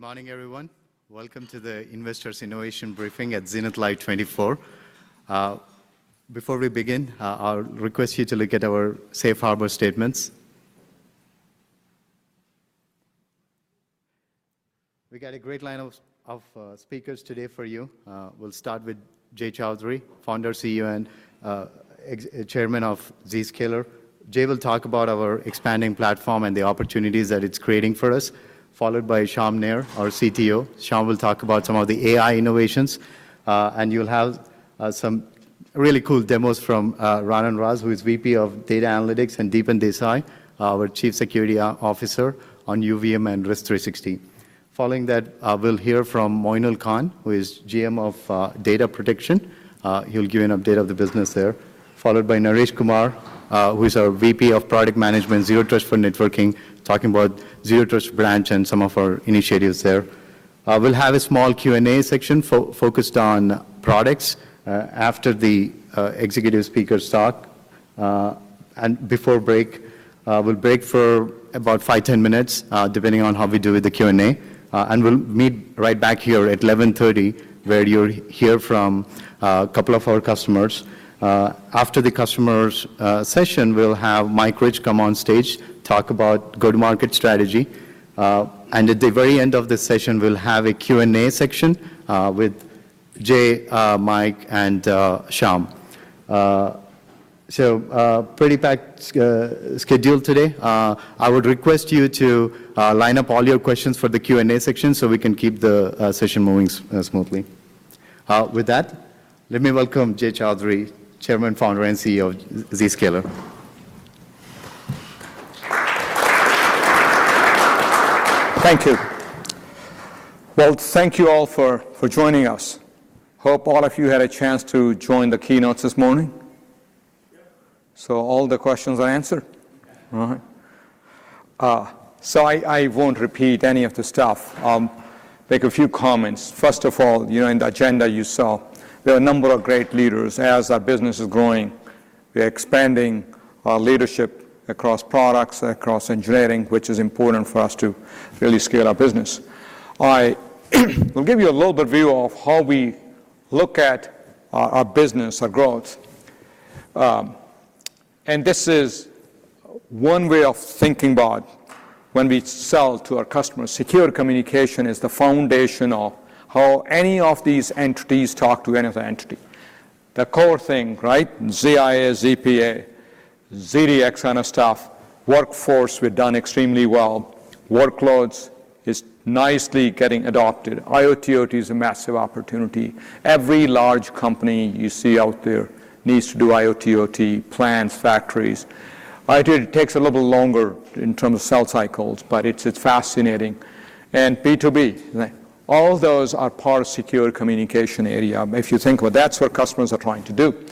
Good morning, everyone. Welcome to the Investors' Innovation Briefing at Zenith Live 2024. Before we begin, I'll request you to look at our Safe Harbor statements. We got a great line of speakers today for you. We'll start with Jay Chaudhry, founder, CEO, and Chairman of Zscaler. Jay will talk about our expanding platform and the opportunities that it's creating for us, followed by Syam Nair, our CTO. Syam will talk about some of the AI innovations, and you'll have some really cool demos from Raanan Raz, who is VP of Data Analytics, and Deepen Desai, our Chief Security Officer on UVM and Risk360. Following that, we'll hear from Moinul Khan, who is GM of Data Protection. He'll give you an update of the business there, followed by Naresh Kumar, who is our VP of Product Management, Zero Trust for Networking, talking about Zero Trust Branch and some of our initiatives there. We'll have a small Q&A section focused on products after the executive speakers talk. Before break, we'll break for about five to 10 minutes, depending on how we do with the Q&A. We'll meet right back here at 11:30 A.M., where you'll hear from a couple of our customers. After the customers' session, we'll have Mike Rich come on stage, talk about go-to-market strategy. At the very end of the session, we'll have a Q&A section with Jay, Mike, and Syam. Pretty packed schedule today. I would request you to line up all your questions for the Q&A section so we can keep the session moving smoothly. With that, let me welcome Jay Chaudhry, Chairman, Founder, and CEO of Zscaler. Thank you. Well, thank you all for joining us. Hope all of you had a chance to join the keynotes this morning. So all the questions are answered? All right. So I won't repeat any of the stuff. Make a few comments. First of all, in the agenda you saw, there are a number of great leaders. As our business is growing, we're expanding our leadership across products, across engineering, which is important for us to really scale our business. I'll give you a little bit of a view of how we look at our business, our growth. And this is one way of thinking about when we sell to our customers. Secure communication is the foundation of how any of these entities talk to any of the entities. The core thing, right? ZIA, ZPA, ZDX, and the staff workforce we've done extremely well. Workloads are nicely getting adopted. IoT is a massive opportunity. Every large company you see out there needs to do IoT, IIoT plants, factories. IoT takes a little longer in terms of sales cycles, but it's fascinating. B2B, all those are part of the secure communication area. If you think about it, that's what customers are trying to do.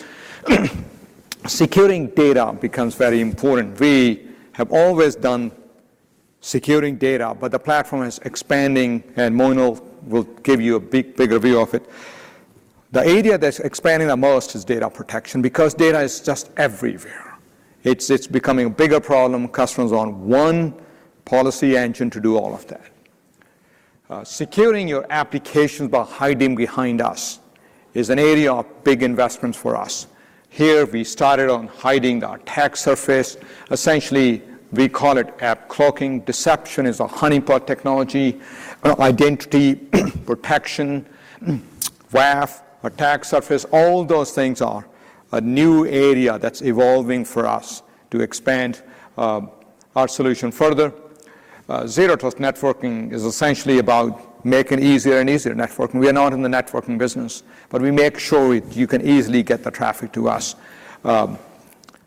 Securing data becomes very important. We have always done securing data, but the platform is expanding, and Moinul will give you a bigger view of it. The area that's expanding the most is data protection because data is just everywhere. It's becoming a bigger problem. Customers want one policy engine to do all of that. Securing your applications by hiding behind us is an area of big investments for us. Here, we started on hiding our attack surface. Essentially, we call it app cloaking. Deception is a honeypot technology. Identity Protection, WAF, attack surface, all those things are a new area that's evolving for us to expand our solution further. Zero Trust Networking is essentially about making it easier and easier networking. We are not in the networking business, but we make sure you can easily get the traffic to us.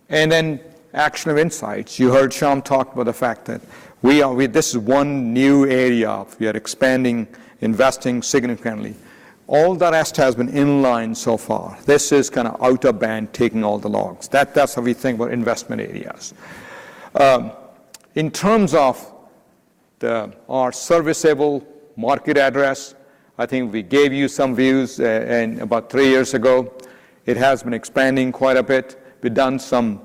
Then actionable insights. You heard Syam talk about the fact that this is one new area we are expanding, investing significantly. All the rest has been inline so far. This is kind of out-of-band, taking all the logs. That's how we think about investment areas. In terms of our serviceable addressable market, I think we gave you some views about three years ago. It has been expanding quite a bit. We've done some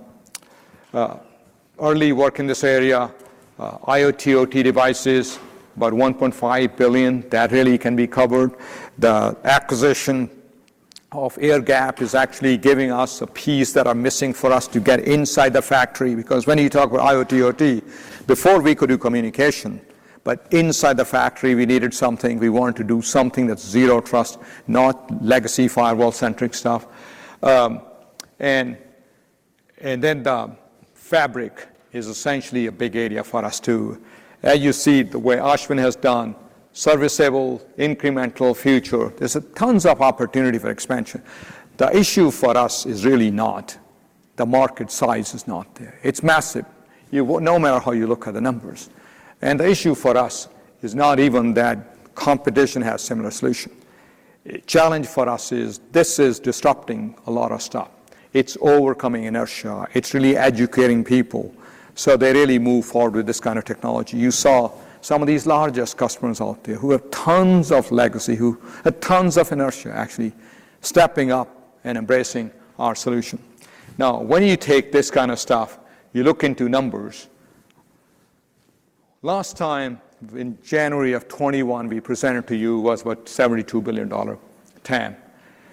early work in this area. IoT devices, about 1.5 billion. That really can be covered. The acquisition of Airgap is actually giving us a piece that is missing for us to get inside the factory because when you talk about IoT, IIoT, before we could do communication, but inside the factory, we needed something. We wanted to do something that's Zero Trust, not legacy firewall-centric stuff. And then the fabric is essentially a big area for us too. As you see, the way Ashwin has done, serviceable, incremental future, there's tons of opportunity for expansion. The issue for us is really not the market size is not there. It's massive, no matter how you look at the numbers. And the issue for us is not even that competition has a similar solution. The challenge for us is this is disrupting a lot of stuff. It's overcoming inertia. It's really educating people so they really move forward with this kind of technology. You saw some of these largest customers out there who have tons of legacy, who have tons of inertia, actually stepping up and embracing our solution. Now, when you take this kind of stuff, you look into numbers. Last time in January of 2021, we presented to you was about $72 billion TAM.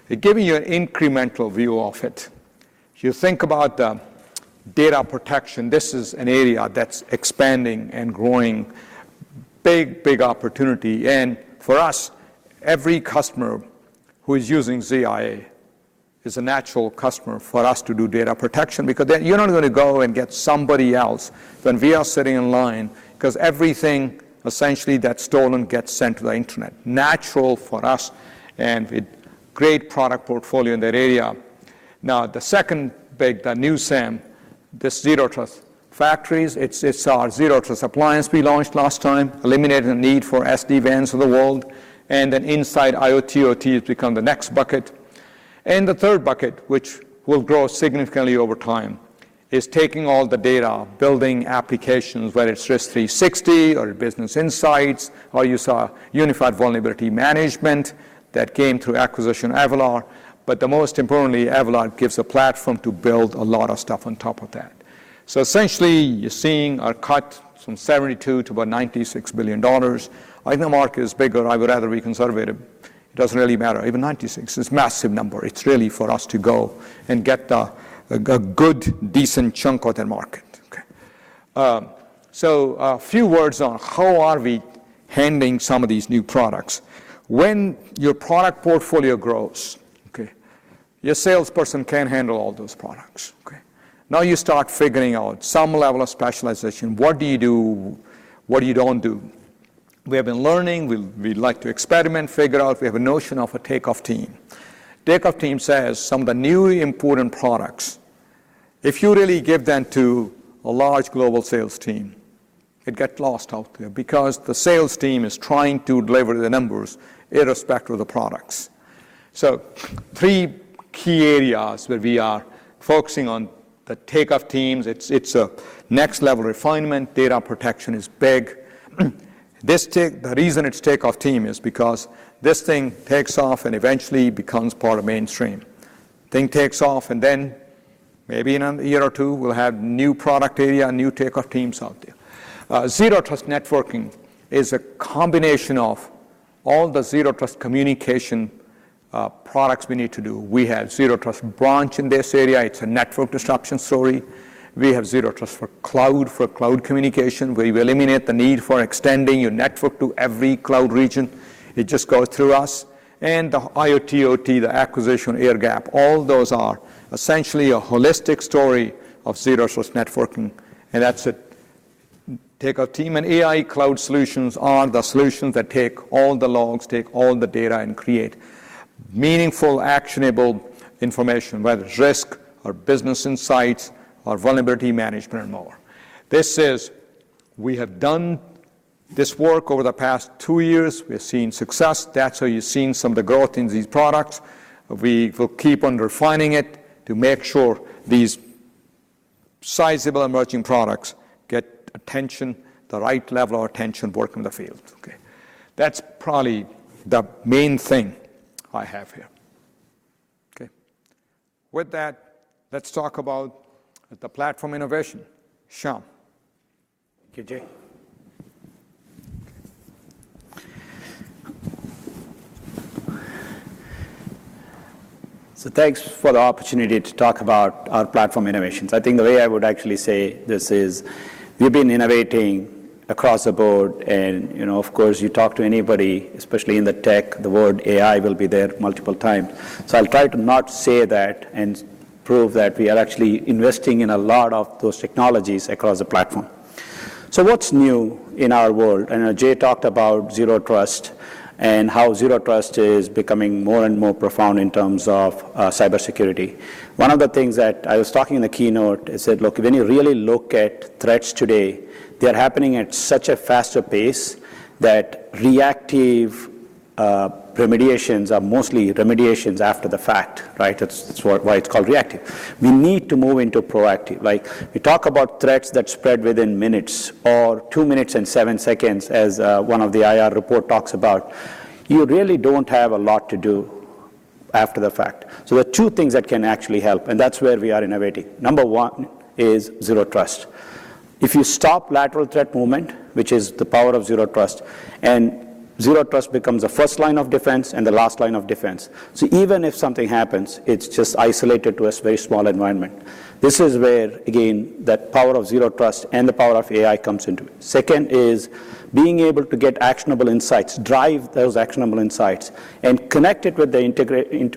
It gave you an incremental view of it. You think about the data protection. This is an area that's expanding and growing. Big, big opportunity. And for us, every customer who is using ZIA is a natural customer for us to do data protection because then you're not going to go and get somebody else when we are sitting in line because everything essentially that's stolen gets sent to the internet. Natural for us and with great product portfolio in that area. Now, the second big, the new SAM, the Zero Trust factories, it's our Zero Trust appliance we launched last time, eliminating the need for SD-WANs of the world. And then inside IoT, IIoT has become the next bucket. And the third bucket, which will grow significantly over time, is taking all the data, building applications, whether it's Risk360 or Business Insights, or Unified Vulnerability Management that came through acquisition of Avalor. But the most importantly, Avalor gives a platform to build a lot of stuff on top of that. So essentially, you're seeing our cut from $72 billion to about $96 billion. I think the market is bigger. I would rather be conservative. It doesn't really matter. Even $96 billion is a massive number. It's really for us to go and get a good, decent chunk of the market. So a few words on how are we handling some of these new products. When your product portfolio grows, your salesperson can handle all those products. Now you start figuring out some level of specialization. What do you do? What do you don't do? We have been learning. We'd like to experiment, figure out. We have a notion of a Takeoff Team. Takeoff Team says some of the new important products, if you really give them to a large global sales team, it gets lost out there because the sales team is trying to deliver the numbers irrespective of the products. So three key areas where we are focusing on the Takeoff Teams. It's a next-level refinement. Data protection is big. The reason it's Takeoff Team is because this thing takes off and eventually becomes part of mainstream. thing takes off, and then maybe in a year or two, we'll have new product area, new Takeoff Teams out there. Zero Trust Networking is a combination of all the Zero Trust communication products we need to do. We have Zero Trust Branch in this area. It's a network disruption story. We have Zero Trust for Cloud, for cloud communication. We eliminate the need for extending your network to every cloud region. It just goes through us. And the IoT, IIoT, the acquisition, Airgap, all those are essentially a holistic story of Zero Trust Networking. And that's it. Takeoff Team and AI cloud solutions are the solutions that take all the logs, take all the data, and create meaningful, actionable information, whether it's risk or Business Insights or Vulnerability Management and more. This is we have done this work over the past two years. We've seen success. That's how you've seen some of the growth in these products. We will keep on refining it to make sure these sizable emerging products get attention, the right level of attention working in the field. That's probably the main thing I have here. With that, let's talk about the platform innovation. Syam. Thank you, Jay. So thanks for the opportunity to talk about our platform innovations. I think the way I would actually say this is we've been innovating across the board. And of course, you talk to anybody, especially in the tech, the word AI will be there multiple times. So I'll try to not say that and prove that we are actually investing in a lot of those technologies across the platform. So what's new in our world? I know Jay talked about Zero Trust and how Zero Trust is becoming more and more profound in terms of cybersecurity. One of the things that I was talking in the keynote, I said, look, when you really look at threats today, they are happening at such a faster pace that reactive remediations are mostly remediations after the fact. That's why it's called reactive. We need to move into proactive. We talk about threats that spread within two minutes and seven seconds, as one of the IR report talks about. You really don't have a lot to do after the fact. So there are two things that can actually help, and that's where we are innovating. Number one, is Zero Trust. If you stop lateral threat movement, which is the power of Zero Trust, and Zero Trust becomes the first line of defense and the last line of defense. So even if something happens, it's just isolated to a very small environment. This is where, again, that power of Zero Trust and the power of AI comes into it. Second is being able to get actionable insights, drive those actionable insights, and connect it with the integrated,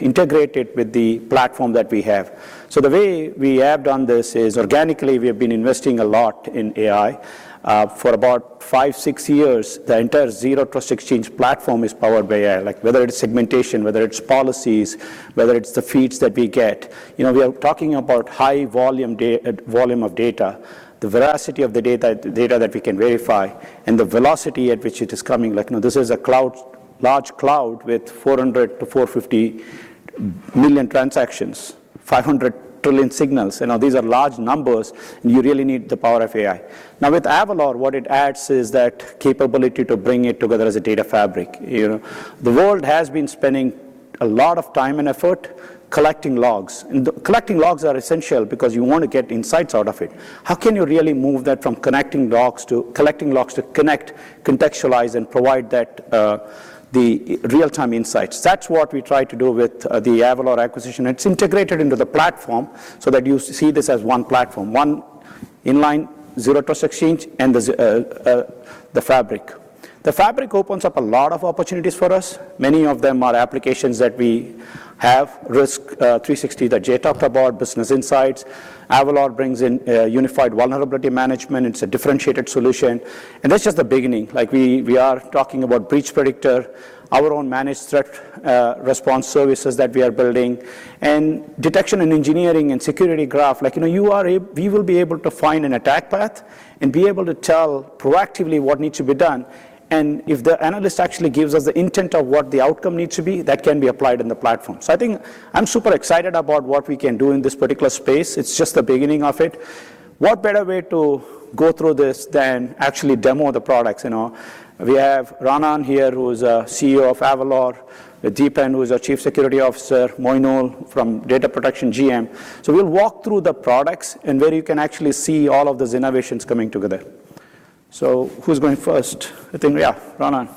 integrate it with the platform that we have. So the way we have done this is organically, we have been investing a lot in AI. For about five to six years, the entire Zero Trust Exchange platform is powered by AI. Whether it's segmentation, whether it's policies, whether it's the feeds that we get, we are talking about high volume of data, the veracity of the data that we can verify, and the velocity at which it is coming. This is a large cloud with 400-450 million transactions, 500 trillion signals. These are large numbers, and you really need the power of AI. Now, with Avalor, what it adds is that capability to bring it together as a data fabric. The world has been spending a lot of time and effort collecting logs. Collecting logs are essential because you want to get insights out of it. How can you really move that from collecting logs to connect, contextualize, and provide the real-time insights? That's what we try to do with the Avalor acquisition. It's integrated into the platform so that you see this as one platform, one inline Zero Trust Exchange and the fabric. The fabric opens up a lot of opportunities for us. Many of them are applications that we have, Risk360 that Jay talked about, Business Insights. Avalor brings in Unified Vulnerability Management. It's a differentiated solution. This is just the beginning. We are talking about Breach Predictor, our own managed threat response services that we are building, and detection and engineering and security graph. We will be able to find an attack path and be able to tell proactively what needs to be done. If the analyst actually gives us the intent of what the outcome needs to be, that can be applied in the platform. So I think I'm super excited about what we can do in this particular space. It's just the beginning of it. What better way to go through this than actually demo the products? We have Raanan here, who is a CEO of Avalor, Deepen, who is our Chief Security Officer, Moinul from Data Protection GM. So we'll walk through the products and where you can actually see all of those innovations coming together. So who's going first? I think, yeah, Raanan.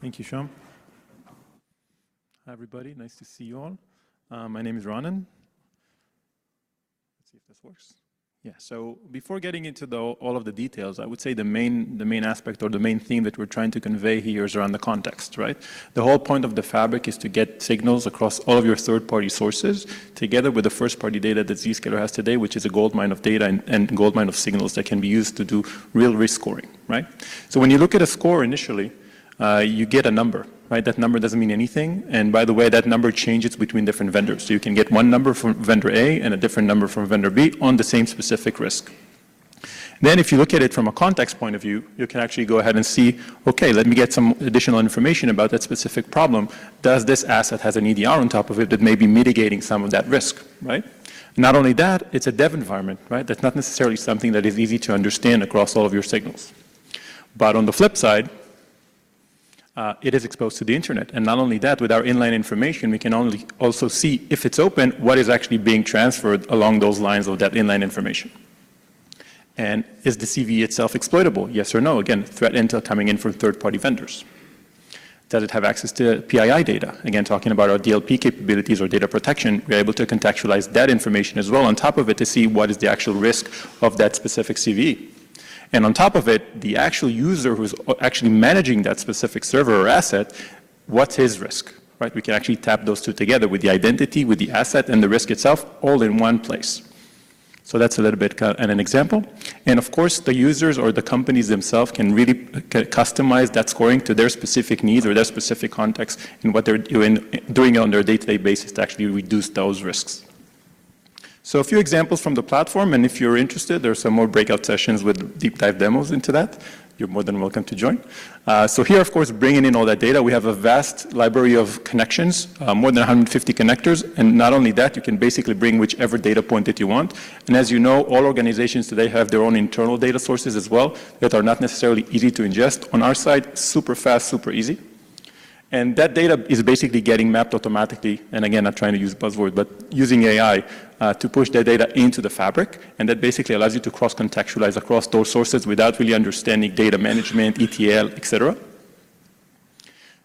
Thank you, Syam. Hi, everybody. Nice to see you all. My name is Raanan. Let's see if this works. Yeah. So before getting into all of the details, I would say the main aspect or the main theme that we're trying to convey here is around the context. The whole point of the fabric is to get signals across all of your third-party sources together with the first-party data that Zscaler has today, which is a gold mine of data and a gold mine of signals that can be used to do real risk scoring. So when you look at a score initially, you get a number. That number doesn't mean anything. And by the way, that number changes between different vendors. So you can get one number from vendor A and a different number from vendor B on the same specific risk. Then if you look at it from a context point of view, you can actually go ahead and see, okay, let me get some additional information about that specific problem. Does this asset have an EDR on top of it that may be mitigating some of that risk? Not only that, it's a dev environment. That's not necessarily something that is easy to understand across all of your signals. But on the flip side, it is exposed to the internet. And not only that, with our inline information, we can also see if it's open, what is actually being transferred along those lines of that inline information. And is the CVE itself exploitable? Yes or no? Again, threat intel coming in from third-party vendors. Does it have access to PII data? Again, talking about our DLP capabilities or data protection, we're able to contextualize that information as well on top of it to see what is the actual risk of that specific CVE. And on top of it, the actual user who's actually managing that specific server or asset, what's his risk? We can actually tap those two together with the identity, with the asset, and the risk itself all in one place. So that's a little bit and an example. And of course, the users or the companies themselves can really customize that scoring to their specific needs or their specific context in what they're doing on their day-to-day basis to actually reduce those risks. So a few examples from the platform. And if you're interested, there are some more breakout sessions with deep-dive demos into that. You're more than welcome to join. So here, of course, bringing in all that data, we have a vast library of connections, more than 150 connectors. And not only that, you can basically bring whichever data point that you want. And as you know, all organizations today have their own internal data sources as well that are not necessarily easy to ingest. On our side, super fast, super easy. And that data is basically getting mapped automatically. And again, I'm trying to use a buzzword, but using AI to push that data into the fabric. And that basically allows you to cross-contextualize across those sources without really understanding data management, ETL, et cetera.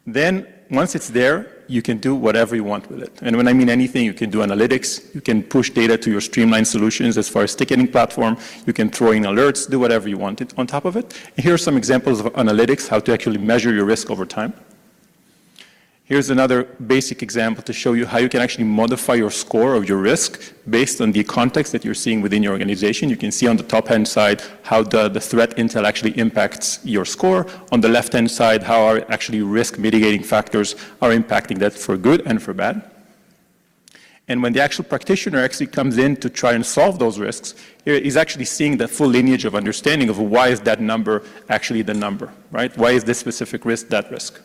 Then once it's there, you can do whatever you want with it. And when I mean anything, you can do analytics. You can push data to your streamlined solutions as far as ticketing platform. You can throw in alerts, do whatever you want on top of it. Here are some examples of analytics, how to actually measure your risk over time. Here's another basic example to show you how you can actually modify your score of your risk based on the context that you're seeing within your organization. You can see on the top-hand side how the threat intel actually impacts your score. On the left-hand side, how are actually risk mitigating factors impacting that for good and for bad. When the actual practitioner actually comes in to try and solve those risks, he is actually seeing the full lineage of understanding of why is that number actually the number? Why is this specific risk that risk?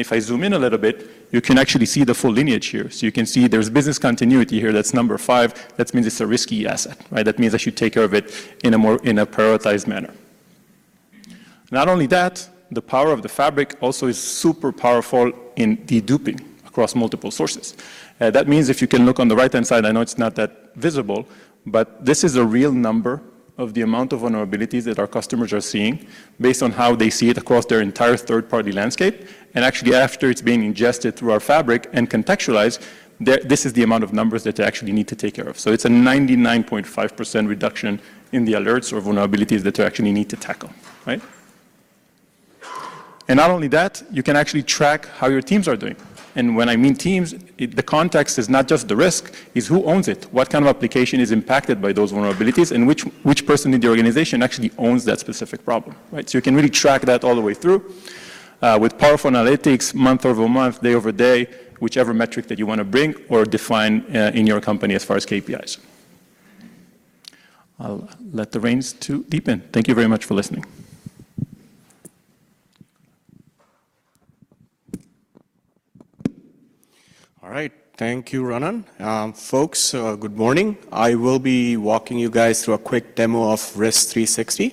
If I zoom in a little bit, you can actually see the full lineage here. You can see there's business continuity here. That's number five. That means it's a risky asset. That means I should take care of it in a prioritized manner. Not only that, the power of the fabric also is super powerful in deduping across multiple sources. That means if you can look on the right-hand side, I know it's not that visible, but this is a real number of the amount of vulnerabilities that our customers are seeing based on how they see it across their entire third-party landscape. And actually, after it's being ingested through our fabric and contextualized, this is the amount of numbers that they actually need to take care of. So it's a 99.5% reduction in the alerts or vulnerabilities that they actually need to tackle. And not only that, you can actually track how your teams are doing. When I mean teams, the context is not just the risk, it's who owns it, what kind of application is impacted by those vulnerabilities, and which person in the organization actually owns that specific problem. So you can really track that all the way through with powerful analytics, month-over-month, day-over-day, whichever metric that you want to bring or define in your company as far as KPIs. I'll let the reins to Deepen. Thank you very much for listening. All right. Thank you, Raanan. Folks, good morning. I will be walking you guys through a quick demo of Risk360.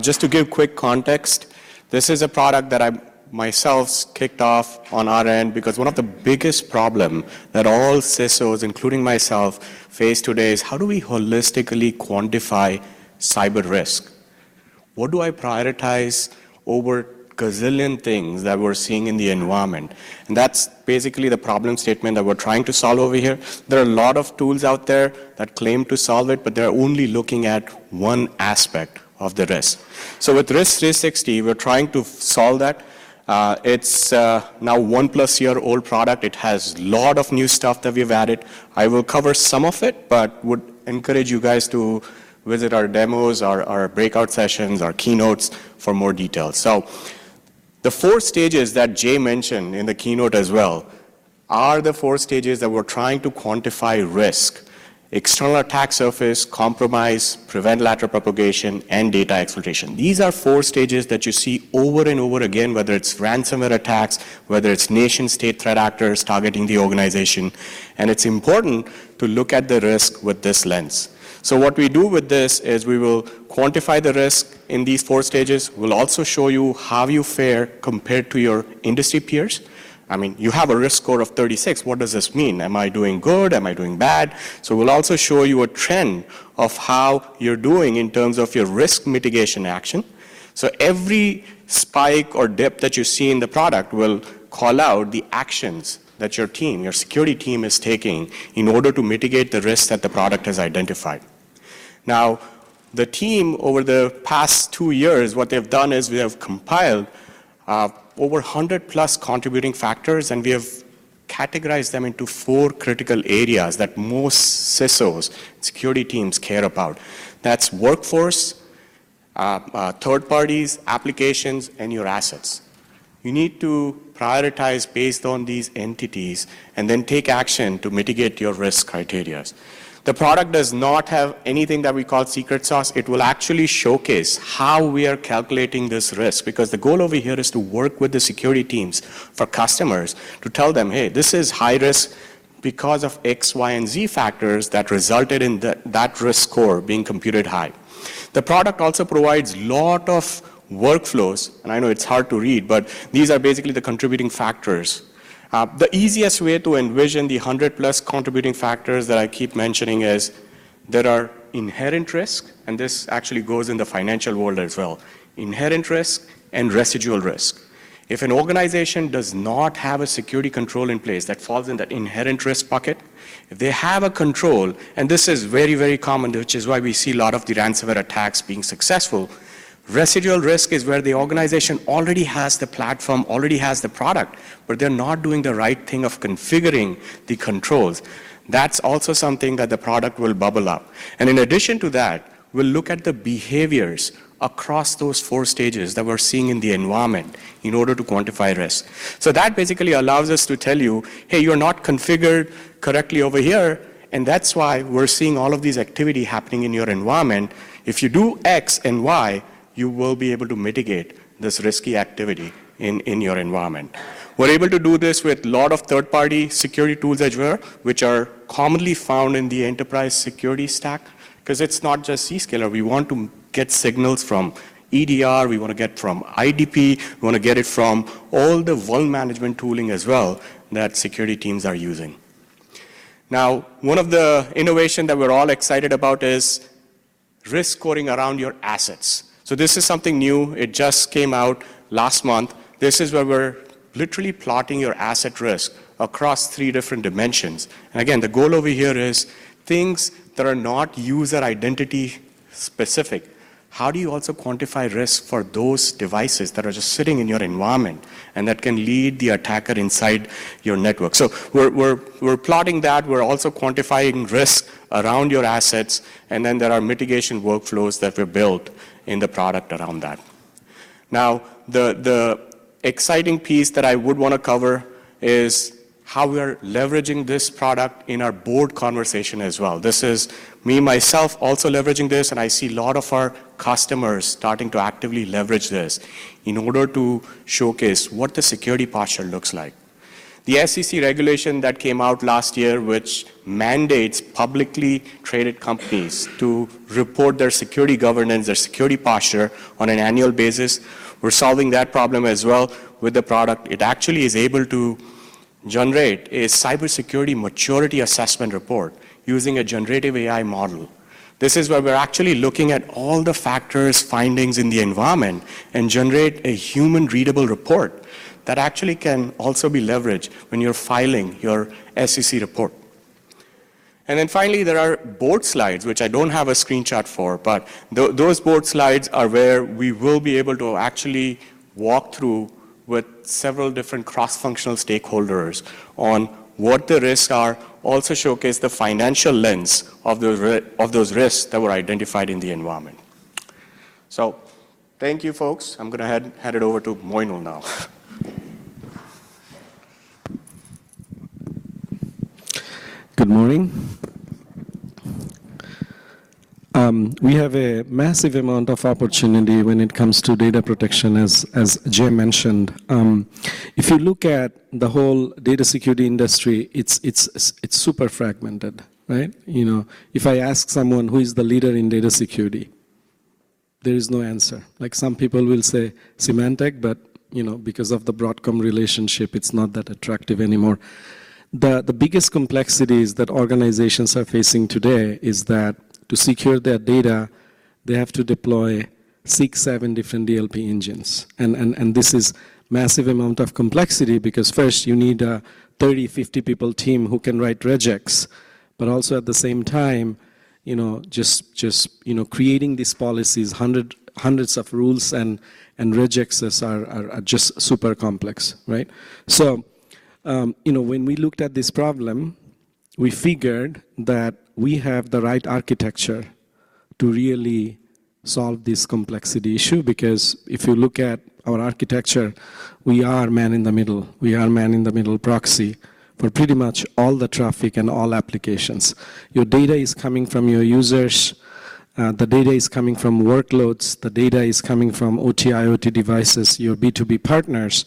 Just to give quick context, this is a product that I myself kicked off on our end because one of the biggest problems that all CISOs, including myself, face today is how do we holistically quantify cyber risk? What do I prioritize over gazillion things that we're seeing in the environment? That's basically the problem statement that we're trying to solve over here. There are a lot of tools out there that claim to solve it, but they're only looking at one aspect of the risk. So with Risk360, we're trying to solve that. It's now 1+-year-old product. It has a lot of new stuff that we've added. I will cover some of it, but would encourage you guys to visit our demos, our breakout sessions, our keynotes for more detail. So the four stages that Jay mentioned in the keynote as well are the four stages that we're trying to quantify risk: external attack surface, compromise, prevent lateral propagation, and data exploitation. These are four stages that you see over and over again, whether it's ransomware attacks, whether it's nation-state threat actors targeting the organization. And it's important to look at the risk with this lens. So what we do with this is we will quantify the risk in these four stages. We'll also show you how you fare compared to your industry peers. I mean, you have a risk score of 36. What does this mean? Am I doing good? Am I doing bad? So we'll also show you a trend of how you're doing in terms of your risk mitigation action. Every spike or dip that you see in the product will call out the actions that your team, your security team, is taking in order to mitigate the risks that the product has identified. Now, the team over the past 2 years, what they've done is we have compiled over 100+ contributing factors, and we have categorized them into four critical areas that most CISOs and security teams care about. That's workforce, third parties, applications, and your assets. You need to prioritize based on these entities and then take action to mitigate your risk criteria. The product does not have anything that we call secret sauce. It will actually showcase how we are calculating this risk because the goal over here is to work with the security teams for customers to tell them, "Hey, this is high risk because of X, Y, and Z factors that resulted in that risk score being computed high." The product also provides a lot of workflows. I know it's hard to read, but these are basically the contributing factors. The easiest way to envision the 100+ contributing factors that I keep mentioning is there are inherent risk, and this actually goes in the financial world as well. Inherent risk and residual risk. If an organization does not have a security control in place that falls in that inherent risk bucket, if they have a control, and this is very, very common, which is why we see a lot of the ransomware attacks being successful, residual risk is where the organization already has the platform, already has the product, but they're not doing the right thing of configuring the controls. That's also something that the product will bubble up. And in addition to that, we'll look at the behaviors across those four stages that we're seeing in the environment in order to quantify risk. So that basically allows us to tell you, "Hey, you're not configured correctly over here, and that's why we're seeing all of these activity happening in your environment. If you do X and Y, you will be able to mitigate this risky activity in your environment." We're able to do this with a lot of third-party security tools as well, which are commonly found in the enterprise security stack because it's not just Zscaler. We want to get signals from EDR. We want to get from IdP. We want to get it from all the vulnerability management tooling as well that security teams are using. Now, one of the innovations that we're all excited about is risk scoring around your assets. So this is something new. It just came out last month. This is where we're literally plotting your asset risk across three different dimensions. And again, the goal over here is things that are not user identity specific. How do you also quantify risk for those devices that are just sitting in your environment and that can lead the attacker inside your network? So we're plotting that. We're also quantifying risk around your assets. And then there are mitigation workflows that were built in the product around that. Now, the exciting piece that I would want to cover is how we are leveraging this product in our board conversation as well. This is me myself also leveraging this, and I see a lot of our customers starting to actively leverage this in order to showcase what the security posture looks like. The SEC regulation that came out last year, which mandates publicly traded companies to report their security governance, their security posture on an annual basis, we're solving that problem as well with the product. It actually is able to generate a cybersecurity maturity assessment report using a generative AI model. This is where we're actually looking at all the factors findings in the environment and generate a human-readable report that actually can also be leveraged when you're filing your SEC report. And then finally, there are board slides, which I don't have a screenshot for, but those board slides are where we will be able to actually walk through with several different cross-functional stakeholders on what the risks are, also showcase the financial lens of those risks that were identified in the environment. So thank you, folks. I'm going to head it over to Moinul now. Good morning. We have a massive amount of opportunity when it comes to data protection, as Jay mentioned. If you look at the whole data security industry, it's super fragmented. If I ask someone, "Who is the leader in data security?" There is no answer. Some people will say Symantec, but because of the Broadcom relationship, it's not that attractive anymore. The biggest complexities that organizations are facing today is that to secure their data, they have to deploy six, seven different DLP engines. And this is a massive amount of complexity because first, you need a 30-, 50-person team who can write regex, but also at the same time, just creating these policies, hundreds of rules and regexes are just super complex. So when we looked at this problem, we figured that we have the right architecture to really solve this complexity issue because if you look at our architecture, we are man-in-the-middle. We are man-in-the-middle proxy for pretty much all the traffic and all applications. Your data is coming from your users. The data is coming from workloads. The data is coming from OT, IoT devices, your B2B partners.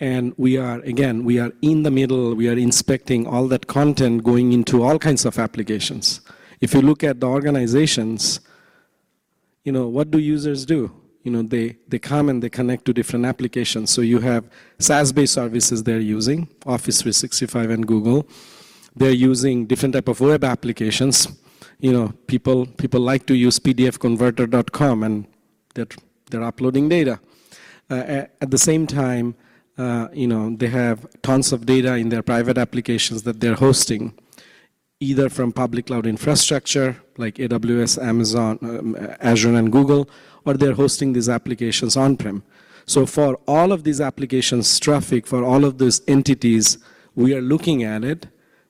And again, we are in the middle. We are inspecting all that content going into all kinds of applications. If you look at the organizations, what do users do? They come and they connect to different applications. So you have SaaS-based services they're using, Office 365 and Google. They're using different types of web applications. People like to use pdfconverter.com, and they're uploading data. At the same time, they have tons of data in their private applications that they're hosting either from public cloud infrastructure like AWS, Amazon, Azure, and Google, or they're hosting these applications on-prem. So for all of these applications' traffic, for all of those entities, we are looking at it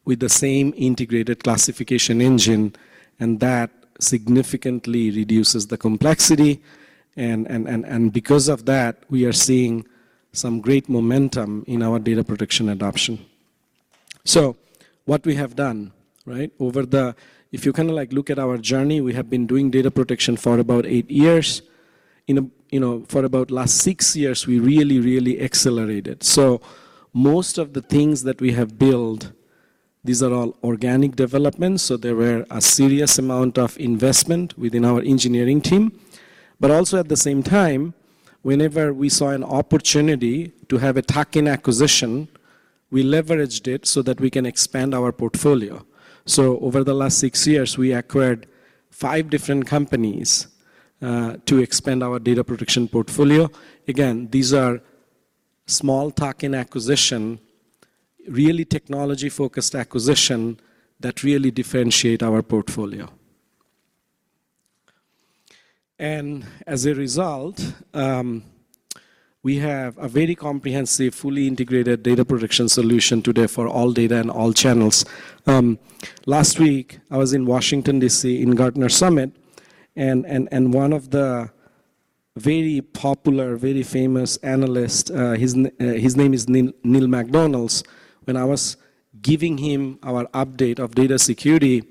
with the same integrated classification engine, and that significantly reduces the complexity. And because of that, we are seeing some great momentum in our data protection adoption. So what we have done over the, if you kind of look at our journey, we have been doing data protection for about 8 years. For about the last 6 years, we really, really accelerated. So most of the things that we have built, these are all organic developments. So there were a serious amount of investment within our engineering team. But also at the same time, whenever we saw an opportunity to have a tuck-in acquisition, we leveraged it so that we can expand our portfolio. So over the last six years, we acquired five different companies to expand our data protection portfolio. Again, these are small tuck-in acquisitions, really technology-focused acquisitions that really differentiate our portfolio. And as a result, we have a very comprehensive, fully integrated data protection solution today for all data and all channels. Last week, I was in Washington, D.C., at the Gartner Summit, and one of the very popular, very famous analysts, his name is Neil MacDonald, when I was giving him our update of data security,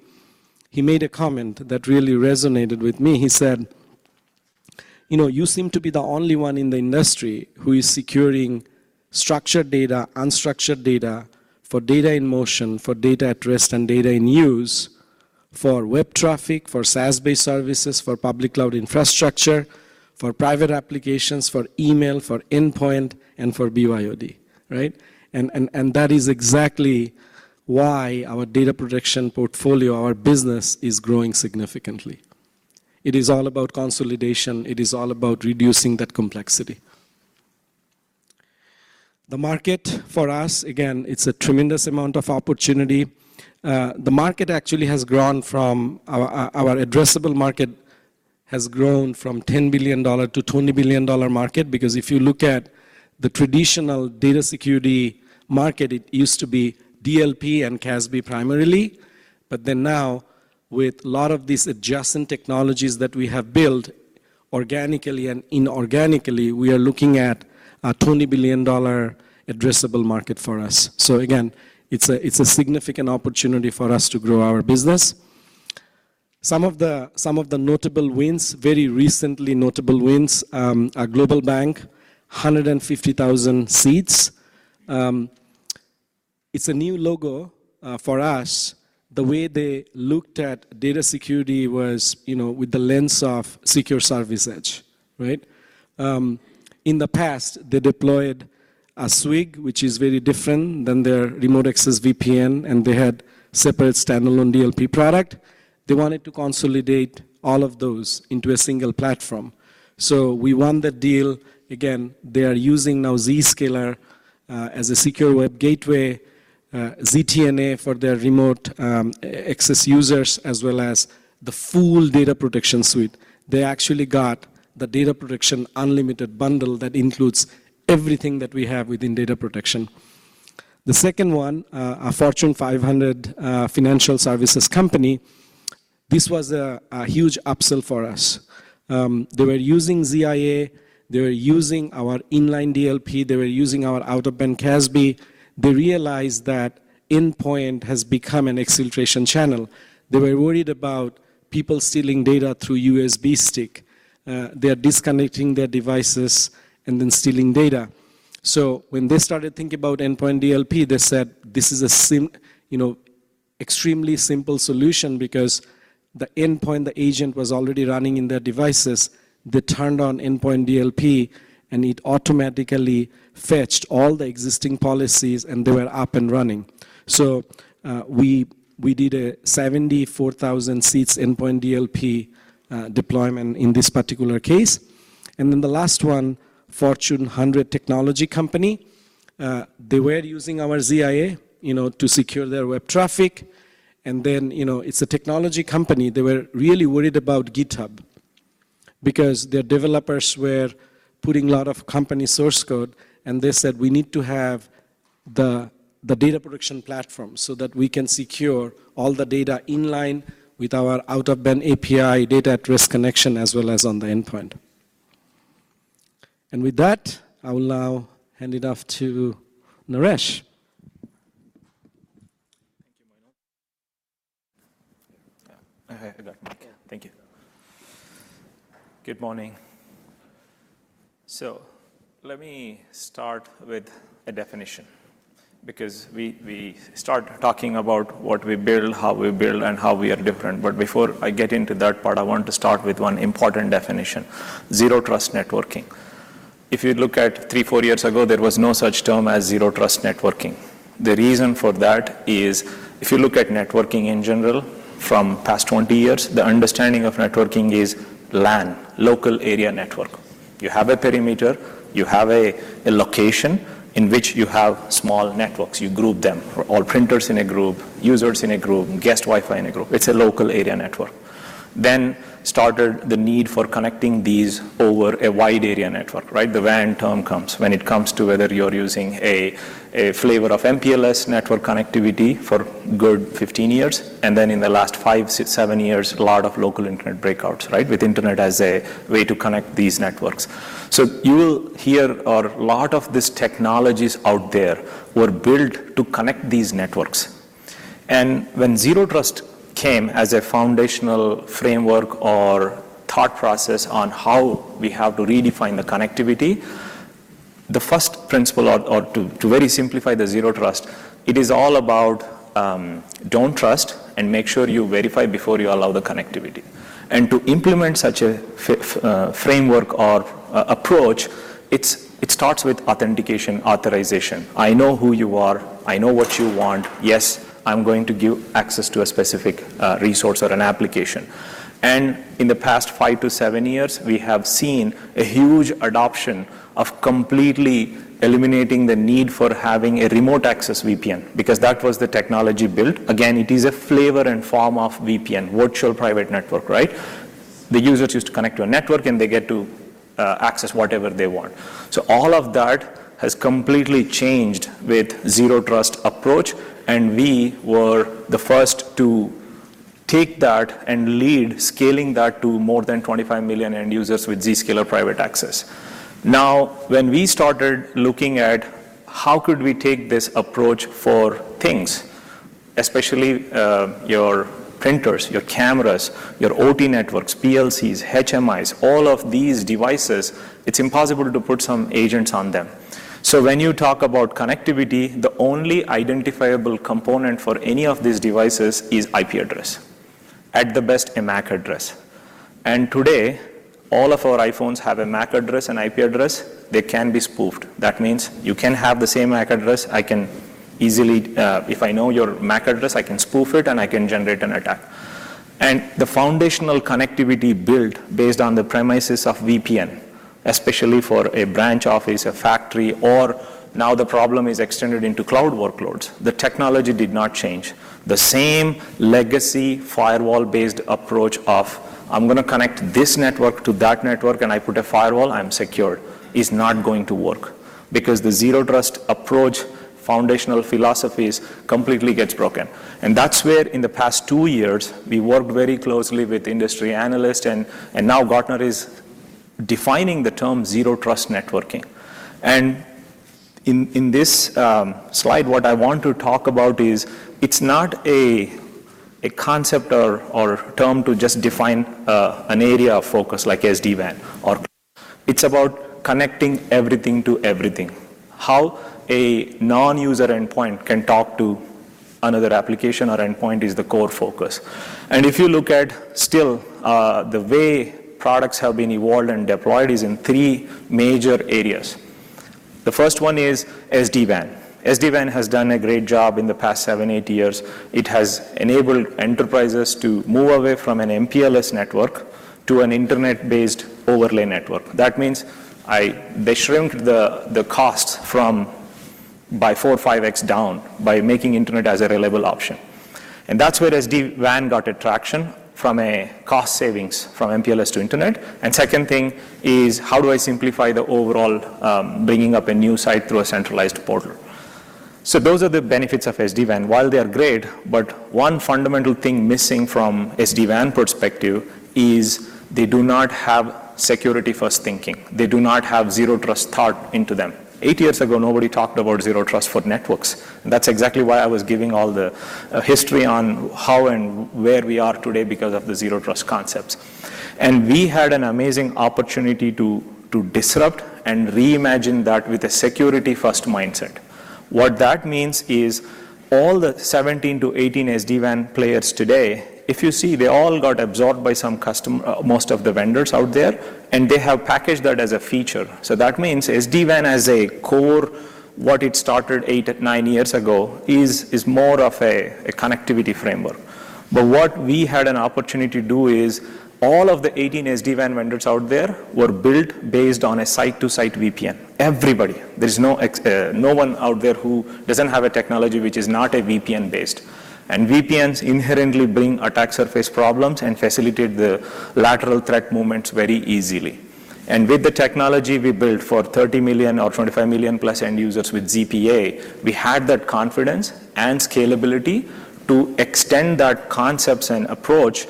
he made a comment that really resonated with me. He said, "You seem to be the only one in the industry who is securing structured data, unstructured data, for data in motion, for data at rest and data in use, for web traffic, for SaaS-based services, for public cloud infrastructure, for private applications, for email, for endpoint, and for BYOD." That is exactly why our data protection portfolio, our business, is growing significantly. It is all about consolidation. It is all about reducing that complexity. The market for us, again, it's a tremendous amount of opportunity. The market actually, our addressable market has grown from $10 billion-$20 billion market because if you look at the traditional data security market, it used to be DLP and CASB primarily. But then now, with a lot of these adjacent technologies that we have built organically and inorganically, we are looking at a $20 billion addressable market for us. So again, it's a significant opportunity for us to grow our business. Some of the notable wins, very recently notable wins, a global bank, 150,000 seats. It's a new logo for us. The way they looked at data security was with the lens of secure services. In the past, they deployed a SWG, which is very different than their remote access VPN, and they had separate standalone DLP product. They wanted to consolidate all of those into a single platform. So we won the deal. Again, they are using now Zscaler as a secure web gateway, ZTNA for their remote access users, as well as the full data protection suite. They actually got the Data Protection Unlimited bundle that includes everything that we have within data protection. The second one, a Fortune 500 financial services company, this was a huge upsell for us. They were using ZIA. They were using our inline DLP. They were using our out-of-band CASB. They realized that endpoint has become an exfiltration channel. They were worried about people stealing data through USB stick. They are disconnecting their devices and then stealing data. So when they started thinking about endpoint DLP, they said, "This is an extremely simple solution because the endpoint, the agent was already running in their devices. They turned on endpoint DLP, and it automatically fetched all the existing policies, and they were up and running." So we did a 74,000 seats endpoint DLP deployment in this particular case. And then the last one, Fortune 100 technology company. They were using our ZIA to secure their web traffic. Then it's a technology company. They were really worried about GitHub because their developers were putting a lot of company source code. And they said, "We need to have the data protection platform so that we can secure all the data inline with our out-of-band API data risk detection as well as on the endpoint." With that, I will now hand it off to Naresh. Hey, Moinul. Thank you. Good morning. So let me start with a definition because we start talking about what we build, how we build, and how we are different. But before I get into that part, I want to start with one important definition, Zero Trust networking. If you look at three to four years ago, there was no such term as Zero Trust networking. The reason for that is if you look at networking in general from past 20 years, the understanding of networking is LAN, local area network. You have a perimeter. You have a location in which you have small networks. You group them. All printers in a group, users in a group, guest Wi-Fi in a group. It's a local area network. Then started the need for connecting these over a wide area network. The WAN term comes when it comes to whether you're using a flavor of MPLS network connectivity for good 15 years. Then in the last five, seven years, a lot of local internet breakouts with internet as a way to connect these networks. So you will hear a lot of these technologies out there were built to connect these networks. And when Zero Trust came as a foundational framework or thought process on how we have to redefine the connectivity, the first principle or to very simplify the Zero Trust, it is all about don't trust and make sure you verify before you allow the connectivity. And to implement such a framework or approach, it starts with authentication, authorization. I know who you are. I know what you want. Yes, I'm going to give access to a specific resource or an application. In the past five to seven years, we have seen a huge adoption of completely eliminating the need for having a remote access VPN because that was the technology built. Again, it is a flavor and form of VPN, virtual private network. The users used to connect to a network, and they get to access whatever they want. So all of that has completely changed with Zero Trust approach. And we were the first to take that and lead scaling that to more than 25 million end users with Zscaler Private Access. Now, when we started looking at how could we take this approach for things, especially your printers, your cameras, your OT networks, PLCs, HMIs, all of these devices, it's impossible to put some agents on them. So when you talk about connectivity, the only identifiable component for any of these devices is IP address, at the best, a MAC address. And today, all of our iPhones have a MAC address and IP address. They can be spoofed. That means you can have the same MAC address. If I know your MAC address, I can spoof it, and I can generate an attack. And the foundational connectivity built based on the premises of VPN, especially for a branch office, a factory, or now the problem is extended into cloud workloads, the technology did not change. The same legacy firewall-based approach of, "I'm going to connect this network to that network, and I put a firewall, I'm secured," is not going to work because the Zero Trust approach foundational philosophy completely gets broken. And that's where, in the past two years, we worked very closely with industry analysts. Now Gartner is defining the term Zero Trust Networking. In this slide, what I want to talk about is it's not a concept or term to just define an area of focus like SD-WAN or. It's about connecting everything to everything. How a non-user endpoint can talk to another application or endpoint is the core focus. If you look at still, the way products have been evolved and deployed is in three major areas. The first one is SD-WAN. SD-WAN has done a great job in the past seven, eight years. It has enabled enterprises to move away from an MPLS network to an internet-based overlay network. That means they shrunk the costs by 4-5x down by making internet as a reliable option. And that's where SD-WAN got traction from a cost savings from MPLS to internet. Second thing is, how do I simplify the overall bringing up a new site through a centralized portal? So those are the benefits of SD-WAN. While they are great, but one fundamental thing missing from SD-WAN perspective is they do not have security-first thinking. They do not have Zero Trust thought into them. 8 years ago, nobody talked about Zero Trust for networks. That's exactly why I was giving all the history on how and where we are today because of the Zero Trust concepts. And we had an amazing opportunity to disrupt and reimagine that with a security-first mindset. What that means is all the 17-18 SD-WAN players today, if you see, they all got absorbed by some customer, most of the vendors out there, and they have packaged that as a feature. So that means SD-WAN as a core, what it started 8-9 years ago, is more of a connectivity framework. But what we had an opportunity to do is all of the 18 SD-WAN vendors out there were built based on a site-to-site VPN. Everybody. There is no one out there who doesn't have a technology which is not a VPN-based. And VPNs inherently bring attack surface problems and facilitate the lateral threat movements very easily. And with the technology we built for 30 million or 25 million+ end users with ZPA, we had that confidence and scalability to extend that concepts and approach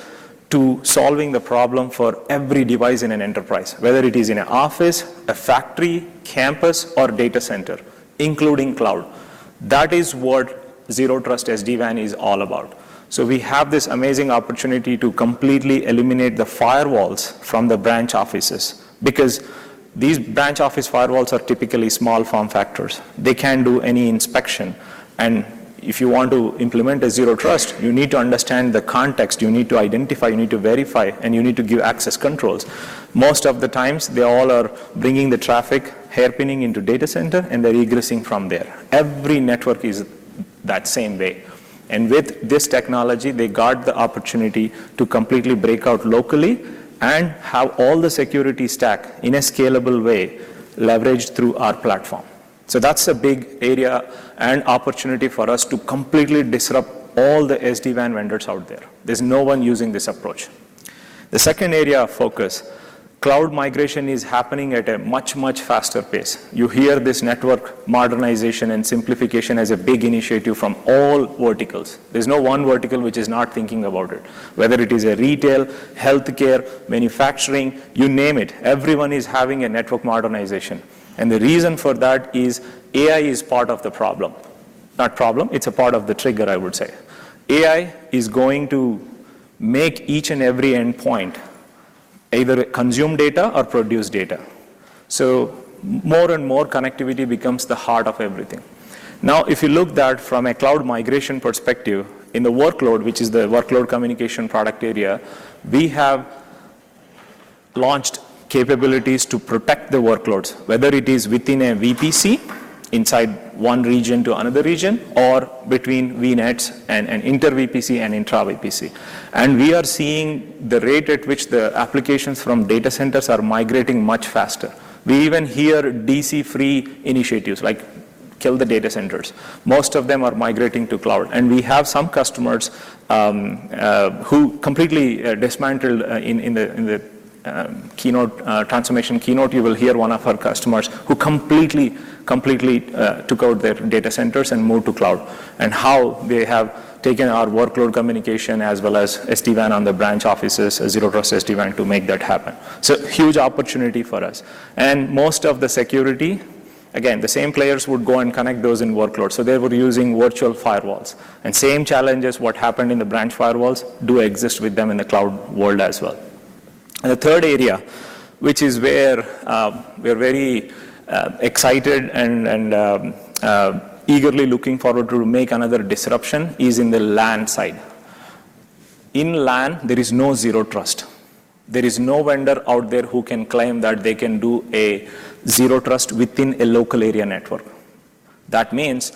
to solving the problem for every device in an enterprise, whether it is in an office, a factory, campus, or data center, including cloud. That is what Zero Trust SD-WAN is all about. So we have this amazing opportunity to completely eliminate the firewalls from the branch offices because these branch office firewalls are typically small form factors. They can't do any inspection. And if you want to implement a Zero Trust, you need to understand the context. You need to identify. You need to verify. And you need to give access controls. Most of the times, they all are bringing the traffic, hairpinning into data center, and they're egressing from there. Every network is that same way. And with this technology, they got the opportunity to completely break out locally and have all the security stack in a scalable way leveraged through our platform. So that's a big area and opportunity for us to completely disrupt all the SD-WAN vendors out there. There's no one using this approach. The second area of focus, cloud migration is happening at a much, much faster pace. You hear this network modernization and simplification as a big initiative from all verticals. There's no one vertical which is not thinking about it, whether it is retail, healthcare, manufacturing, you name it. Everyone is having a network modernization. The reason for that is AI is part of the problem. Not problem. It's a part of the trigger, I would say. AI is going to make each and every endpoint either consume data or produce data. So more and more connectivity becomes the heart of everything. Now, if you look at that from a cloud migration perspective in the workload, which is the workload communication product area, we have launched capabilities to protect the workloads, whether it is within a VPC inside one region to another region or between VNets and inter-VPC and intra-VPC. We are seeing the rate at which the applications from data centers are migrating much faster. We even hear DC-free initiatives like kill the data centers. Most of them are migrating to cloud. We have some customers who completely dismantled. In the transformation keynote, you will hear one of our customers who completely took out their data centers and moved to cloud and how they have taken our workload communication as well as SD-WAN on the branch offices, Zero Trust SD-WAN to make that happen. Huge opportunity for us. Most of the security, again, the same players would go and connect those in workloads. They were using virtual firewalls. Same challenges, what happened in the branch firewalls, do exist with them in the cloud world as well. The third area, which is where we are very excited and eagerly looking forward to make another disruption, is in the LAN side. In LAN, there is no Zero Trust. There is no vendor out there who can claim that they can do Zero Trust within a local area network. That means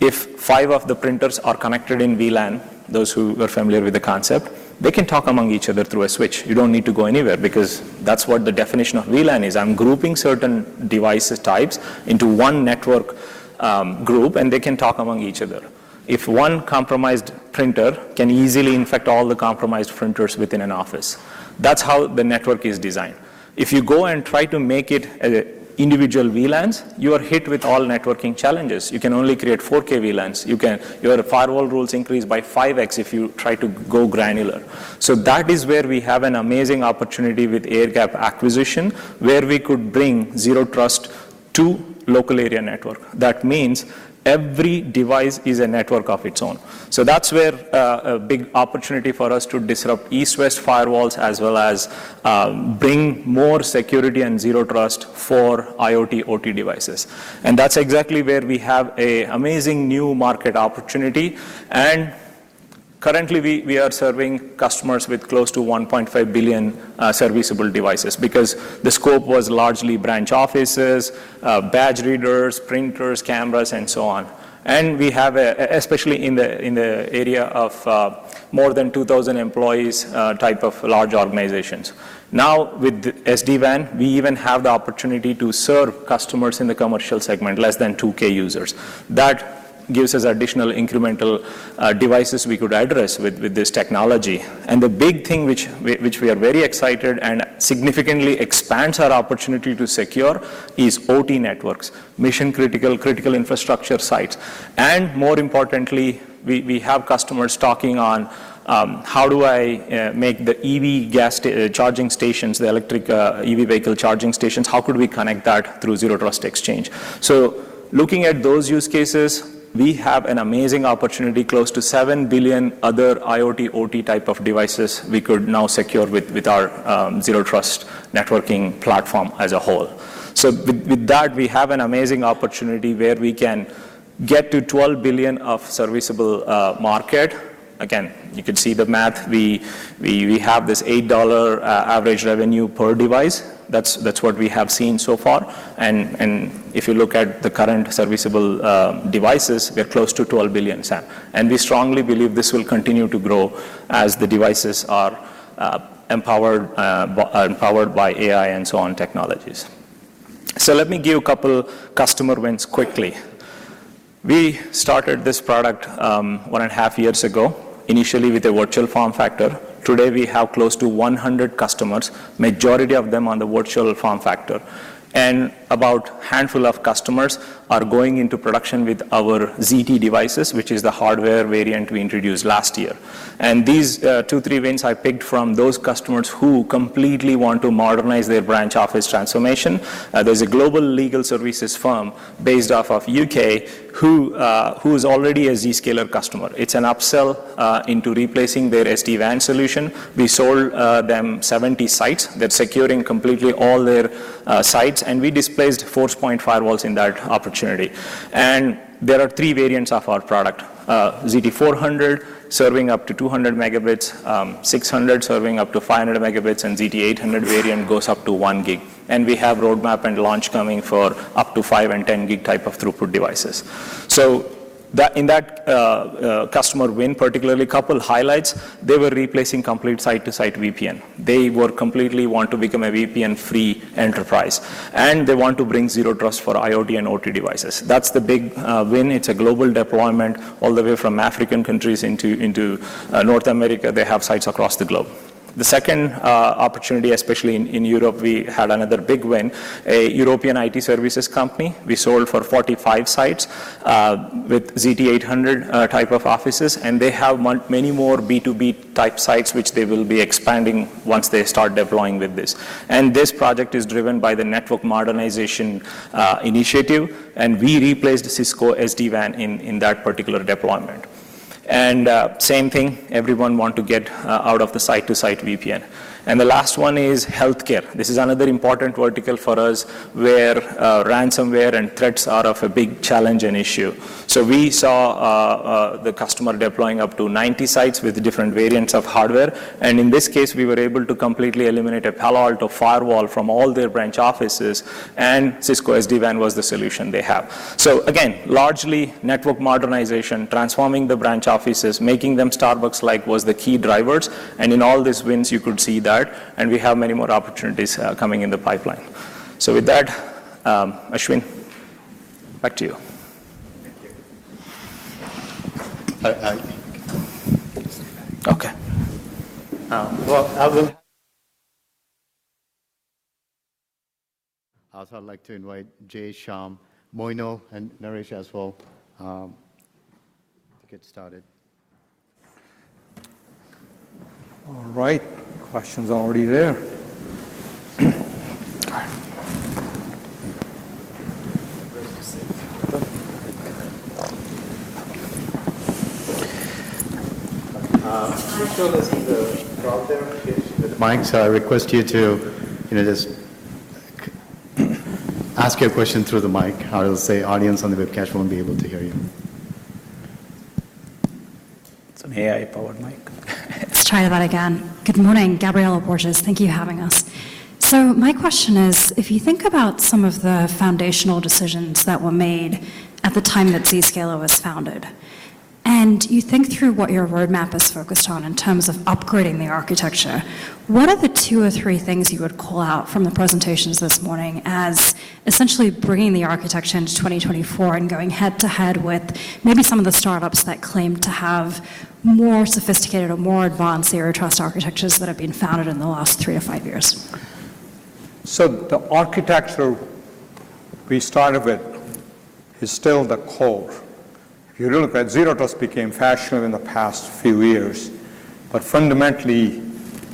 if five of the printers are connected in VLAN, those who are familiar with the concept, they can talk among each other through a switch. You don't need to go anywhere because that's what the definition of VLAN is. I'm grouping certain device types into one network group, and they can talk among each other. If one compromised printer can easily infect all the compromised printers within an office, that's how the network is designed. If you go and try to make it individual VLANs, you are hit with all networking challenges. You can only create 4K VLANs. Your firewall rules increase by 5X if you try to go granular. So that is where we have an amazing opportunity with Airgap acquisition, where we could bring Zero Trust to local area network. That means every device is a network of its own. So that's where a big opportunity for us to disrupt east-west firewalls as well as bring more security and Zero Trust for IoT, OT devices. And that's exactly where we have an amazing new market opportunity. And currently, we are serving customers with close to 1.5 billion serviceable devices because the scope was largely branch offices, badge readers, printers, cameras, and so on. And we have, especially in the area of more than 2,000 employees type of large organizations. Now, with SD-WAN, we even have the opportunity to serve customers in the commercial segment, less than 2K users. That gives us additional incremental devices we could address with this technology. The big thing which we are very excited and significantly expands our opportunity to secure is OT networks, mission-critical, critical infrastructure sites. More importantly, we have customers talking on how do I make the EV fast charging stations, the electric EV vehicle charging stations, how could we connect that through Zero Trust Exchange. Looking at those use cases, we have an amazing opportunity. Close to 7 billion other IoT, OT type of devices we could now secure with our Zero Trust Networking platform as a whole. With that, we have an amazing opportunity where we can get to $12 billion of serviceable market. Again, you can see the math. We have this $8 average revenue per device. That's what we have seen so far. If you look at the current serviceable devices, we're close to $12 billion, SAM. We strongly believe this will continue to grow as the devices are empowered by AI and so on technologies. Let me give a couple of customer wins quickly. We started this product one and a half years ago, initially with a virtual form factor. Today, we have close to 100 customers, majority of them on the virtual form factor. About a handful of customers are going into production with our ZT devices, which is the hardware variant we introduced last year. These two, three wins I picked from those customers who completely want to modernize their branch office transformation. There's a global legal services firm based off of the U.K. who is already a Zscaler customer. It's an upsell into replacing their SD-WAN solution. We sold them 70 sites. They're securing completely all their sites. We displaced four firewalls in that opportunity. There are three variants of our product: ZT400 serving up to 200 Mbps, ZT600 serving up to 500 Mbps, and ZT800 variant goes up to 1 Gbps. We have roadmap and launch coming for up to 5 Gbps and 10 Gbps type of throughput devices. So in that customer win, particularly a couple of highlights, they were replacing complete site-to-site VPN. They completely want to become a VPN-free enterprise. They want to bring Zero Trust for IoT and OT devices. That's the big win. It's a global deployment all the way from African countries into North America. They have sites across the globe. The second opportunity, especially in Europe, we had another big win, a European IT services company. We sold for 45 sites with ZT800 type of offices. They have many more B2B type sites, which they will be expanding once they start deploying with this. This project is driven by the network modernization initiative. We replaced Cisco SD-WAN in that particular deployment. Same thing, everyone wants to get out of the site-to-site VPN. The last one is healthcare. This is another important vertical for us where ransomware and threats are of a big challenge and issue. We saw the customer deploying up to 90 sites with different variants of hardware. In this case, we were able to completely eliminate a Palo Alto firewall from all their branch offices. Cisco SD-WAN was the solution they have. Again, largely network modernization, transforming the branch offices, making them Starbucks-like was the key drivers. In all these wins, you could see that. And we have many more opportunities coming in the pipeline. So with that, Ashwin, back to you. Okay. Well, I would like to invite Jay, Syam, Moinul, and Naresh as well to get started. All right. Questions are already there. Mike, so I request you to just ask your question through the mic. I'll say audience on the webcast won't be able to hear you. It's an AI-powered mic. Let's try that again. Good morning, Gabriela Borges. Thank you for having us. So my question is, if you think about some of the foundational decisions that were made at the time that Zscaler was founded, and you think through what your roadmap is focused on in terms of upgrading the architecture, what are thetwo or three things you would call out from the presentations this morning as essentially bringing the architecture into 2024 and going head to head with maybe some of the startups that claim to have more sophisticated or more advanced Zero Trust architectures that have been founded in the last three to five years? So the architecture we started with is still the core. If you look at Zero Trust, it became fashionable in the past few years. But fundamentally,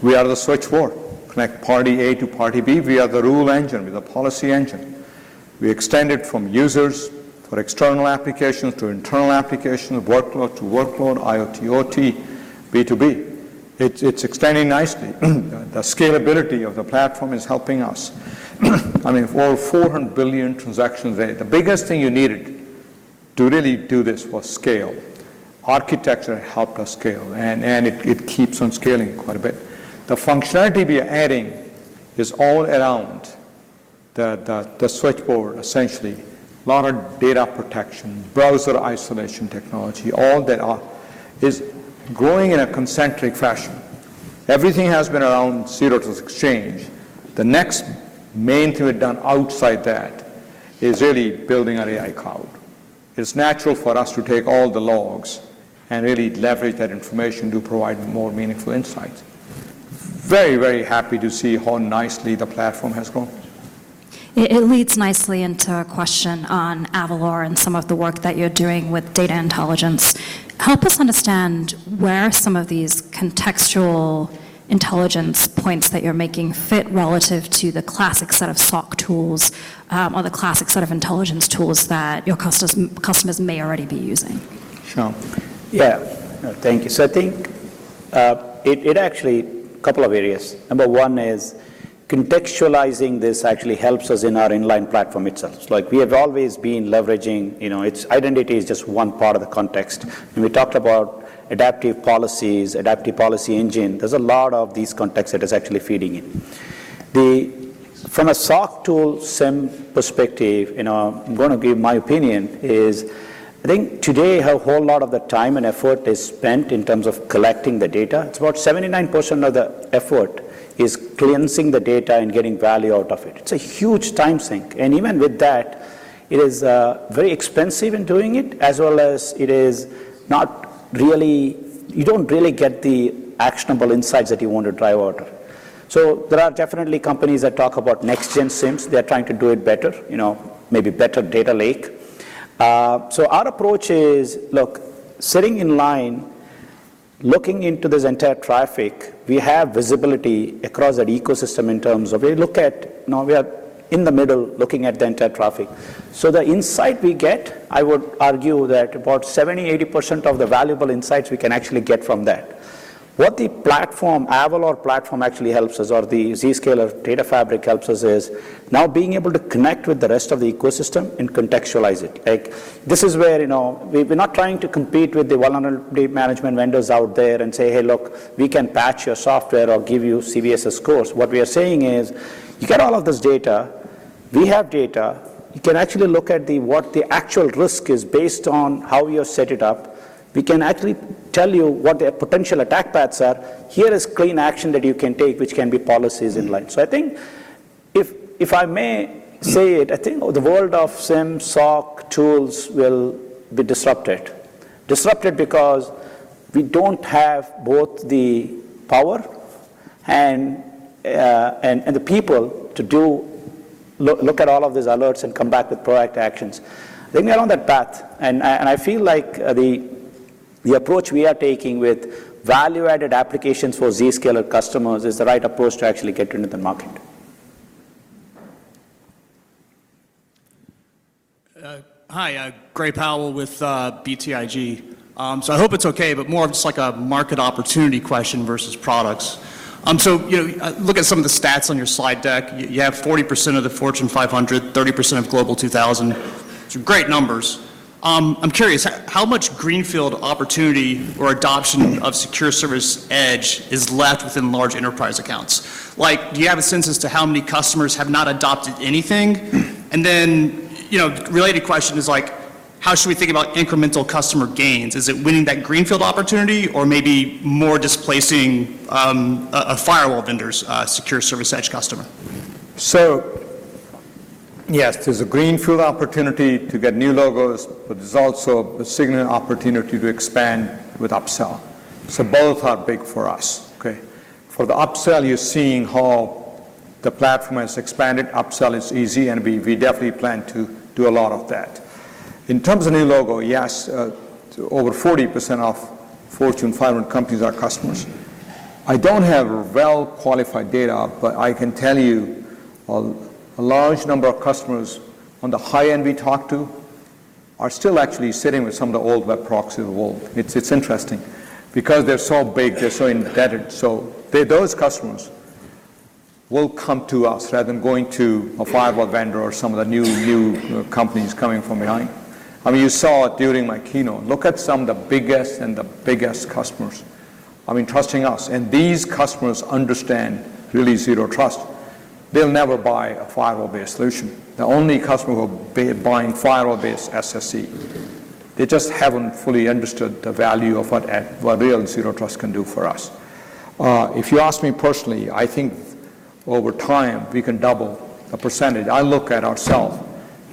we are the switchboard. Connect party A to party B. We are the rule engine. We are the policy engine. We extended from users for external applications to internal applications, workload to workload, IoT, OT, B2B. It's extending nicely. The scalability of the platform is helping us. I mean, over 400 billion transactions a day. The biggest thing you needed to really do this was scale. Architecture helped us scale. It keeps on scaling quite a bit. The functionality we are adding is all around the switchboard, essentially. A lot of data protection, browser isolation technology, all that is growing in a concentric fashion. Everything has been around Zero Trust Exchange. The next main thing we've done outside that is really building an AI cloud. It's natural for us to take all the logs and really leverage that information to provide more meaningful insights. Very, very happy to see how nicely the platform has grown. It leads nicely into a question on Avalor and some of the work that you're doing with data intelligence. Help us understand where some of these contextual intelligence points that you're making fit relative to the classic set of SOC tools or the classic set of intelligence tools that your customers may already be using. Syam. Yeah. Thank you. So I think it actually a couple of areas. Number one is contextualizing this actually helps us in our inline platform itself. We have always been leveraging its identity is just one part of the context. And we talked about adaptive policies, adaptive policy engine. There's a lot of these contexts that are actually feeding in. From a SOC tool perspective, I'm going to give my opinion is I think today a whole lot of the time and effort is spent in terms of collecting the data. It's about 79% of the effort is cleansing the data and getting value out of it. It's a huge time sink. And even with that, it is very expensive in doing it, as well as it is not really you don't really get the actionable insights that you want to drive out. So there are definitely companies that talk about next-gen SIEMs. They're trying to do it better, maybe better data lake. So our approach is, look, sitting inline, looking into this entire traffic, we have visibility across that ecosystem in terms of we look at now we are in the middle looking at the entire traffic. So the insight we get, I would argue that about 70%-80% of the valuable insights we can actually get from that. What the Avalor platform actually helps us or the Zscaler Data Fabric helps us is now being able to connect with the rest of the ecosystem and contextualize it. This is where we're not trying to compete with the vulnerability management vendors out there and say, "Hey, look, we can patch your software or give you CVSS scores." What we are saying is, you get all of this data. We have data. You can actually look at what the actual risk is based on how you're set it up. We can actually tell you what the potential attack paths are. Here is clean action that you can take, which can be policies inline. So I think if I may say it, I think the world of SIEM, SOC tools will be disrupted. Disrupted because we don't have both the power and the people to look at all of these alerts and come back with proactive actions. I think we are on that path. And I feel like the approach we are taking with value-added applications for Zscaler customers is the right approach to actually get into the market. Hi, Gray Powell with BTIG. So I hope it's okay, but more of just like a market opportunity question versus products. So look at some of the stats on your slide deck. You have 40% of the Fortune 500, 30% of Global 2000. Some great numbers. I'm curious, how much greenfield opportunity or adoption of Secure Service Edge is left within large enterprise accounts? Do you have a sense as to how many customers have not adopted anything? And then related question is like, how should we think about incremental customer gains? Is it winning that greenfield opportunity or maybe more displacing firewall vendors, Secure Service Edge customer? So yes, there's a greenfield opportunity to get new logos, but there's also a significant opportunity to expand with upsell. So both are big for us. For the upsell, you're seeing how the platform has expanded. Upsell is easy, and we definitely plan to do a lot of that. In terms of new logo, yes, over 40% of Fortune 500 companies are customers. I don't have well-qualified data, but I can tell you a large number of customers on the high end we talk to are still actually sitting with some of the old web proxies of old. It's interesting because they're so big. They're so embedded. So those customers will come to us rather than going to a firewall vendor or some of the new companies coming from behind. I mean, you saw it during my keynote. Look at some of the biggest and the biggest customers. I mean, trusting us. And these customers understand really Zero Trust. They'll never buy a firewall-based solution. The only customer will be buying firewall-based SSE. They just haven't fully understood the value of what real Zero Trust can do for us. If you ask me personally, I think over time we can double the percentage. I look at ourselves,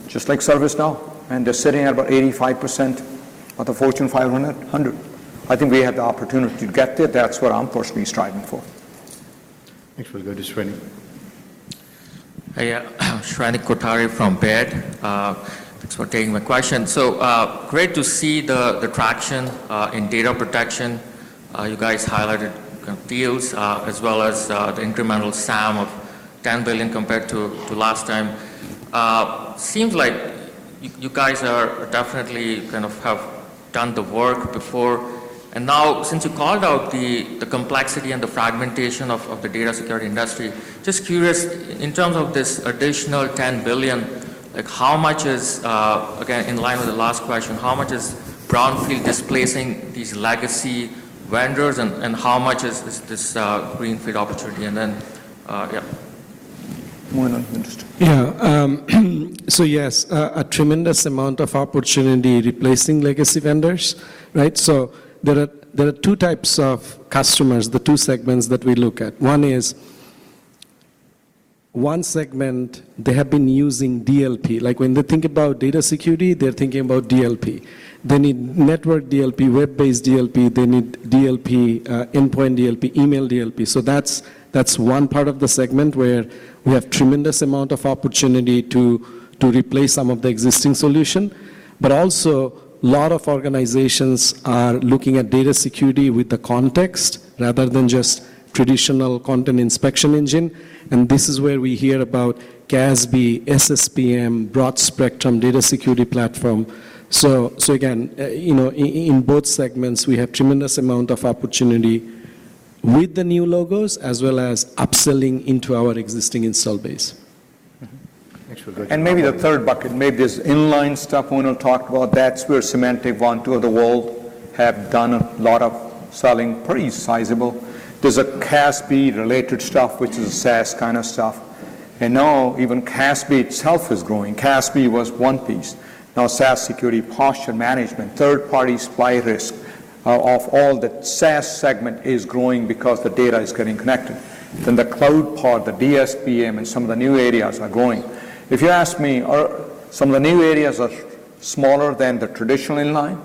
just like ServiceNow, and they're sitting at about 85% of the Fortune 500. I think we have the opportunity to get there. That's what I'm personally striving for. Thanks for the goodness, Gray. Hey, Shrenik Kothari from Baird. Thanks for taking my question. So great to see the traction in data protection. You guys highlighted deals as well as the incremental SAM of $10 billion compared to last time. Seems like you guys definitely have done the work before. Now, since you called out the complexity and the fragmentation of the data security industry, just curious, in terms of this additional $10 billion, how much is, again, in line with the last question, how much is Brownfield displacing these legacy vendors, and how much is this greenfield opportunity? And then, yeah. Yeah. So yes, a tremendous amount of opportunity replacing legacy vendors. So there are two types of customers, the two segments that we look at. One is one segment, they have been using DLP. When they think about data security, they're thinking about DLP. They need network DLP, web-based DLP. They need DLP, endpoint DLP, email DLP. So that's one part of the segment where we have a tremendous amount of opportunity to replace some of the existing solution. But also, a lot of organizations are looking at data security with the context rather than just traditional content inspection engine. And this is where we hear about CASB, SSPM, broad spectrum data security platform. So again, in both segments, we have a tremendous amount of opportunity with the new logos as well as upselling into our existing install base. And maybe the third bucket, maybe this inline stuff Moinul talked about, that's where Symantec Vontu of the world have done a lot of selling, pretty sizable. There's a CASB-related stuff, which is a SaaS kind of stuff. And now even CASB itself is growing. CASB was one piece. Now SaaS security, posture management, third-party supply risk of all the SaaS segment is growing because the data is getting connected. Then the cloud part, the DSPM, and some of the new areas are growing. If you ask me, some of the new areas are smaller than the traditional inline.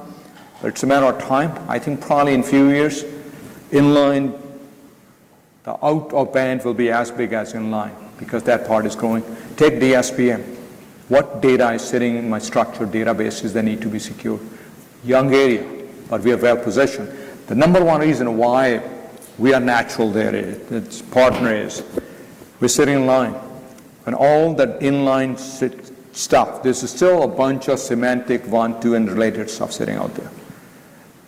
It's a matter of time. I think probably in a few years, inline, the out-of-band will be as big as inline because that part is growing. Take DSPM. What data is sitting in my structured databases that need to be secured? Young area, but we are well-positioned. The number one reason why we are a natural partner there is we're sitting in line. And all that inline stuff, there's still a bunch of Symantec Vontu and related stuff sitting out there.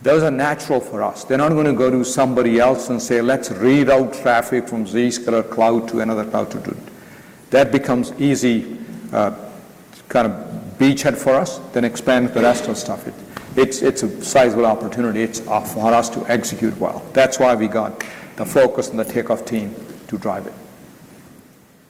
Those are natural for us. They're not going to go to somebody else and say, "Let's read out traffic from Zscaler cloud to another cloud to do it." That becomes easy kind of beachhead for us, then expand the rest of the stuff. It's a sizable opportunity. It's hard for us to execute well. That's why we got the focus and the Takeoff Team to drive it.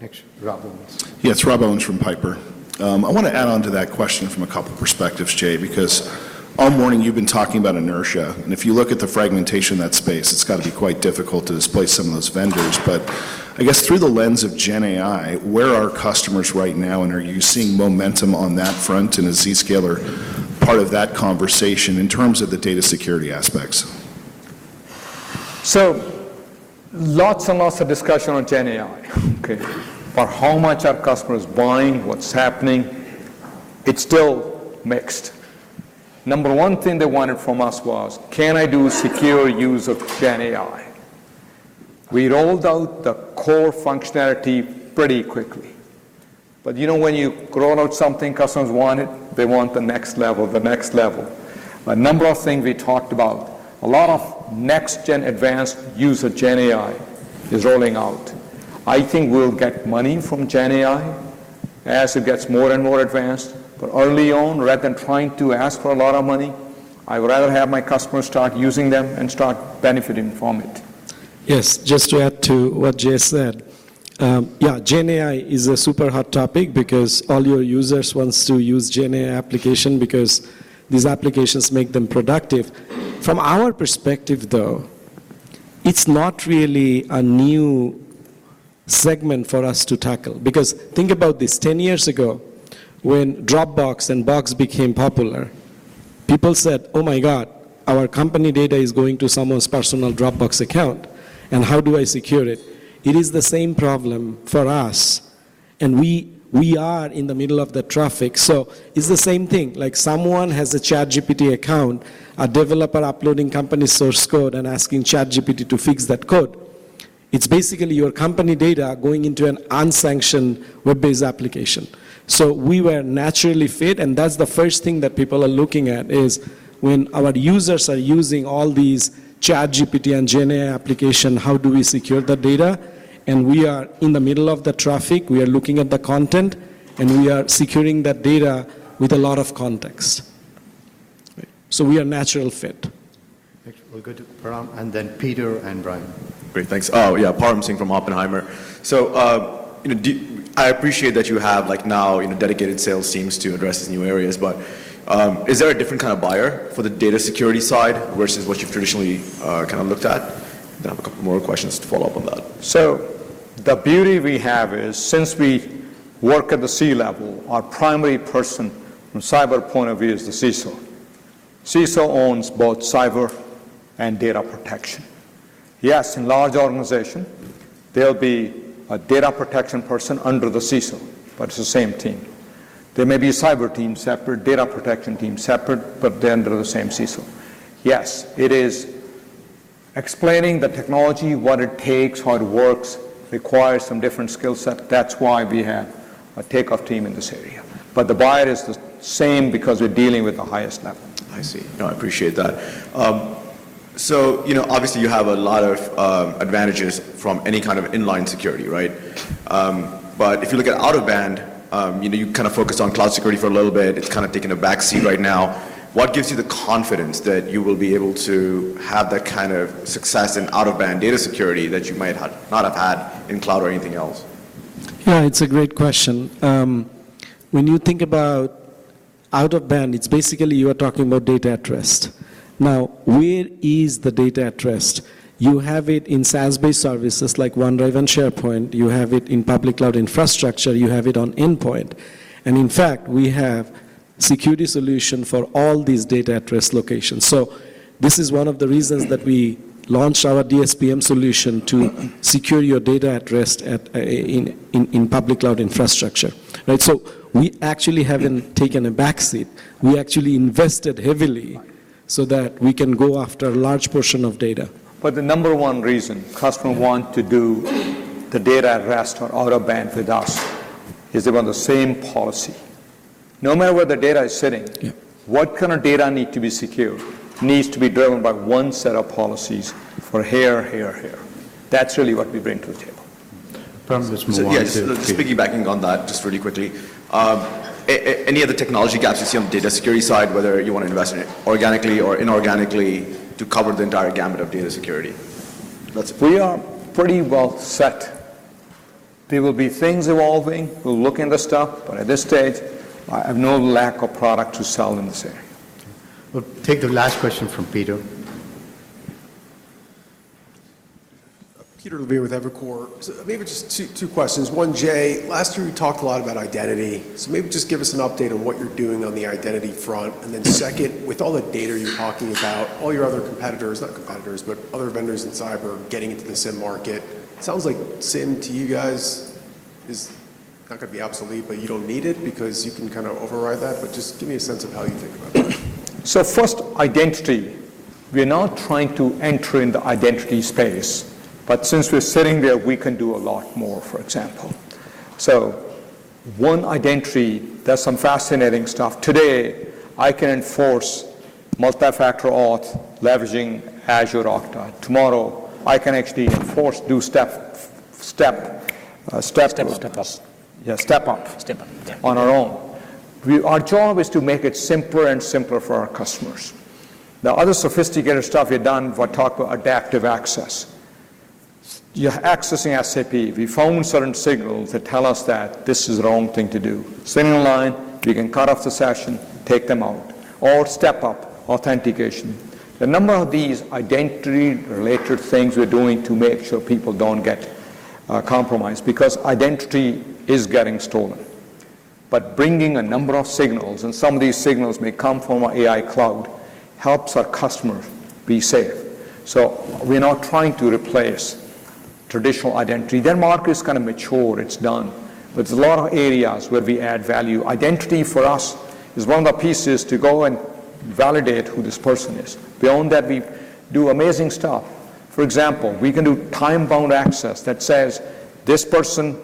Next, Rob Owens. Yes, Rob Owens from Piper. I want to add on to that question from a couple of perspectives, Jay, because all morning you've been talking about inertia. And if you look at the fragmentation of that space, it's got to be quite difficult to displace some of those vendors. But I guess through the lens of GenAI, where are customers right now, and are you seeing momentum on that front in a Zscaler part of that conversation in terms of the data security aspects? So lots and lots of discussion on GenAI for how much our customers are buying, what's happening. It's still mixed. Number one thing they wanted from us was, "Can I do secure use of GenAI?" We rolled out the core functionality pretty quickly. But when you roll out something, customers want it. They want the next level, the next level. A number of things we talked about. A lot of next-gen advanced use of GenAI is rolling out. I think we'll get money from GenAI as it gets more and more advanced. But early on, rather than trying to ask for a lot of money, I would rather have my customers start using them and start benefiting from it. Yes, just to add to what Jay said. Yeah, GenAI is a super hot topic because all your users want to use GenAI applications because these applications make them productive. From our perspective, though, it's not really a new segment for us to tackle. Because think about this, 10 years ago when Dropbox and Box became popular, people said, "Oh my God, our company data is going to someone's personal Dropbox account. And how do I secure it?" It is the same problem for us. And we are in the middle of the traffic. So it's the same thing. Someone has a ChatGPT account, a developer uploading company source code and asking ChatGPT to fix that code. It's basically your company data going into an unsanctioned web-based application. So we were naturally fit. And that's the first thing that people are looking at is when our users are using all these ChatGPT and GenAI applications, how do we secure the data? And we are in the middle of the traffic. We are looking at the content, and we are securing that data with a lot of context. So we are natural fit. Thank you. We'll go to Param and then Peter and Brian. Great. Thanks. Oh, yeah, Param Singh from Oppenheimer. So I appreciate that you have now dedicated sales teams to address these new areas. But is there a different kind of buyer for the data security side versus what you've traditionally kind of looked at? Then I have a couple more questions to follow up on that. So the beauty we have is since we work at the C-level, our primary person from a cyber point of view is the CISO. CISO owns both cyber and data protection. Yes, in large organizations, there will be a data protection person under the CISO, but it's the same team. There may be a cyber team separate, data protection team separate, but they're under the same CISO. Yes, it is explaining the technology, what it takes, how it works, requires some different skill set. That's why we have a Takeoff Team in this area. But the buyer is the same because we're dealing with the highest level. I see. No, I appreciate that. So obviously, you have a lot of advantages from any kind of inline security, right? But if you look at out-of-band, you kind of focus on cloud security for a little bit. It's kind of taken a back seat right now. What gives you the confidence that you will be able to have that kind of success in out-of-band data security that you might not have had in cloud or anything else? Yeah, it's a great question. When you think about out-of-band, it's basically you are talking about data at rest. Now, where is the data at rest? You have it in SaaS-based services like OneDrive and SharePoint. You have it in public cloud infrastructure. You have it on endpoint. In fact, we have security solutions for all these data at rest locations. This is one of the reasons that we launched our DSPM solution to secure your data at rest in public cloud infrastructure. We actually haven't taken a back seat. We actually invested heavily so that we can go after a large portion of data. The number one reason customers want to do the data at rest or out-of-band with us is they want the same policy. No matter where the data is sitting, what kind of data needs to be secured needs to be driven by one set of policies for here, here, here. That's really what we bring to the table. Param's just moving on. Just piggybacking on that, just really quickly. Any other technology gaps you see on the data security side, whether you want to invest in it organically or inorganically to cover the entire gamut of data security? We are pretty well set. There will be things evolving. We'll look into stuff. But at this stage, I have no lack of product to sell in this area. We'll take the last question from Peter. Peter Levine with Evercore. So maybe just two questions. One, Jay, last year we talked a lot about identity. So maybe just give us an update on what you're doing on the identity front. And then second, with all the data you're talking about, all your other competitors, not competitors, but other vendors in cyber getting into the SIEM market, it sounds like SIEM to you guys is not going to be obsolete, but you don't need it because you can kind of override that. But just give me a sense of how you think about that. So first, identity. We're not trying to enter in the identity space. But since we're sitting there, we can do a lot more, for example. So on identity, there's some fascinating stuff. Today, I can enforce multi-factor auth leveraging Azure, Okta. Tomorrow, I can actually enforce do step up. Yeah, step up on our own. Our job is to make it simpler and simpler for our customers. The other sophisticated stuff we've done for talk about adaptive access. You're accessing SAP. We found certain signals that tell us that this is the wrong thing to do. Sitting inline, we can cut off the session, take them out, or step up authentication. The number of these identity-related things we're doing to make sure people don't get compromised because identity is getting stolen. But bringing a number of signals, and some of these signals may come from our AI cloud, helps our customers be safe. So we're not trying to replace traditional identity. Their market is kind of mature. It's done. But there's a lot of areas where we add value. Identity for us is one of the pieces to go and validate who this person is. Beyond that, we do amazing stuff. For example, we can do time-bound access that says this person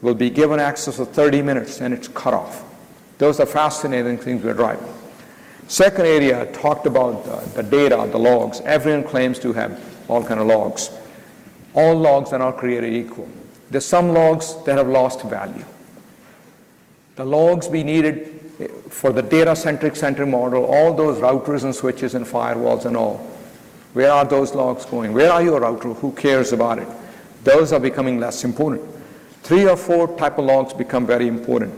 will be given access for 30 minutes, and it's cut off. Those are fascinating things we're driving. Second area, talked about the data, the logs. Everyone claims to have all kinds of logs. All logs are not created equal. There are some logs that have lost value. The logs we needed for the data-centric center model, all those routers and switches and firewalls and all, where are those logs going? Where are your routers? Who cares about it? Those are becoming less important. Three or four types of logs become very important.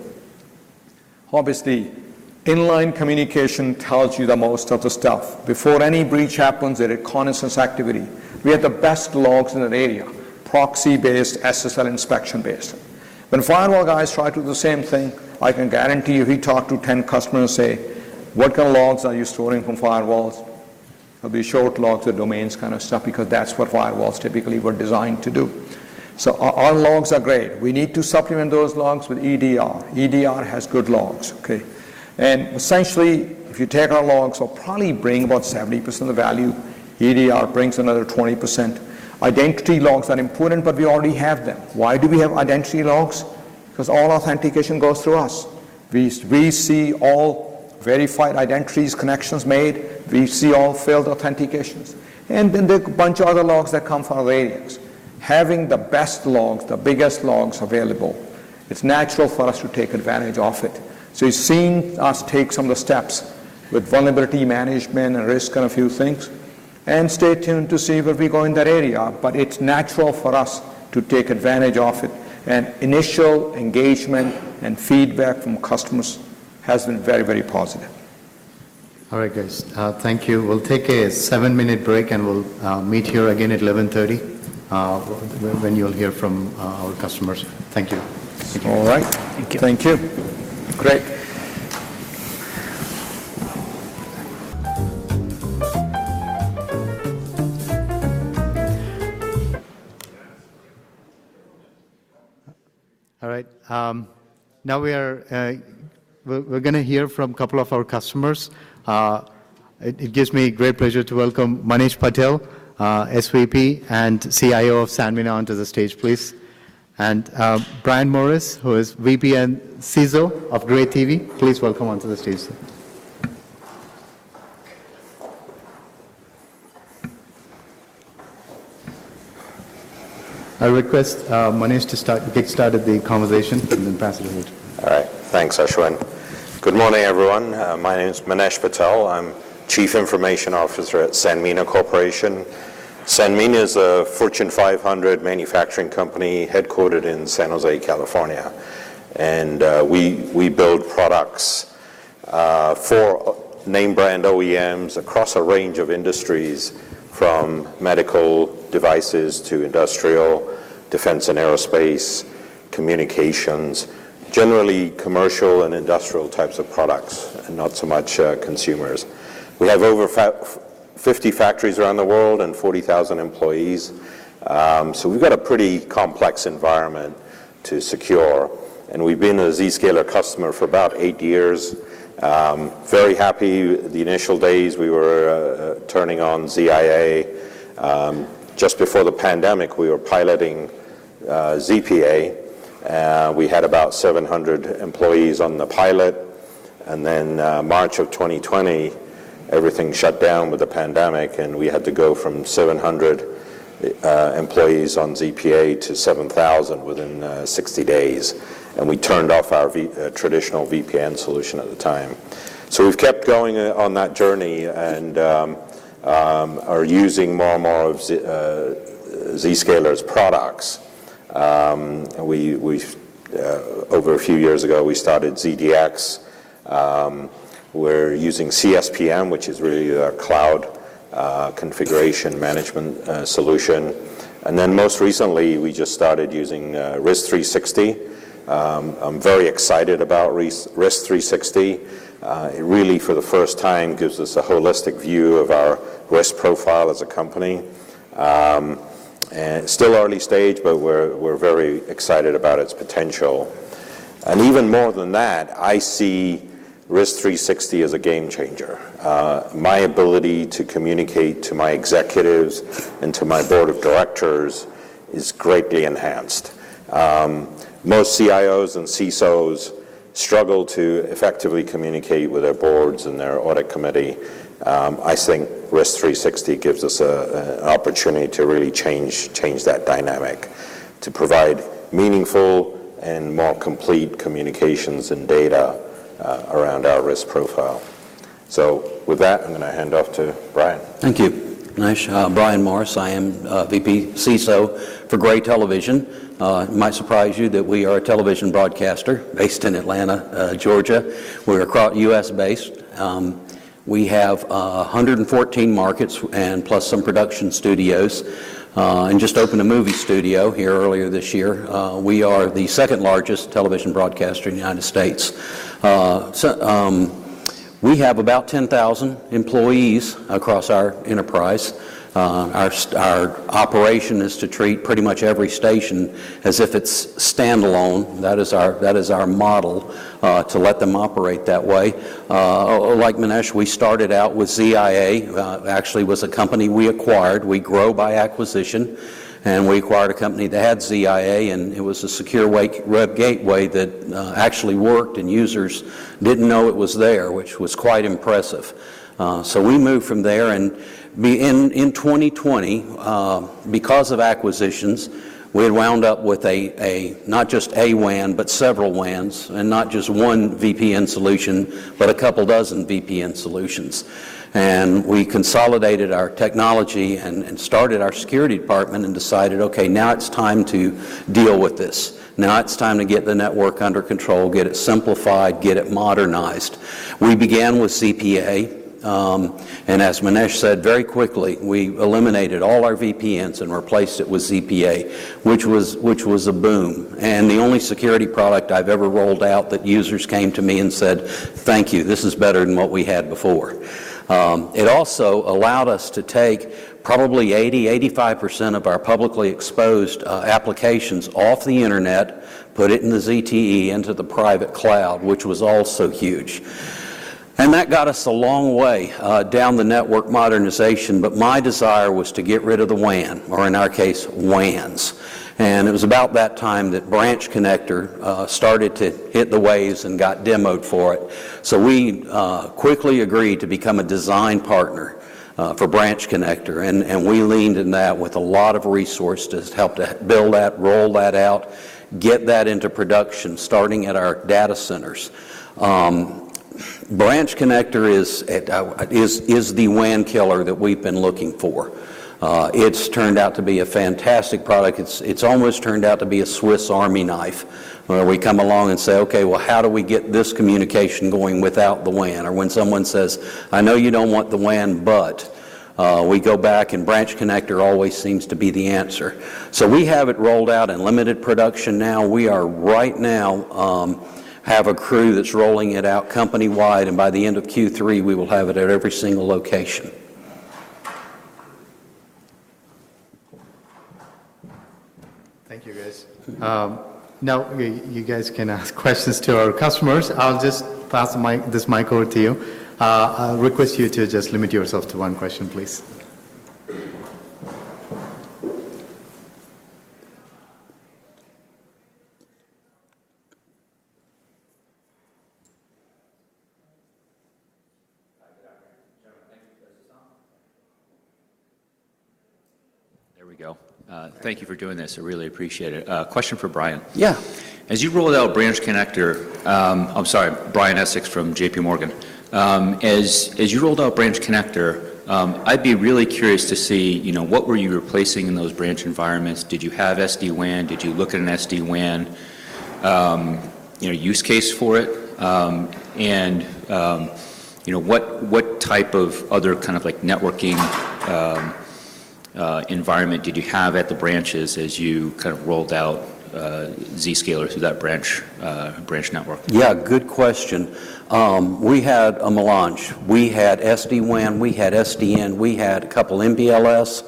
Obviously, inline communication tells you the most of the stuff. Before any breach happens, a reconnaissance activity, we have the best logs in that area, proxy-based, SSL inspection-based. When firewall guys try to do the same thing, I can guarantee if we talk to 10 customers and say, "What kind of logs are you storing from firewalls?" There'll be short logs or domains kind of stuff because that's what firewalls typically were designed to do. So our logs are great. We need to supplement those logs with EDR. EDR has good logs. Essentially, if you take our logs, we'll probably bring about 70% of the value. EDR brings another 20%. Identity logs are important, but we already have them. Why do we have identity logs? Because all authentication goes through us. We see all verified identities, connections made. We see all failed authentications. And then there are a bunch of other logs that come from other areas. Having the best logs, the biggest logs available, it's natural for us to take advantage of it. So you've seen us take some of the steps with vulnerability management and risk and a few things. And stay tuned to see where we go in that area. But it's natural for us to take advantage of it. And initial engagement and feedback from customers has been very, very positive. All right, guys. Thank you. We'll take a 7-minute break, and we'll meet here again at 11:30 when you'll hear from our customers. Thank you. All right. Thank you. Thank you. Great. All right. Now we're going to hear from a couple of our customers. It gives me great pleasure to welcome Manish Patel, SVP and CIO of Sanmina, onto the stage, please. And Brian Morris, who is VP and CISO of Gray TV, please welcome onto the stage. I request Manish to kick-start the conversation and then pass it over to you. All right. Thanks, Ashwin. Good morning, everyone. My name is Manish Patel. I'm Chief Information Officer at Sanmina Corporation. Sanmina is a Fortune 500 manufacturing company headquartered in San Jose, California. We build products for name-brand OEMs across a range of industries, from medical devices to industrial, defense, and aerospace, communications, generally commercial and industrial types of products, and not so much consumers. We have over 50 factories around the world and 40,000 employees. We've got a pretty complex environment to secure. We've been a Zscaler customer for about eight years. Very happy. The initial days, we were turning on ZIA. Just before the pandemic, we were piloting ZPA. We had about 700 employees on the pilot. Then March of 2020, everything shut down with the pandemic, and we had to go from 700 employees on ZPA to 7,000 within 60 days. We turned off our traditional VPN solution at the time. We've kept going on that journey and are using more and more of Zscaler's products. Over a few years ago, we started ZDX. We're using CSPM, which is really a cloud configuration management solution. Then most recently, we just started using Risk360. I'm very excited about Risk360. It really, for the first time, gives us a holistic view of our risk profile as a company. Still early stage, but we're very excited about its potential. Even more than that, I see Risk360 as a game changer. My ability to communicate to my executives and to my board of directors is greatly enhanced. Most CIOs and CISOs struggle to effectively communicate with their boards and their audit committee. I think Risk360 gives us an opportunity to really change that dynamic, to provide meaningful and more complete communications and data around our risk profile. So with that, I'm going to hand off to Brian. Thank you, Manish. Brian Morris. I am VP, CISO for Gray TV. It might surprise you that we are a television broadcaster based in Atlanta, Georgia. We're U.S.-based. We have 114 markets and plus some production studios. Just opened a movie studio here earlier this year. We are the second largest television broadcaster in the United States. We have about 10,000 employees across our enterprise. Our operation is to treat pretty much every station as if it's standalone. That is our model to let them operate that way. Like Manish, we started out with ZIA. Actually, it was a company we acquired. We grow by acquisition. We acquired a company that had ZIA, and it was a secure web gateway that actually worked, and users didn't know it was there, which was quite impressive. So we moved from there. In 2020, because of acquisitions, we had wound up with not just a WAN, but several WANs, and not just one VPN solution, but a couple dozen VPN solutions. We consolidated our technology and started our security department and decided, "Okay, now it's time to deal with this. Now it's time to get the network under control, get it simplified, get it modernized." We began with ZPA. As Manish said, very quickly, we eliminated all our VPNs and replaced it with ZPA, which was a boom. The only security product I've ever rolled out that users came to me and said, "Thank you. This is better than what we had before." It also allowed us to take probably 80%-85% of our publicly exposed applications off the internet, put it in the ZTE, into the private cloud, which was also huge. That got us a long way down the network modernization. My desire was to get rid of the WAN, or in our case, WANs. It was about that time that Branch Connector started to hit the waves and got demoed for it. We quickly agreed to become a design partner for Branch Connector. We leaned in that with a lot of resources to help to build that, roll that out, get that into production, starting at our data centers. Branch Connector is the WAN killer that we've been looking for. It's turned out to be a fantastic product. It's almost turned out to be a Swiss army knife where we come along and say, "Okay, well, how do we get this communication going without the WAN?" Or when someone says, "I know you don't want the WAN, but we go back," and Branch Connector always seems to be the answer. So we have it rolled out in limited production now. We right now have a crew that's rolling it out company-wide. And by the end of Q3, we will have it at every single location. Thank you, guys. Now, you guys can ask questions to our customers. I'll just pass this mic over to you. I request you to just limit yourself to one question, please. There we go. Thank you for doing this. I really appreciate it. Question for Brian. Yeah. As you rolled out Branch Connector. I'm sorry, Brian Essex from JPMorgan. As you rolled out Branch Connector, I'd be really curious to see what were you replacing in those branch environments? Did you have SD-WAN? Did you look at an SD-WAN use case for it? And what type of other kind of networking environment did you have at the branches as you kind of rolled out Zscaler through that branch network? Yeah, good question. We had a MPLS. We had SD-WAN. We had SDN. We had a couple MPLS.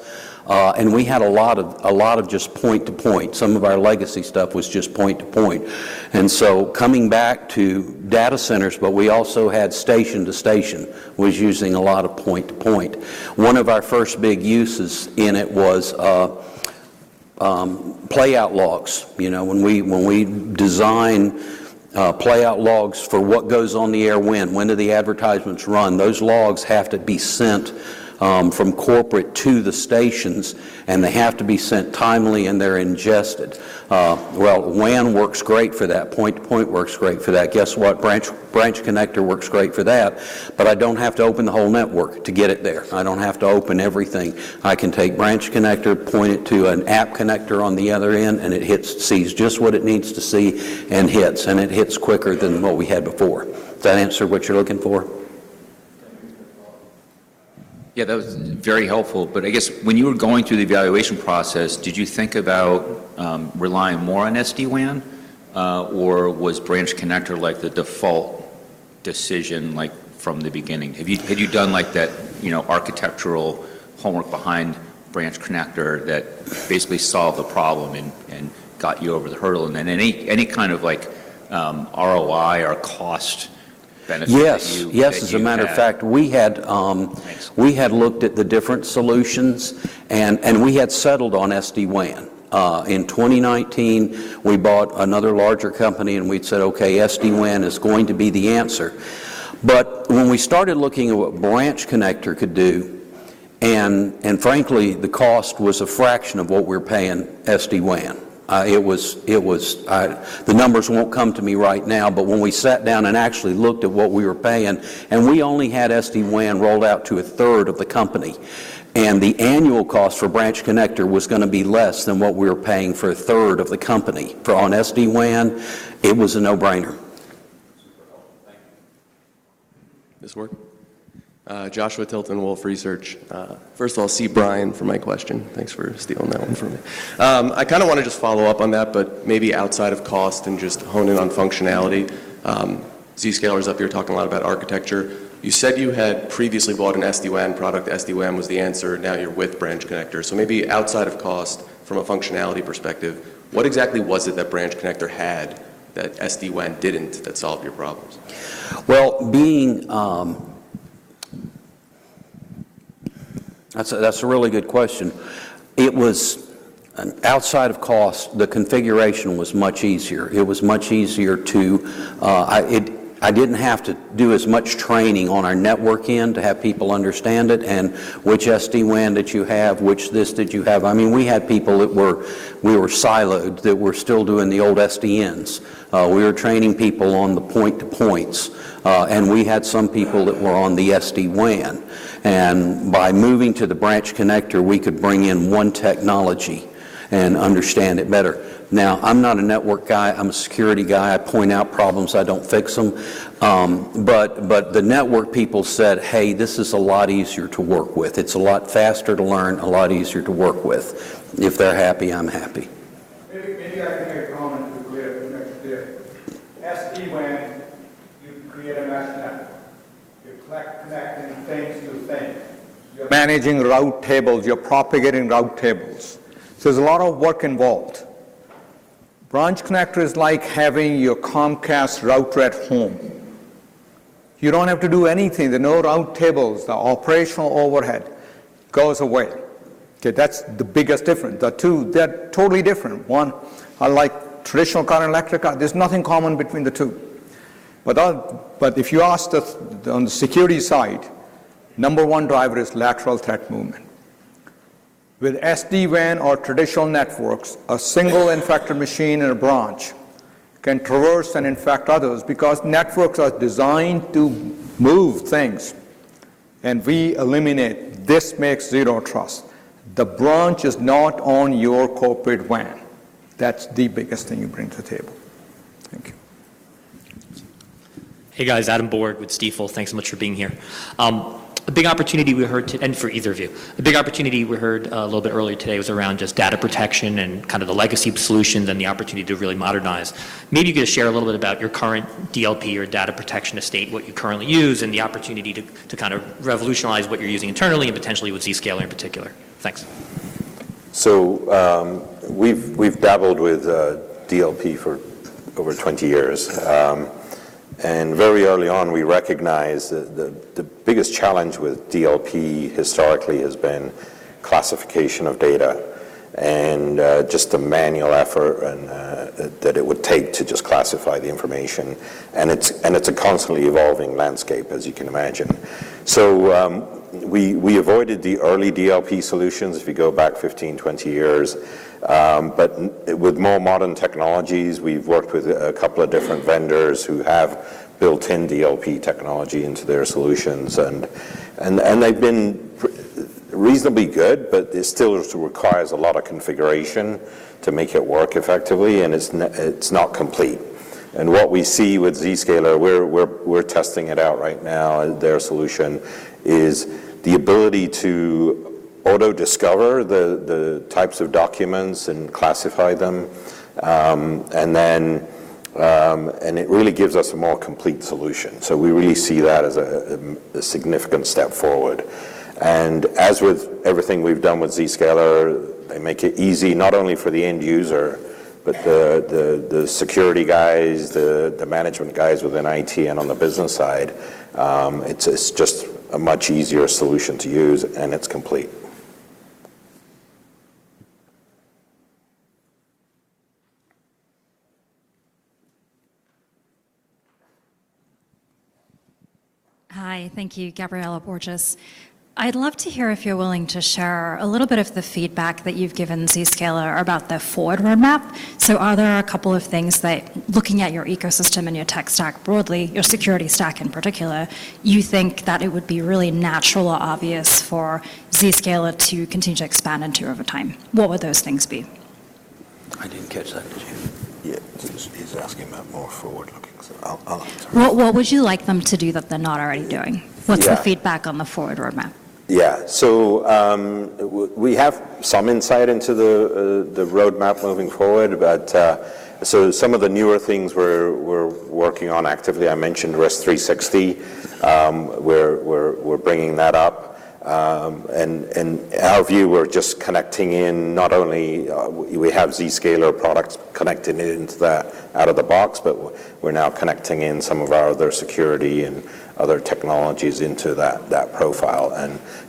And we had a lot of just point-to-point. Some of our legacy stuff was just point-to-point. And so coming back to data centers, but we also had station-to-station, was using a lot of point-to-point. One of our first big uses in it was playout logs. When we design playout logs for what goes on the air when, when do the advertisements run, those logs have to be sent from corporate to the stations, and they have to be sent timely, and they're ingested. Well, WAN works great for that. Point-to-point works great for that. Guess what? Branch Connector works great for that. But I don't have to open the whole network to get it there. I don't have to open everything. I can take Branch Connector, point it to an App Connector on the other end, and it sees just what it needs to see and hits. And it hits quicker than what we had before. Does that answer what you're looking for? Yeah, that was very helpful. But I guess when you were going through the evaluation process, did you think about relying more on SD-WAN, or was Branch Connector the default decision from the beginning? Had you done that architectural homework behind Branch Connector that basically solved the problem and got you over the hurdle? And then any kind of ROI or cost benefit to you? Yes. Yes. As a matter of fact, we had looked at the different solutions, and we had settled on SD-WAN. In 2019, we bought another larger company, and we'd said, "Okay, SD-WAN is going to be the answer." But when we started looking at what Branch Connector could do, and frankly, the cost was a fraction of what we were paying SD-WAN, it was the numbers won't come to me right now, but when we sat down and actually looked at what we were paying, and we only had SD-WAN rolled out to a third of the company, and the annual cost for Branch Connector was going to be less than what we were paying for a third of the company on SD-WAN, it was a no-brainer. Thank you. Joshua Tilton, Wolfe Research. First of all, see Brian for my question. Thanks for stealing that one from me. I kind of want to just follow up on that, but maybe outside of cost and just honing on functionality. Zscaler is up here talking a lot about architecture. You said you had previously bought an SD-WAN product. SD-WAN was the answer. Now you're with Branch Connector. So maybe outside of cost, from a functionality perspective, what exactly was it that Branch Connector had that SD-WAN didn't that solved your problems? Well, that's a really good question. It was outside of cost. The configuration was much easier. It was much easier to. I didn't have to do as much training on our network end to have people understand it and which SD-WAN did you have, which this did you have. I mean, we had people that were we were siloed that were still doing the old SD-WANs. We were training people on the point-to-points, and we had some people that were on the SD-WAN. By moving to the Branch Connector, we could bring in one technology and understand it better. Now, I'm not a network guy. I'm a security guy. I point out problems. I don't fix them. But the network people said, "Hey, this is a lot easier to work with. It's a lot faster to learn, a lot easier to work with." If they're happy, I'm happy. Maybe I can make a comment to clear up the next bit. SD-WAN, you create a mesh network. You're connecting things to things. Managing route tables. You're propagating route tables. So there's a lot of work involved. Branch Connector is like having your Comcast router at home. You don't have to do anything. There are no route tables. The operational overhead goes away. That's the biggest difference. The two are totally different. One, unlike traditional car and electric car, there's nothing common between the two. But if you ask on the security side, number one driver is lateral threat movement. With SD-WAN or traditional networks, a single infected machine in a branch can traverse and infect others because networks are designed to move things. And we eliminate this with Zero Trust. The branch is not on your corporate WAN. That's the biggest thing you bring to the table. Thank you. Hey, guys. Adam Borg with Stifel. Thanks so much for being here. A big opportunity we heard, and for either of you. A big opportunity we heard a little bit earlier today was around just data protection and kind of the legacy solutions and the opportunity to really modernize. Maybe you could share a little bit about your current DLP or data protection estate, what you currently use, and the opportunity to kind of revolutionize what you're using internally and potentially with Zscaler in particular. Thanks. So we've dabbled with DLP for over 20 years. And very early on, we recognized that the biggest challenge with DLP historically has been classification of data and just the manual effort that it would take to just classify the information. And it's a constantly evolving landscape, as you can imagine. So we avoided the early DLP solutions if you go back 15, 20 years. But with more modern technologies, we've worked with a couple of different vendors who have built-in DLP technology into their solutions. And they've been reasonably good, but it still requires a lot of configuration to make it work effectively, and it's not complete. What we see with Zscaler, we're testing it out right now. Their solution is the ability to auto-discover the types of documents and classify them. It really gives us a more complete solution. We really see that as a significant step forward. As with everything we've done with Zscaler, they make it easy not only for the end user, but the security guys, the management guys within IT and on the business side. It's just a much easier solution to use, and it's complete. Hi. Thank you, Gabriela Borges. I'd love to hear if you're willing to share a little bit of the feedback that you've given Zscaler about the forward roadmap. So are there a couple of things that, looking at your ecosystem and your tech stack broadly, your security stack in particular, you think that it would be really natural or obvious for Zscaler to continue to expand into over time? What would those things be? I didn't catch that, did you? Yeah. He's asking about more forward-looking. What would you like them to do that they're not already doing? What's the feedback on the forward roadmap? Yeah. So we have some insight into the roadmap moving forward. So some of the newer things we're working on actively. I mentioned Risk360. We're bringing that up. And our view, we're just connecting in not only we have Zscaler products connecting into that out of the box, but we're now connecting in some of our other security and other technologies into that profile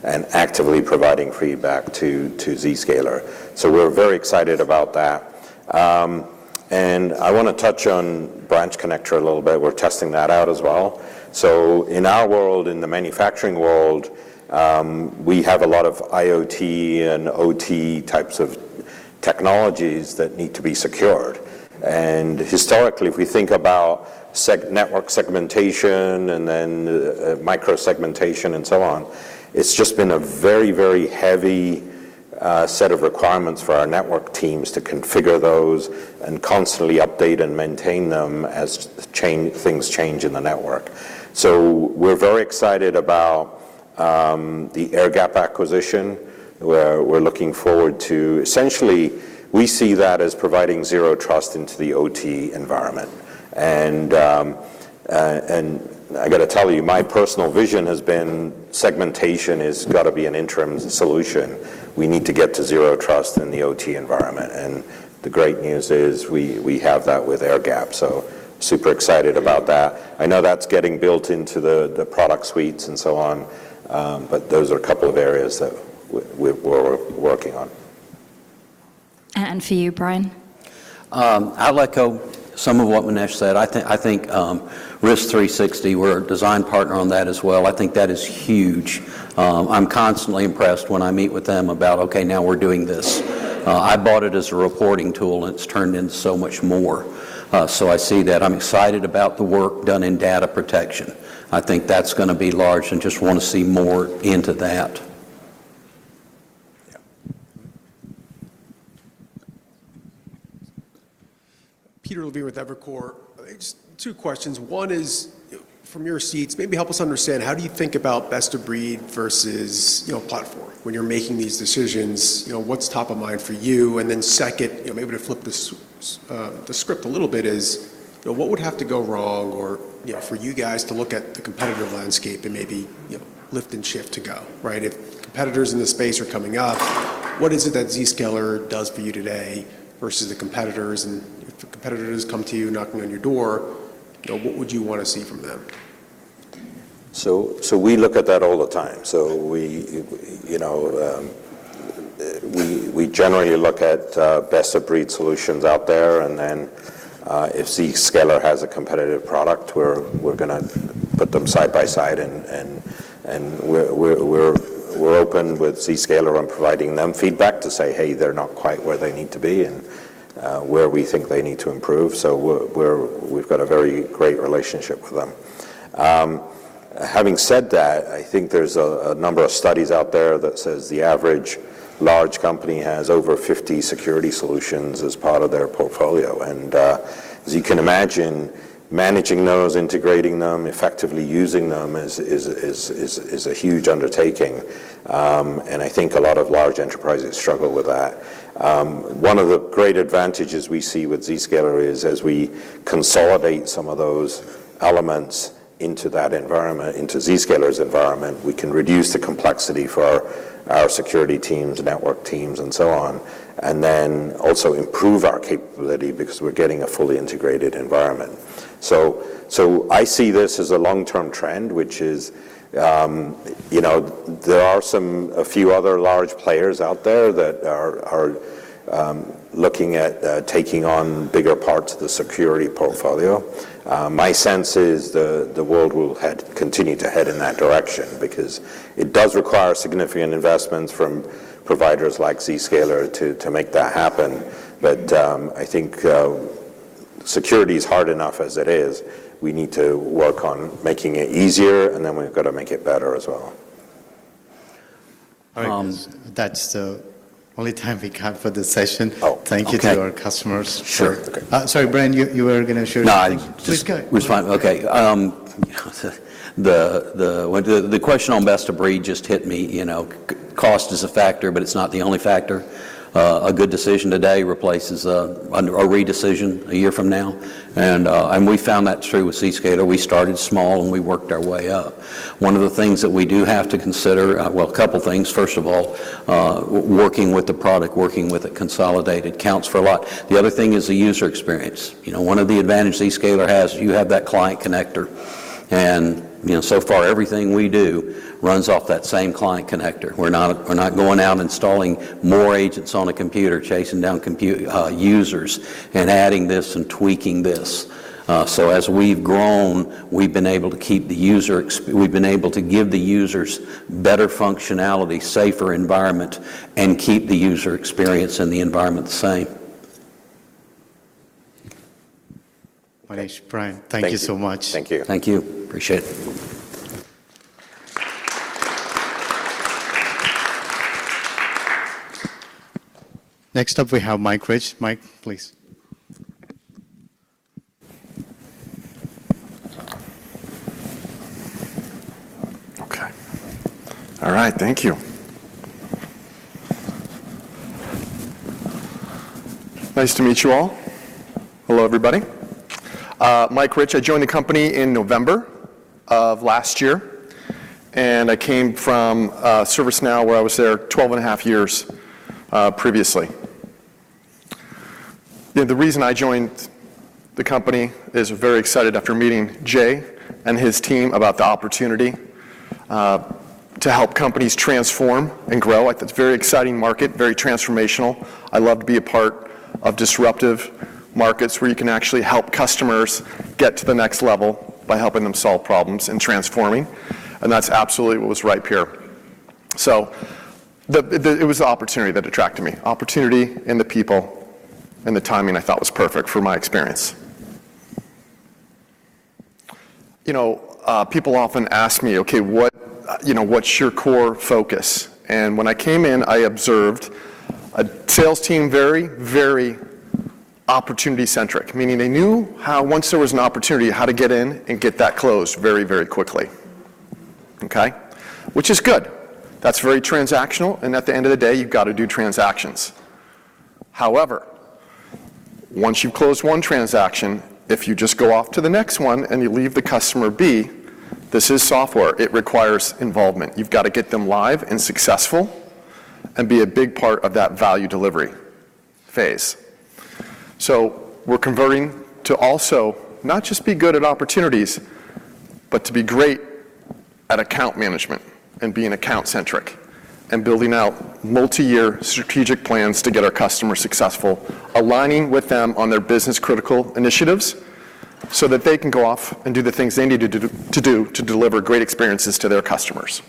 and actively providing feedback to Zscaler. So we're very excited about that. And I want to touch on Branch Connector a little bit. We're testing that out as well. So in our world, in the manufacturing world, we have a lot of IoT and OT types of technologies that need to be secured. And historically, if we think about network segmentation and then micro-segmentation and so on, it's just been a very, very heavy set of requirements for our network teams to configure those and constantly update and maintain them as things change in the network. So we're very excited about the Airgap acquisition. We're looking forward to essentially, we see that as providing Zero Trust into the OT environment. And I got to tell you, my personal vision has been segmentation has got to be an interim solution. We need to get to Zero Trust in the OT environment. The great news is we have that with Airgap. So super excited about that. I know that's getting built into the product suites and so on, but those are a couple of areas that we're working on. And for you, Brian? I'll echo some of what Manish said. I think Risk360, we're a design partner on that as well. I think that is huge. I'm constantly impressed when I meet with them about, "Okay, now we're doing this." I bought it as a reporting tool, and it's turned into so much more. So I see that. I'm excited about the work done in data protection. I think that's going to be large and just want to see more into that. Peter Levine with Evercore. Just two questions. One is from your seats. Maybe help us understand how do you think about best-of-breed versus platform when you're making these decisions? What's top of mind for you? And then second, maybe to flip the script a little bit is what would have to go wrong for you guys to look at the competitive landscape and maybe lift and shift to go, right? If competitors in the space are coming up, what is it that Zscaler does for you today versus the competitors? And if the competitors come to you knocking on your door, what would you want to see from them? So we look at that all the time. So we generally look at best-of-breed solutions out there. And then if Zscaler has a competitive product, we're going to put them side by side. We're open with Zscaler on providing them feedback to say, "Hey, they're not quite where they need to be and where we think they need to improve." So we've got a very great relationship with them. Having said that, I think there's a number of studies out there that says the average large company has over 50 security solutions as part of their portfolio. As you can imagine, managing those, integrating them, effectively using them is a huge undertaking. I think a lot of large enterprises struggle with that. One of the great advantages we see with Zscaler is as we consolidate some of those elements into that environment, into Zscaler's environment, we can reduce the complexity for our security teams, network teams, and so on, and then also improve our capability because we're getting a fully integrated environment. So I see this as a long-term trend, which is there are a few other large players out there that are looking at taking on bigger parts of the security portfolio. My sense is the world will continue to head in that direction because it does require significant investments from providers like Zscaler to make that happen. But I think security is hard enough as it is. We need to work on making it easier, and then we've got to make it better as well. That's the only time we have for the session. Thank you to our customers. Sure. Sorry, Brian, you were going to share your question. No, I'm just fine. Okay. The question on best-of-breed just hit me. Cost is a factor, but it's not the only factor. A good decision today replaces a redecision a year from now. And we found that's true with Zscaler. We started small, and we worked our way up. One of the things that we do have to consider, well, a couple of things. First of all, working with the product, working with it consolidated counts for a lot. The other thing is the user experience. One of the advantages Zscaler has is you have that Client Connector. And so far, everything we do runs off that same Client Connector. We're not going out installing more agents on a computer, chasing down users, and adding this and tweaking this. So as we've grown, we've been able to keep the user we've been able to give the users better functionality, safer environment, and keep the user experience and the environment the same. Manish, Brian, thank you so much. Thank you. Thank you. Appreciate it. Next up, we have Mike Rich. Mike, please. Okay. All right. Thank you. Nice to meet you all. Hello, everybody. Mike Rich. I joined the company in November of last year. I came from ServiceNow where I was there 12.5 years previously. The reason I joined the company is I was very excited after meeting Jay and his team about the opportunity to help companies transform and grow. It's a very exciting market, very transformational. I love to be a part of disruptive markets where you can actually help customers get to the next level by helping them solve problems and transforming. That's absolutely what was right here. It was the opportunity that attracted me. Opportunity and the people and the timing I thought was perfect for my experience. People often ask me, "Okay, what's your core focus?" And when I came in, I observed a sales team very, very opportunity-centric, meaning they knew how once there was an opportunity, how to get in and get that closed very, very quickly, okay? Which is good. That's very transactional. And at the end of the day, you've got to do transactions. However, once you've closed one transaction, if you just go off to the next one and you leave the customer be, this is software. It requires involvement. You've got to get them live and successful and be a big part of that value delivery phase. So we're converting to also not just be good at opportunities, but to be great at account management and being account-centric and building out multi-year strategic plans to get our customers successful, aligning with them on their business-critical initiatives so that they can go off and do the things they need to do to deliver great experiences to their customers.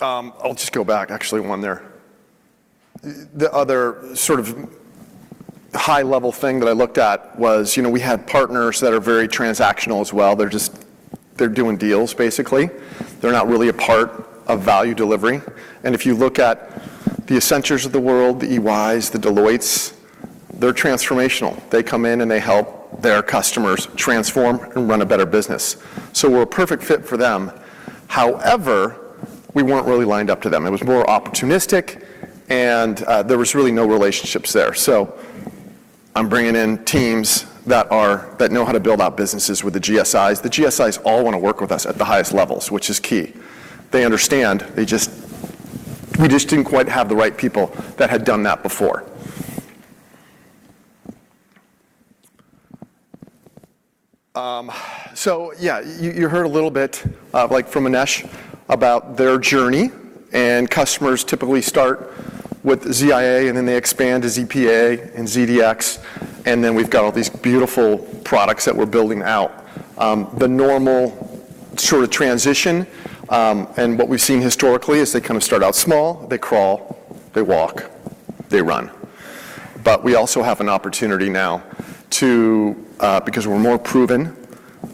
I'll just go back, actually, one there. The other sort of high-level thing that I looked at was we had partners that are very transactional as well. They're doing deals, basically. They're not really a part of value delivery. And if you look at the Accenture of the world, the EYs, the Deloittes, they're transformational. They come in and they help their customers transform and run a better business. So we're a perfect fit for them. However, we weren't really lined up to them. It was more opportunistic, and there was really no relationships there. So I'm bringing in teams that know how to build out businesses with the GSIs. The GSIs all want to work with us at the highest levels, which is key. They understand. We just didn't quite have the right people that had done that before. So yeah, you heard a little bit from Manish about their journey. And customers typically start with ZIA, and then they expand to ZPA and ZDX. And then we've got all these beautiful products that we're building out. The normal sort of transition and what we've seen historically is they kind of start out small, they crawl, they walk, they run. But we also have an opportunity now because we're more proven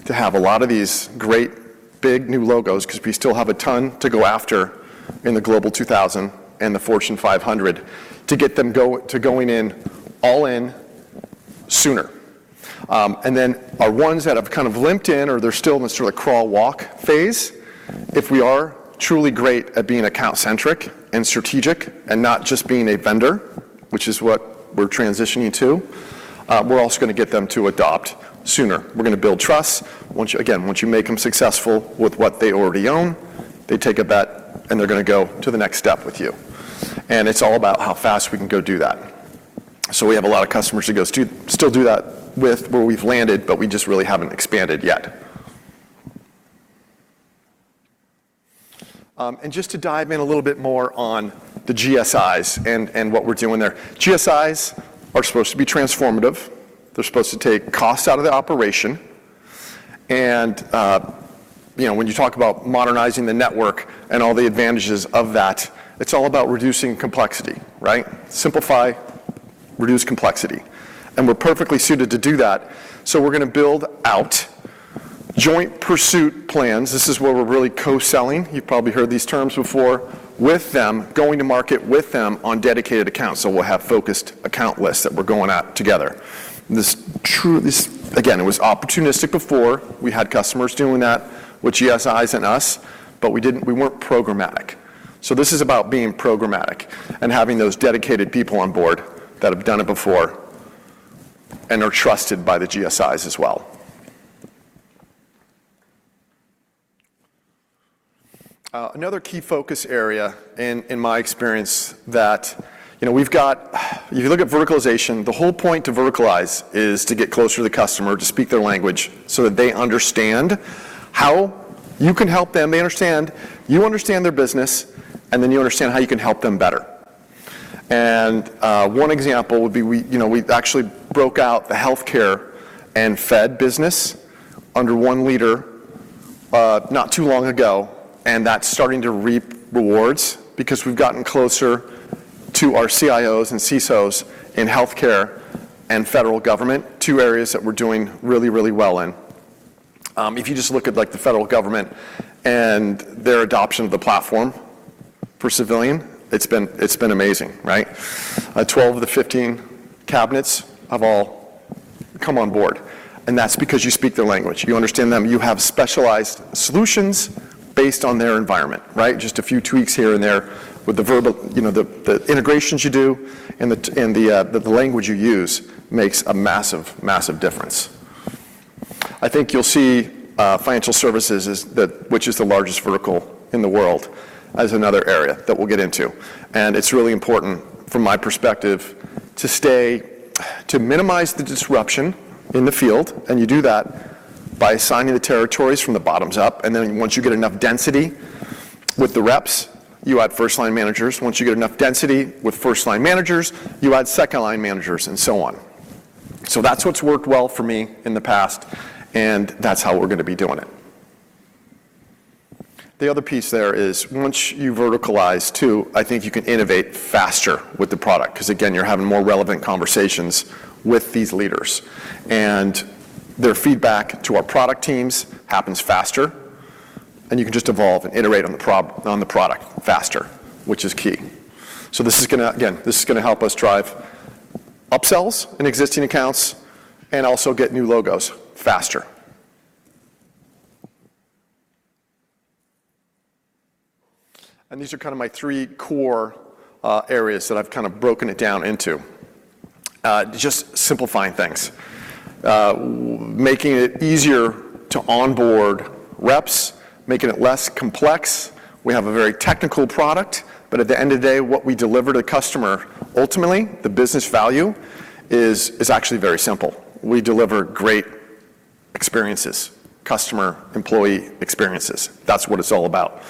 to have a lot of these great big new logos because we still have a ton to go after in the Global 2000 and the Fortune 500 to get them to going in all in sooner. And then our ones that have kind of limped in or they're still in the sort of crawl, walk phase, if we are truly great at being account-centric and strategic and not just being a vendor, which is what we're transitioning to, we're also going to get them to adopt sooner. We're going to build trust. Again, once you make them successful with what they already own, they take a bet, and they're going to go to the next step with you. And it's all about how fast we can go do that. So we have a lot of customers that still do that with where we've landed, but we just really haven't expanded yet. Just to dive in a little bit more on the GSIs and what we're doing there. GSIs are supposed to be transformative. They're supposed to take costs out of the operation. When you talk about modernizing the network and all the advantages of that, it's all about reducing complexity, right? Simplify, reduce complexity. We're perfectly suited to do that. We're going to build out joint pursuit plans. This is where we're really co-selling. You've probably heard these terms before. With them, going to market with them on dedicated accounts. We'll have focused account lists that we're going at together. Again, it was opportunistic before. We had customers doing that with GSIs and us, but we weren't programmatic. This is about being programmatic and having those dedicated people on board that have done it before and are trusted by the GSIs as well. Another key focus area in my experience that we've got, if you look at verticalization, the whole point to verticalize is to get closer to the customer, to speak their language so that they understand how you can help them. They understand you understand their business, and then you understand how you can help them better. One example would be we actually broke out the healthcare and Fed business under one leader not too long ago, and that's starting to reap rewards because we've gotten closer to our CIOs and CISOs in healthcare and federal government, two areas that we're doing really, really well in. If you just look at the federal government and their adoption of the platform for civilian, it's been amazing, right? 12 of the 15 cabinets have all come on board. And that's because you speak their language. You understand them. You have specialized solutions based on their environment, right? Just a few tweaks here and there with the integrations you do and the language you use makes a massive, massive difference. I think you'll see financial services, which is the largest vertical in the world, as another area that we'll get into. And it's really important from my perspective to minimize the disruption in the field. And you do that by assigning the territories from the bottoms up. And then once you get enough density with the reps, you add first-line managers. Once you get enough density with the first-line managers, you add second-line managers and so on. So that's what's worked well for me in the past, and that's how we're going to be doing it. The other piece there is once you verticalize too, I think you can innovate faster with the product because, again, you're having more relevant conversations with these leaders. Their feedback to our product teams happens faster. You can just evolve and iterate on the product faster, which is key. So this is going to, again, this is going to help us drive upsells in existing accounts and also get new logos faster. These are kind of my three core areas that I've kind of broken it down into. Just simplifying things, making it easier to onboard reps, making it less complex. We have a very technical product, but at the end of the day, what we deliver to the customer, ultimately, the business value is actually very simple. We deliver great experiences, customer-employee experiences. That's what it's all about.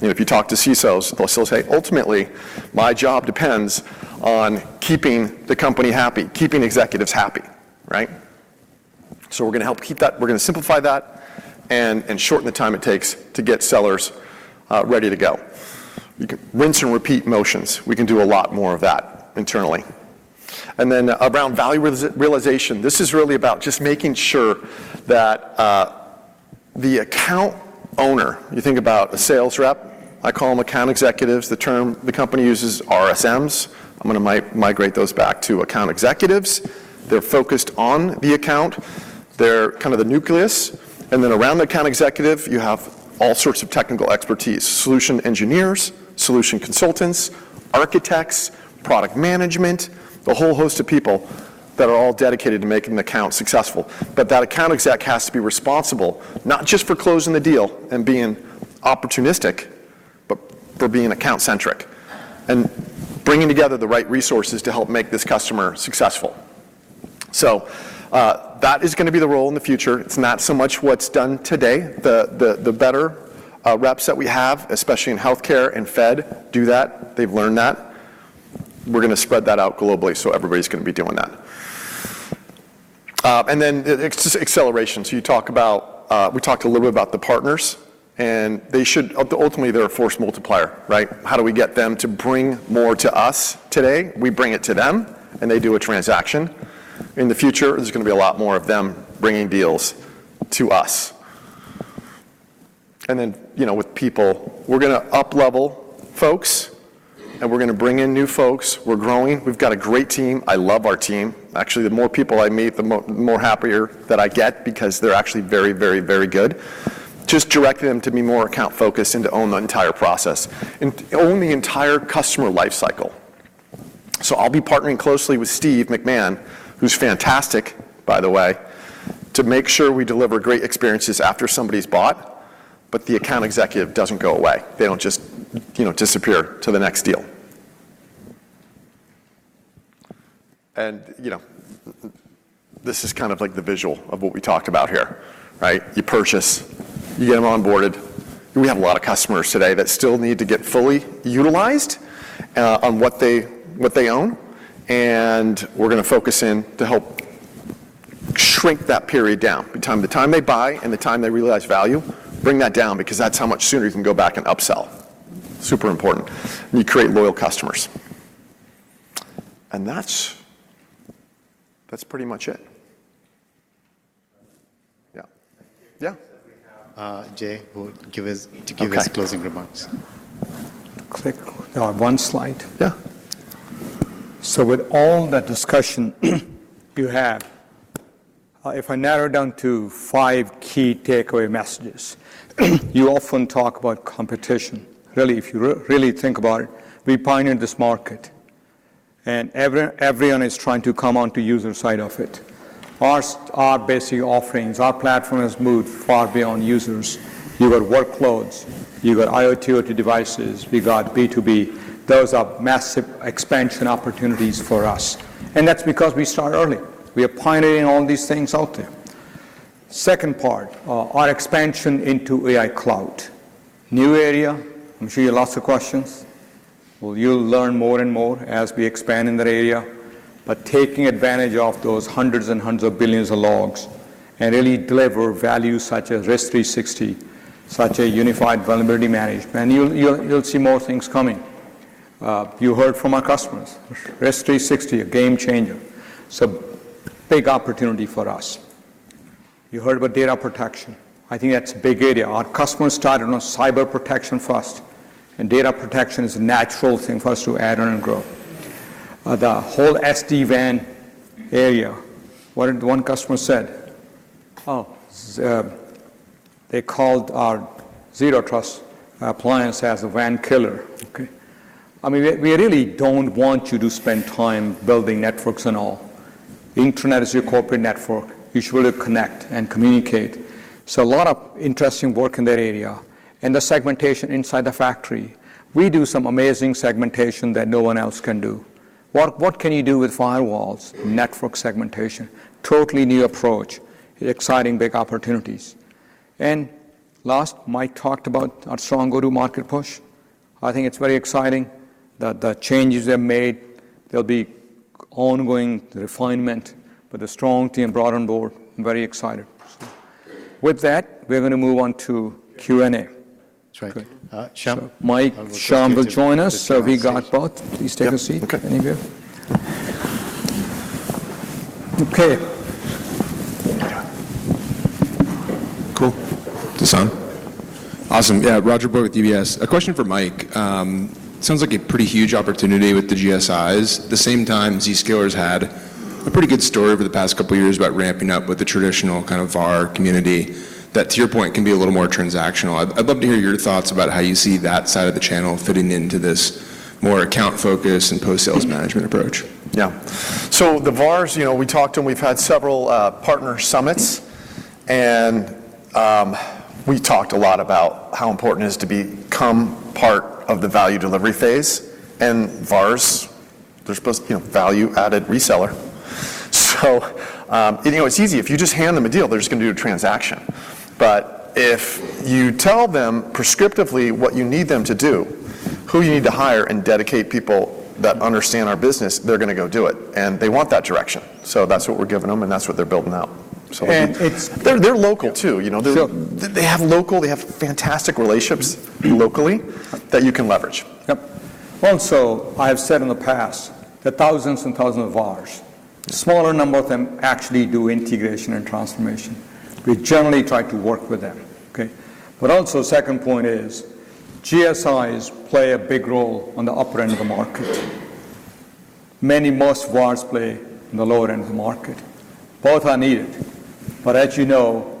If you talk to CISOs, they'll still say, "Ultimately, my job depends on keeping the company happy, keeping executives happy," right? So we're going to help keep that. We're going to simplify that and shorten the time it takes to get sellers ready to go. Rinse and repeat motions. We can do a lot more of that internally. And then around value realization, this is really about just making sure that the account owner, you think about a sales rep. I call them account executives. The term the company uses is RSMs. I'm going to migrate those back to account executives. They're focused on the account. They're kind of the nucleus. Then around the account executive, you have all sorts of technical expertise: solution engineers, solution consultants, architects, product management, the whole host of people that are all dedicated to making the account successful. But that account exec has to be responsible not just for closing the deal and being opportunistic, but for being account-centric and bringing together the right resources to help make this customer successful. So that is going to be the role in the future. It's not so much what's done today. The better reps that we have, especially in healthcare and Fed, do that. They've learned that. We're going to spread that out globally, so everybody's going to be doing that. And then acceleration. So we talked a little bit about the partners, and ultimately, they're a force multiplier, right? How do we get them to bring more to us today? We bring it to them, and they do a transaction. In the future, there's going to be a lot more of them bringing deals to us. And then with people, we're going to uplevel folks, and we're going to bring in new folks. We're growing. We've got a great team. I love our team. Actually, the more people I meet, the more happier that I get because they're actually very, very, very good. Just direct them to be more account-focused and to own the entire process and own the entire customer lifecycle. So I'll be partnering closely with Steve McMahon, who's fantastic, by the way, to make sure we deliver great experiences after somebody's bought, but the account executive doesn't go away. They don't just disappear to the next deal. And this is kind of like the visual of what we talked about here, right? You purchase, you get them onboarded. We have a lot of customers today that still need to get fully utilized on what they own. And we're going to focus in to help shrink that period down. From the time they buy and the time they realize value, bring that down because that's how much sooner you can go back and upsell. Super important. You create loyal customers. And that's pretty much it. Yeah. Yeah. Jay will give his closing remarks. Click on one slide. Yeah. So with all that discussion you have, if I narrow down to five key takeaway messages, you often talk about competition. Really, if you really think about it, we pioneered this market, and everyone is trying to come on to the user side of it. Our basic offerings, our platform has moved far beyond users. You've got workloads. You've got IoT devices. We've got B2B. Those are massive expansion opportunities for us. And that's because we start early. We are pioneering all these things out there. Second part, our expansion into AI cloud, new area. I'm sure you lost the questions. Well, you'll learn more and more as we expand in that area, but taking advantage of those hundreds and hundreds of billions of logs and really deliver value such as Risk360, Unified Vulnerability Management. you'll see more things coming. You heard from our customers. Risk360, a game changer. It's a big opportunity for us. You heard about data protection. I think that's a big area. Our customers started on cyber protection first, and data protection is a natural thing for us to add on and grow. The whole SD-WAN area, one customer said, "Oh, they called our Zero Trust appliance as a WAN killer." Okay. I mean, we really don't want you to spend time building networks and all. The internet is your corporate network. You should be able to connect and communicate. So a lot of interesting work in that area. And the segmentation inside the factory, we do some amazing segmentation that no one else can do. What can you do with firewalls? Network segmentation. Totally new approach. Exciting, big opportunities. And last, Mike talked about our strong go-to-market push. I think it's very exciting. The changes they've made, there'll be ongoing refinement, but the strong team brought on board. Very excited. With that, we're going to move on to Q&A. That's right. Good. Syam? Mike, Syam will join us. So we got both. Please take a seat, any of you. Okay. Cool. The sound? Awesome. Yeah, Roger Boyd with UBS. A question for Mike. Sounds like a pretty huge opportunity with the GSIs. At the same time, Zscaler's had a pretty good story over the past couple of years about ramping up with the traditional kind of VAR community that, to your point, can be a little more transactional. I'd love to hear your thoughts about how you see that side of the channel fitting into this more account-focused and post-sales management approach. Yeah. So the VARs, we talked to them. We've had several partner summits, and we talked a lot about how important it is to become part of the value delivery phase. And VARs, they're supposed to be a value-added reseller. So it's easy. If you just hand them a deal, they're just going to do a transaction. But if you tell them prescriptively what you need them to do, who you need to hire, and dedicate people that understand our business, they're going to go do it. And they want that direction. So that's what we're giving them, and that's what they're building out. So they're local too. They have fantastic relationships locally that you can leverage. Yep. Also, I have said in the past that thousands and thousands of VARs, a smaller number of them actually do integration and transformation. We generally try to work with them. Okay. But also, second point is GSIs play a big role on the upper end of the market. Many, most VARs play on the lower end of the market. Both are needed. But as you know,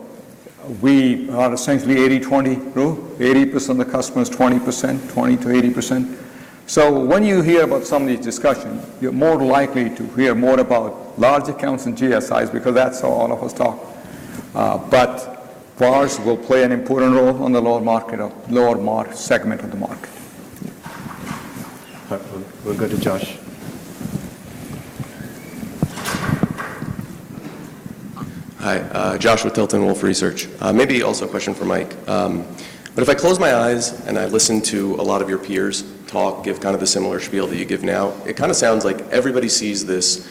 we are essentially 80%-20%, no? 80% of the customers, 20%, 20%-80%. So when you hear about some of these discussions, you're more likely to hear more about large accounts and GSIs because that's how all of us talk. But VARs will play an important role on the lower market, lower segment of the market. We'll go to Josh. Hi. Joshua Tilton with Wolfe Research. Maybe also a question for Mike. But if I close my eyes and I listen to a lot of your peers talk, give kind of the similar spiel that you give now, it kind of sounds like everybody sees this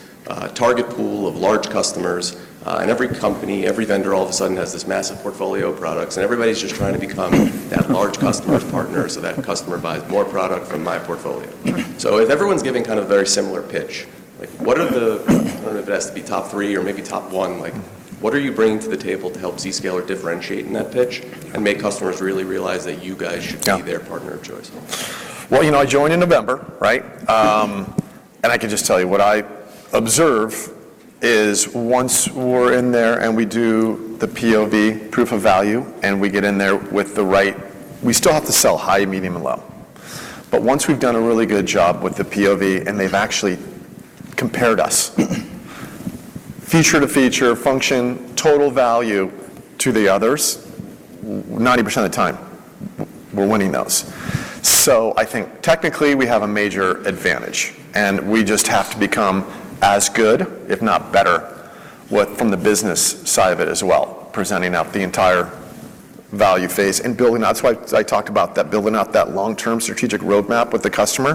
target pool of large customers, and every company, every vendor all of a sudden has this massive portfolio of products, and everybody's just trying to become that large customer's partner. So that customer buys more product from my portfolio. So if everyone's giving kind of a very similar pitch, what are the—I don't know if it has to be top three or maybe top one—what are you bringing to the table to help Zscaler differentiate in that pitch and make customers really realize that you guys should be their partner of choice? Well, I joined in November, right? And I can just tell you what I observe is once we're in there and we do the POV, proof of value, and we get in there with the right, we still have to sell high, medium, and low. But once we've done a really good job with the POV and they've actually compared us, feature to feature, function, total value to the others, 90% of the time, we're winning those. So I think technically we have a major advantage, and we just have to become as good, if not better, from the business side of it as well, presenting up the entire value phase and building, that's why I talked about that, building up that long-term strategic roadmap with the customer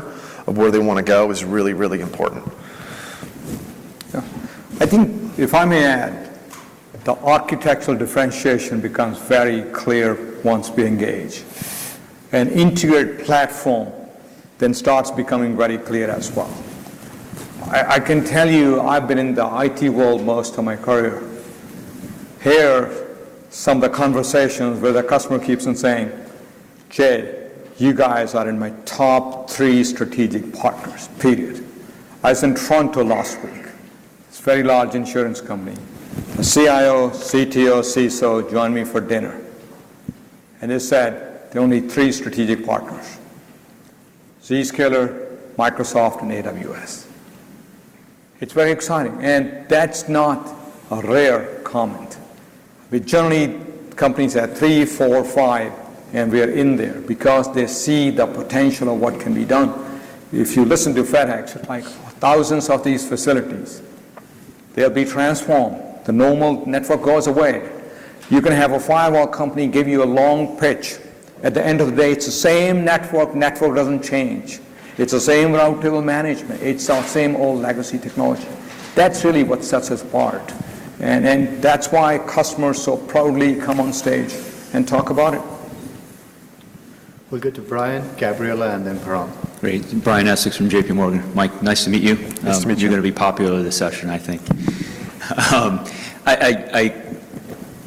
of where they want to go is really, really important. Yeah. I think if I may add, the architectural differentiation becomes very clear once we engage. An integrated platform then starts becoming very clear as well. I can tell you I've been in the IT world most of my career. Here, some of the conversations where the customer keeps on saying, "Jay, you guys are in my top three strategic partners," period. I was in Toronto last week. It's a very large insurance company. The CIO, CTO, CISO joined me for dinner. And they said they're only three strategic partners: Zscaler, Microsoft, and AWS. It's very exciting. And that's not a rare comment. We generally, companies have three, four, five, and we're in there because they see the potential of what can be done. If you listen to FedEx, it's like thousands of these facilities. They'll be transformed. The normal network goes away. You can have a firewall company give you a long pitch. At the end of the day, it's the same network. Network doesn't change. It's the same route table management. It's our same old legacy technology. That's really what sets us apart. And that's why customers so proudly come on stage and talk about it. We'll get to Brian, Gabriela, and then Param. Great. Brian Essex from JPMorgan. Mike, nice to meet you. Nice to meet you. You're going to be popular with this session, I think.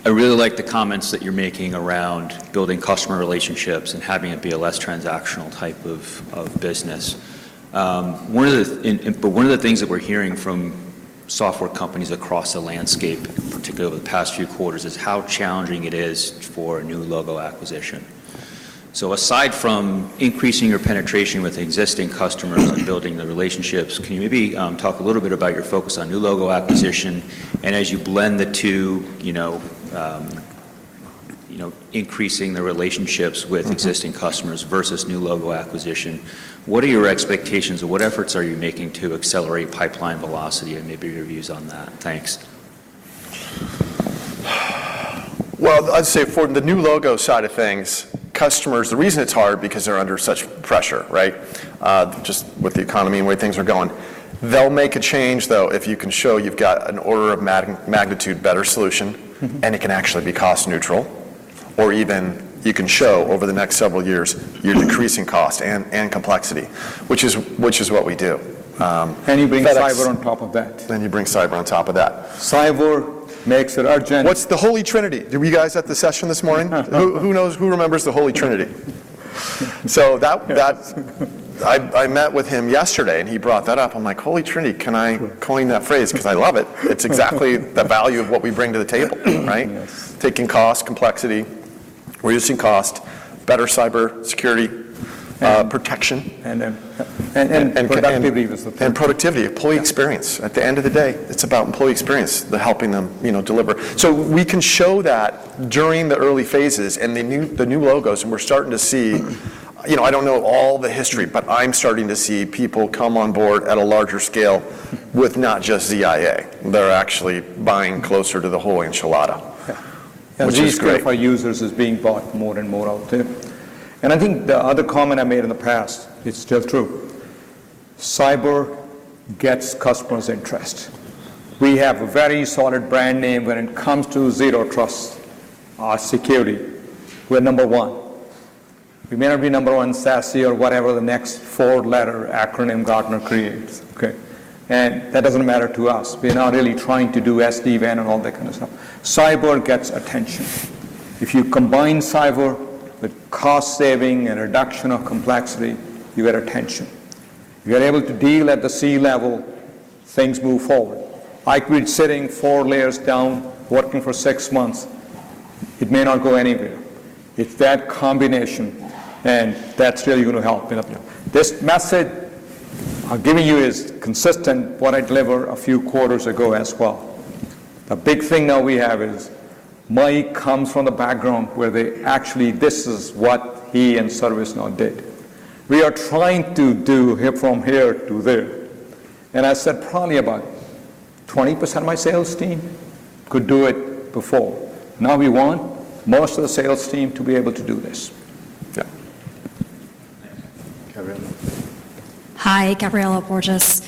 I really like the comments that you're making around building customer relationships and having it be a less transactional type of business. One of the things that we're hearing from software companies across the landscape, particularly over the past few quarters, is how challenging it is for a new logo acquisition. Aside from increasing your penetration with existing customers and building the relationships, can you maybe talk a little bit about your focus on new logo acquisition? As you blend the two, increasing the relationships with existing customers versus new logo acquisition, what are your expectations? What efforts are you making to accelerate pipeline velocity? Maybe your views on that. Thanks. Well, I'd say for the new logo side of things, customers, the reason it's hard is because they're under such pressure, right? Just with the economy and the way things are going. They'll make a change, though, if you can show you've got an order of magnitude better solution, and it can actually be cost-neutral. Or even you can show over the next several years, you're decreasing cost and complexity, which is what we do. You bring cyber on top of that. Then you bring cyber on top of that. Cyber makes it urgent. What's the Holy Trinity? Were you guys at the session this morning? Who remembers the Holy Trinity? So I met with him yesterday, and he brought that up. I'm like, "Holy Trinity, can I coin that phrase?" Because I love it. It's exactly the value of what we bring to the table, right? Taking cost, complexity, reducing cost, better cybersecurity, protection. Productivity was the thing. Productivity, employee experience. At the end of the day, it's about employee experience, helping them deliver. We can show that during the early phases and the new logos, and we're starting to see, I don't know all the history, but I'm starting to see people come on board at a larger scale with not just ZIA. They're actually buying closer to the whole enchilada. Yeah. Which is great. Our users are being brought more and more out there. And I think the other comment I made in the past, it's still true. Cyber gets customers' interest. We have a very solid brand name when it comes to Zero Trust, our security. We're number one. We may not be number one SASE or whatever the next four-letter acronym Gartner creates. Okay. And that doesn't matter to us. We're not really trying to do SD-WAN and all that kind of stuff. Cyber gets attention. If you combine cyber with cost saving and reduction of complexity, you get attention. You're able to deal at the C-level. Things move forward. I could be sitting four layers down, working for six months. It may not go anywhere. It's that combination, and that's really going to help. This message I'm giving you is consistent with what I delivered a few quarters ago as well. The big thing now we have is Mike comes from the background where they actually—this is what he and ServiceNow did. We are trying to do from here to there. I said probably about 20% of my sales team could do it before. Now we want most of the sales team to be able to do this. Yeah. Gabriela? Hi, Gabriela Borges.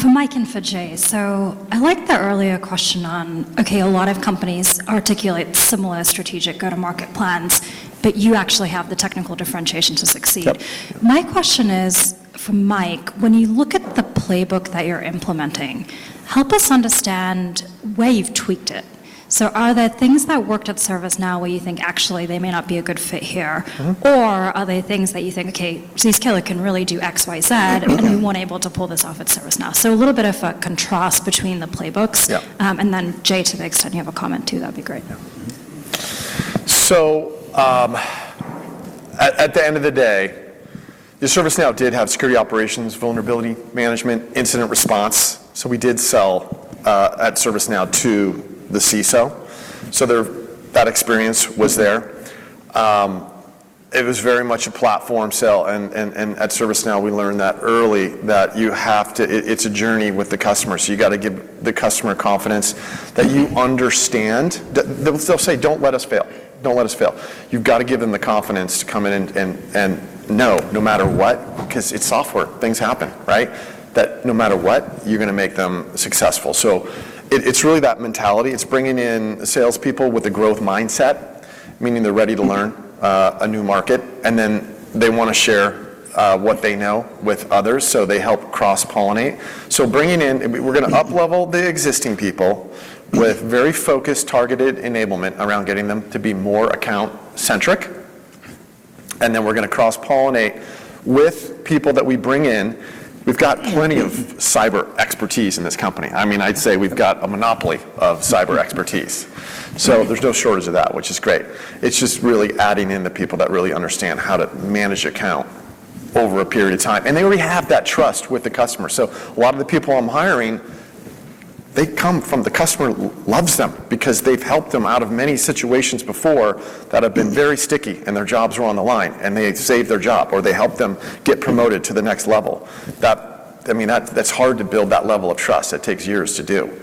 For Mike and for Jay, so I like the earlier question on, okay, a lot of companies articulate similar strategic go-to-market plans, but you actually have the technical differentiation to succeed. My question is for Mike, when you look at the playbook that you're implementing, help us understand where you've tweaked it. So are there things that worked at ServiceNow where you think, actually, they may not be a good fit here? Or are there things that you think, okay, Zscaler can really do X, Y, Z, and you weren't able to pull this off at ServiceNow? So a little bit of a contrast between the playbooks. And then Jay, to the extent you have a comment too, that'd be great. So at the end of the day, ServiceNow did have security operations, vulnerability management, incident response. So we did sell at ServiceNow to the CISO. So that experience was there. It was very much a platform sale. And at ServiceNow, we learned that early that you have to, it's a journey with the customer. So you got to give the customer confidence that you understand. They'll say, "Don't let us fail. Don't let us fail." You've got to give them the confidence to come in and know no matter what, because it's software. Things happen, right? That no matter what, you're going to make them successful. So it's really that mentality. It's bringing in salespeople with a growth mindset, meaning they're ready to learn a new market, and then they want to share what they know with others so they help cross-pollinate. So, bringing in, we're going to uplevel the existing people with very focused, targeted enablement around getting them to be more account-centric. And then we're going to cross-pollinate with people that we bring in. We've got plenty of cyber expertise in this company. I mean, I'd say we've got a monopoly of cyber expertise. So there's no shortage of that, which is great. It's just really adding in the people that really understand how to manage account over a period of time. And they already have that trust with the customer. So a lot of the people I'm hiring, they come from the customer loves them because they've helped them out of many situations before that have been very sticky and their jobs were on the line, and they saved their job or they helped them get promoted to the next level. I mean, that's hard to build that level of trust. It takes years to do.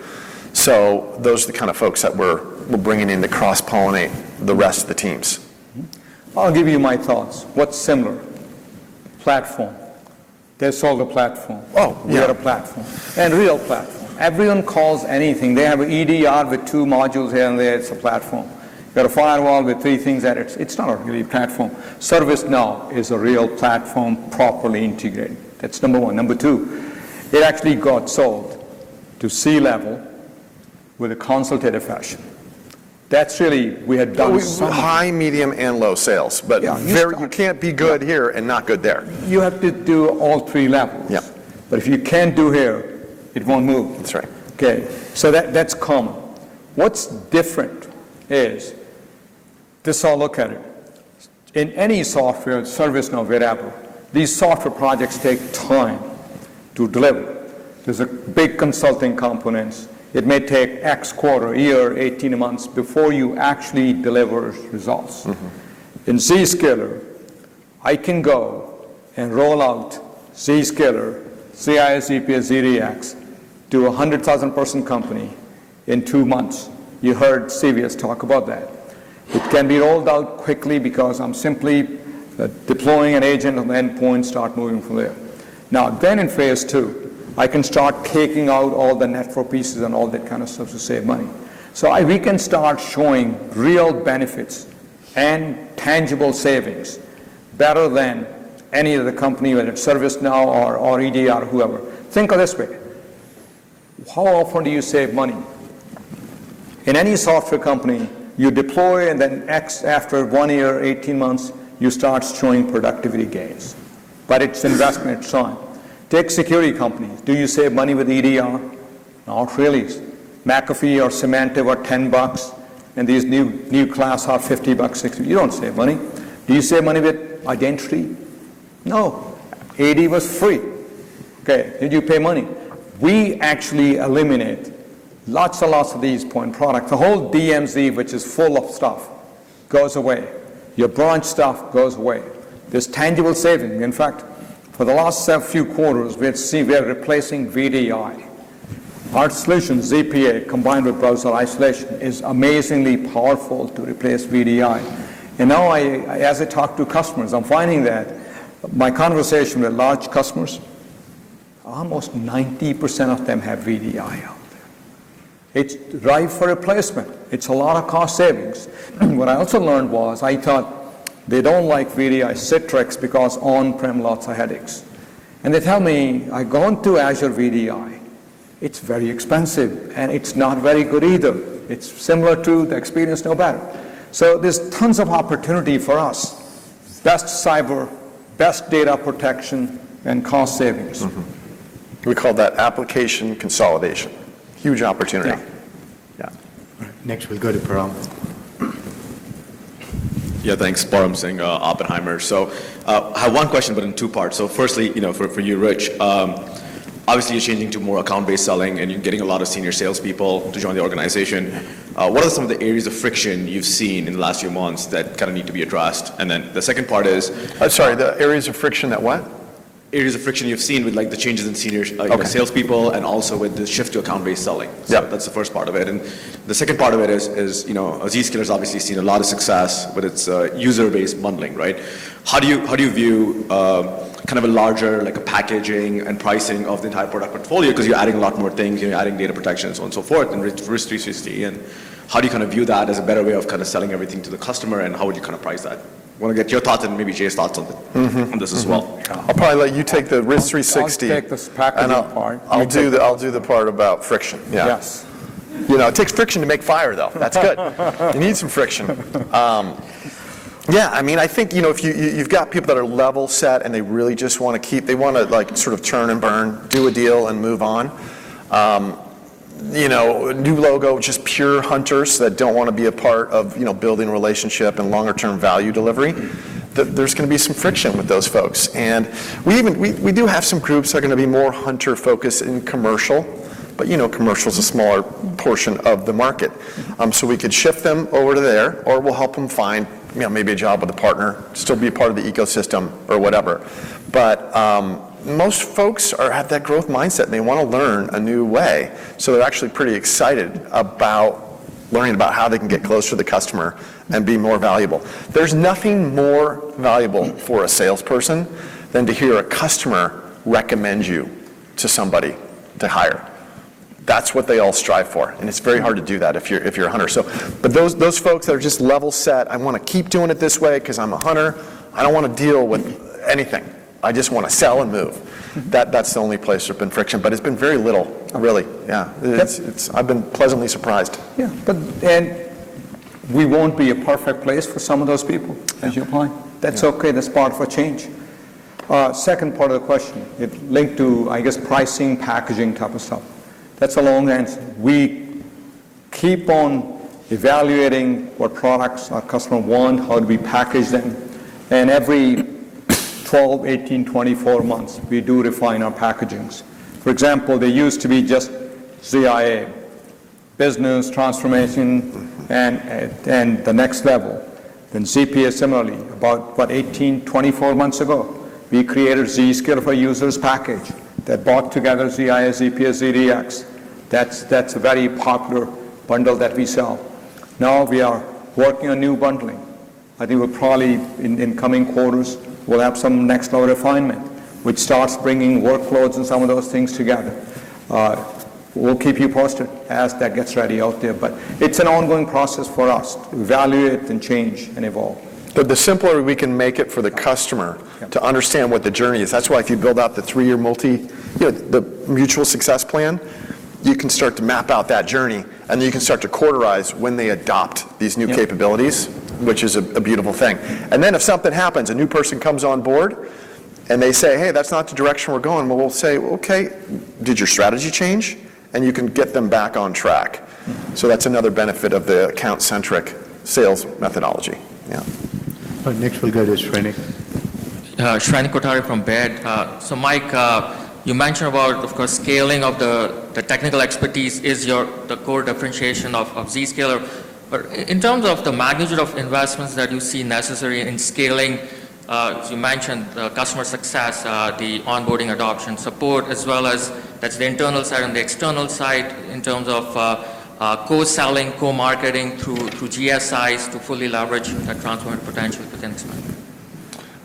So those are the kind of folks that we're bringing in to cross-pollinate the rest of the teams. I'll give you my thoughts. What's similar? Platform. They sold a platform. We had a platform. And real platform. Everyone calls anything. They have an EDR with two modules here and there. It's a platform. You got a firewall with three things that it's not a real platform. ServiceNow is a real platform properly integrated. That's number one. Number two, it actually got sold to C-level with a consultative fashion. That's really we had done some. High, medium, and low sales. But you can't be good here and not good there. You have to do all three levels. If you can't do here, it won't move. That's right. Okay. So that's common. What's different is this - I'll look at it. In any software, ServiceNow is available. These software projects take time to deliver. There's a big consulting component. It may take X quarter, year, 18 months before you actually deliver results. In Zscaler, I can go and roll out Zscaler, ZIA, ZPA, ZDX to a 100,000-person company in two months. You heard CVS talk about that. It can be rolled out quickly because I'm simply deploying an agent on the endpoint, start moving from there. Now, then in phase two, I can start taking out all the network pieces and all that kind of stuff to save money. So we can start showing real benefits and tangible savings better than any other company with ServiceNow or EDR, whoever. Think of it this way. How often do you save money? In any software company, you deploy and then X after 1 year, 18 months, you start showing productivity gains. But it's investment time. Take security companies. Do you save money with EDR? Not really. McAfee or Symantec were $10, and these new class are $50, $60. You don't save money. Do you save money with identity? No. AD was free. Okay. Did you pay money? We actually eliminate lots and lots of these point products. The whole DMZ, which is full of stuff, goes away. Your branch stuff goes away. There's tangible saving. In fact, for the last few quarters, we're replacing VDI. Our solution, ZPA, combined with browser isolation, is amazingly powerful to replace VDI. And now, as I talk to customers, I'm finding that my conversation with large customers, almost 90% of them have VDI out there. It's ripe for replacement. It's a lot of cost savings. What I also learned was I thought they don't like VDI Citrix because on-prem lots of headaches. And they tell me, "I've gone to Azure VDI. It's very expensive, and it's not very good either. It's similar to the experience, no better." So there's tons of opportunity for us. Best cyber, best data protection, and cost savings. We call that application consolidation. Huge opportunity. Yeah. Yeah. All right. Next, we'll go to Param. Yeah, thanks. Param Singh, Oppenheimer. So I have one question, but in two parts. So firstly, for you, Rich, obviously, you're changing to more account-based selling, and you're getting a lot of senior salespeople to join the organization. What are some of the areas of friction you've seen in the last few months that kind of need to be addressed? And then the second part is. Sorry, the areas of friction that what? Areas of friction you've seen with the changes in senior salespeople and also with the shift to account-based selling. So that's the first part of it. And the second part of it is Zscaler has obviously seen a lot of success with its user-based bundling, right? How do you view kind of a larger packaging and pricing of the entire product portfolio because you're adding a lot more things and you're adding data protection, so on and so forth, and Risk360? And how do you kind of view that as a better way of kind of selling everything to the customer, and how would you kind of price that? Want to get your thoughts and maybe Jay's thoughts on this as well. I'll probably let you take the Risk360. I'll take this packaging part. I'll do the part about friction. Yes. It takes friction to make fire, though. That's good. You need some friction. Yeah. I mean, I think if you've got people that are level set and they really just want to keep—they want to sort of turn and burn, do a deal, and move on. New logo, just pure hunters that don't want to be a part of building a relationship and longer-term value delivery. There's going to be some friction with those folks. And we do have some groups that are going to be more hunter-focused in commercial, but commercial is a smaller portion of the market. So we could shift them over to there, or we'll help them find maybe a job with a partner, still be a part of the ecosystem, or whatever. But most folks have that growth mindset, and they want to learn a new way. They're actually pretty excited about learning about how they can get closer to the customer and be more valuable. There's nothing more valuable for a salesperson than to hear a customer recommend you to somebody to hire. That's what they all strive for. It's very hard to do that if you're a hunter. Those folks that are just level set, "I want to keep doing it this way because I'm a hunter. I don't want to deal with anything. I just want to sell and move." That's the only place there's been friction. It's been very little, really. Yeah. I've been pleasantly surprised. Yeah. We won't be a perfect place for some of those people as you're applying. That's okay. That's part of a change. Second part of the question, it linked to, I guess, pricing, packaging type of stuff. That's a long answer. We keep on evaluating what products our customers want, how do we package them. And every 12, 18, 24 months, we do refine our packagings. For example, they used to be just ZIA, business, transformation, and the next level. Then ZPA, similarly, about 18, 24 months ago, we created Zscaler for Users package that brought together ZIA, ZPA, ZDX. That's a very popular bundle that we sell. Now we are working on new bundling. I think we'll probably, in coming quarters, we'll have some next-level refinement, which starts bringing workloads and some of those things together. We'll keep you posted as that gets ready out there. But it's an ongoing process for us to evaluate and change and evolve. But the simpler we can make it for the customer to understand what the journey is. That's why if you build out the three-year multi-the mutual success plan, you can start to map out that journey, and then you can start to quarterize when they adopt these new capabilities, which is a beautiful thing. And then if something happens, a new person comes on board, and they say, "Hey, that's not the direction we're going," well, we'll say, "Okay, did your strategy change?" And you can get them back on track. So that's another benefit of the account-centric sales methodology. Yeah. Next, we'll go to Shrenik. Shrenik Kothari from Baird. So Mike, you mentioned about, of course, scaling of the technical expertise is the core differentiation of Zscaler. But in terms of the magnitude of investments that you see necessary in scaling, as you mentioned, the customer success, the onboarding adoption support, as well as that's the internal side and the external side in terms of co-selling, co-marketing through GSIs to fully leverage that transformative potential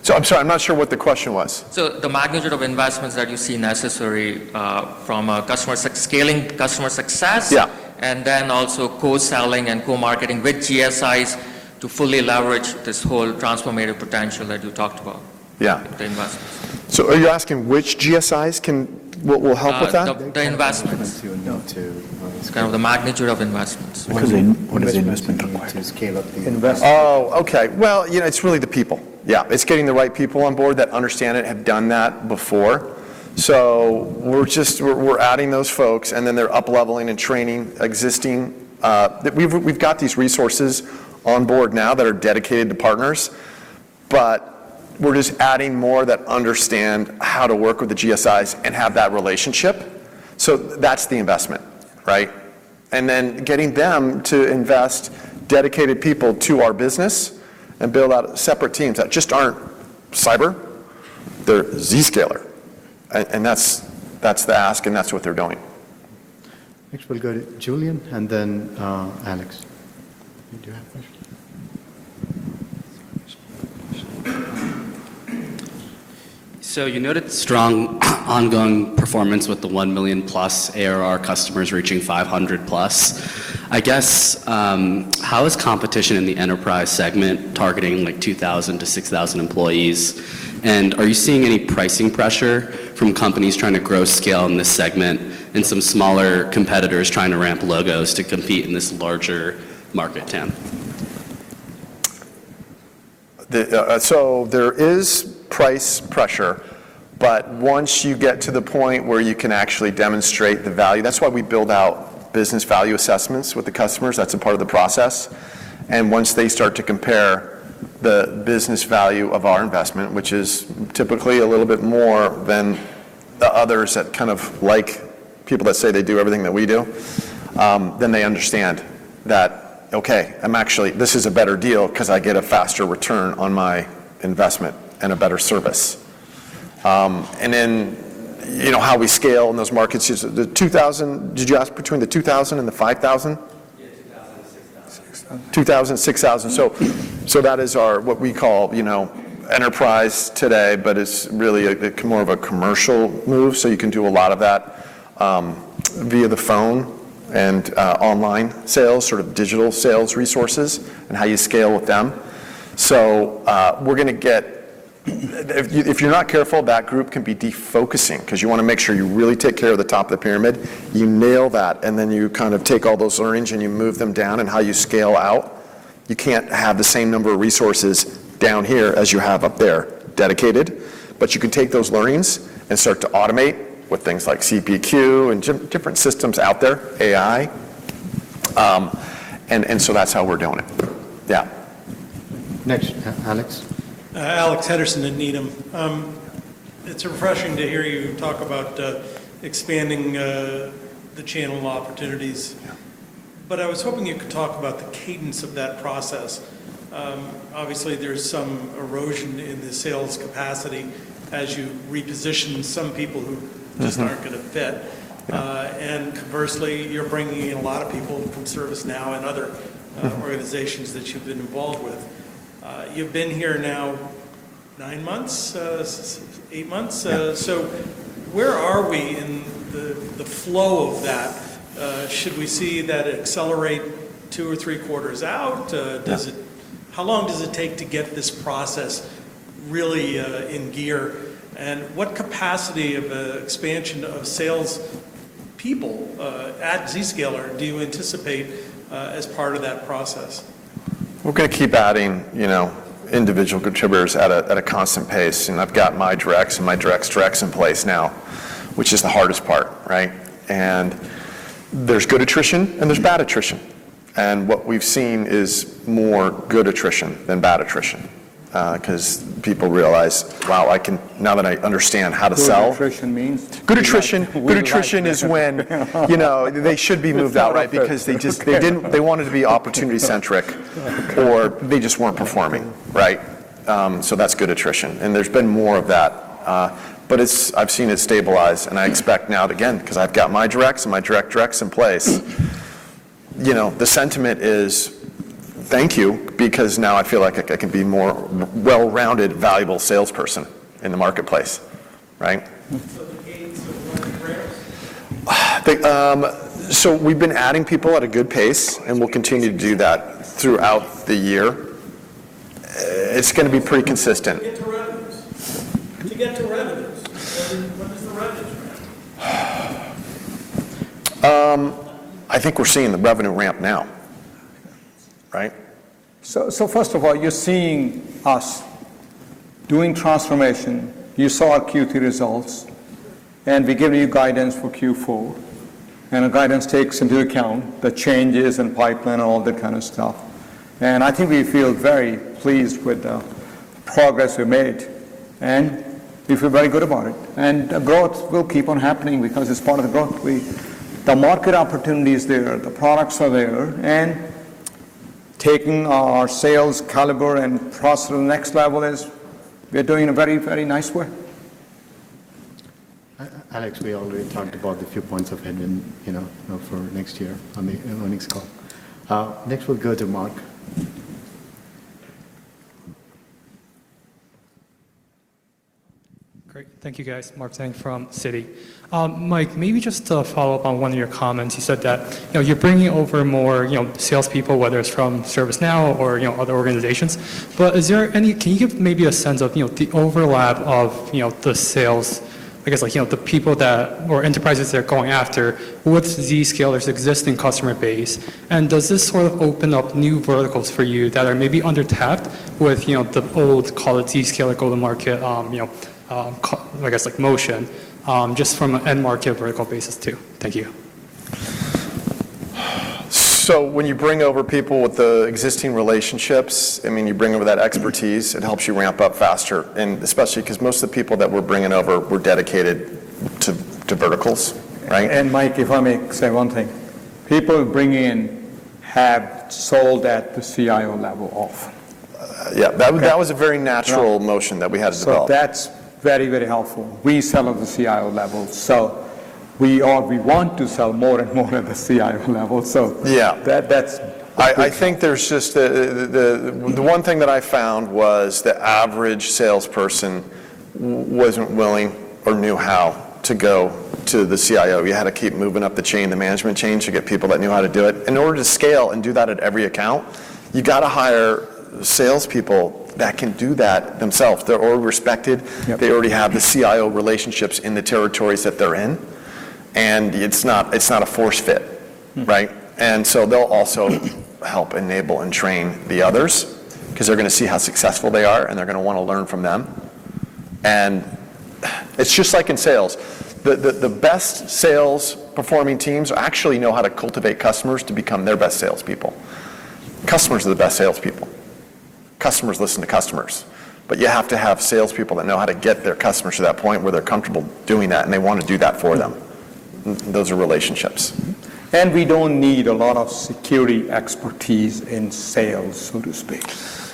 potentially. I'm sorry, I'm not sure what the question was. The magnitude of investments that you see necessary from scaling customer success and then also co-selling and co-marketing with GSIs to fully leverage this whole transformative potential that you talked about with the investments. Are you asking which GSIs will help with that? The investments. It's kind of the magnitude of investments. What is investment required? Oh, okay. Well, it's really the people. Yeah. It's getting the right people on board that understand it, have done that before. So we're adding those folks, and then they're upleveling and training existing. We've got these resources on board now that are dedicated to partners, but we're just adding more that understand how to work with the GSIs and have that relationship. So that's the investment, right? And then getting them to invest dedicated people to our business and build out separate teams that just aren't cyber. They're Zscaler. And that's the ask, and that's what they're doing. Next, we'll go to Julian and then Alex. Do you have a question? You noted strong ongoing performance with the 1 million+ ARR customers reaching 500+. I guess, how is competition in the enterprise segment targeting 2,000-6,000 employees? And are you seeing any pricing pressure from companies trying to grow scale in this segment and some smaller competitors trying to ramp logos to compete in this larger market, team? So there is price pressure, but once you get to the point where you can actually demonstrate the value, that's why we build out business value assessments with the customers. That's a part of the process. And once they start to compare the business value of our investment, which is typically a little bit more than the others that kind of like people that say they do everything that we do, then they understand that, "Okay, this is a better deal because I get a faster return on my investment and a better service." And then how we scale in those markets is the 2,000. Did you ask between the 2,000 and the 5,000? Yeah, 2,000 and 6,000. 2,000, 6,000. That is what we call enterprise today, but it's really more of a commercial move. You can do a lot of that via the phone and online sales, sort of digital sales resources, and how you scale with them. We're going to get—if you're not careful, that group can be defocusing because you want to make sure you really take care of the top of the pyramid. You nail that, and then you kind of take all those learnings and you move them down. How you scale out, you can't have the same number of resources down here as you have up there dedicated, but you can take those learnings and start to automate with things like CPQ and different systems out there, AI. That's how we're doing it. Yeah. Next, Alex. Alex Henderson at Needham. It's refreshing to hear you talk about expanding the channel opportunities. But I was hoping you could talk about the cadence of that process. Obviously, there's some erosion in the sales capacity as you reposition some people who just aren't going to fit. And conversely, you're bringing in a lot of people from ServiceNow and other organizations that you've been involved with. You've been here now nine months, eight months. So where are we in the flow of that? Should we see that accelerate 2 or 3 quarters out? How long does it take to get this process really in gear? And what capacity of expansion of salespeople at Zscaler do you anticipate as part of that process? We're going to keep adding individual contributors at a constant pace. And I've got my directs and my direct's directs in place now, which is the hardest part, right? And there's good attrition, and there's bad attrition. And what we've seen is more good attrition than bad attrition because people realize, "Wow, now that I understand how to sell. Good attrition means? Good attrition is when they should be moved out because they wanted to be opportunity-centric, or they just weren't performing, right? So that's good attrition. And there's been more of that. But I've seen it stabilize. And I expect now, again, because I've got my directs and my direct's directs in place, the sentiment is, "Thank you," because now I feel like I can be a more well-rounded, valuable salesperson in the marketplace, right? So the cadence of growth is rare? We've been adding people at a good pace, and we'll continue to do that throughout the year. It's going to be pretty consistent. To get to revenues. To get to revenues, when does the revenue ramp? I think we're seeing the revenue ramp now, right? So first of all, you're seeing us doing transformation. You saw our Q3 results, and we're giving you guidance for Q4. Our guidance takes into account the changes in pipeline and all that kind of stuff. I think we feel very pleased with the progress we've made. We feel very good about it. Growth will keep on happening because it's part of the growth. The market opportunity is there. The products are there. Taking our sales caliber and process to the next level is we're doing it in a very, very nice way. Alex, we already talked about a few points of headwind for next year on the earnings call. Next, we'll go to Mark. Great. Thank you, guys. Mark Zhang from Citi. Mike, maybe just to follow up on one of your comments. You said that you're bringing over more salespeople, whether it's from ServiceNow or other organizations. But can you give maybe a sense of the overlap of the sales, I guess, the people that or enterprises they're going after with Zscaler's existing customer base? And does this sort of open up new verticals for you that are maybe undertapped with the old, call it Zscaler, go-to-market, I guess, like motion, just from an end-market vertical basis too? Thank you. So when you bring over people with the existing relationships, I mean, you bring over that expertise, it helps you ramp up faster, especially because most of the people that we're bringing over were dedicated to verticals, right? Mike, if I may say one thing, people we're bringing in have sold at the CIO level often. Yeah. That was a very natural motion that we had to develop. So that's very, very helpful. We sell at the CIO level. So we want to sell more and more at the CIO level. So that's. I think there's just the one thing that I found was the average salesperson wasn't willing or knew how to go to the CIO. You had to keep moving up the chain, the management chain to get people that knew how to do it. In order to scale and do that at every account, you got to hire salespeople that can do that themselves. They're already respected. They already have the CIO relationships in the territories that they're in. And it's not a force fit, right? And so they'll also help enable and train the others because they're going to see how successful they are, and they're going to want to learn from them. And it's just like in sales. The best sales-performing teams actually know how to cultivate customers to become their best salespeople. Customers are the best salespeople. Customers listen to customers. But you have to have salespeople that know how to get their customers to that point where they're comfortable doing that, and they want to do that for them. Those are relationships. We don't need a lot of security expertise in sales, so to speak.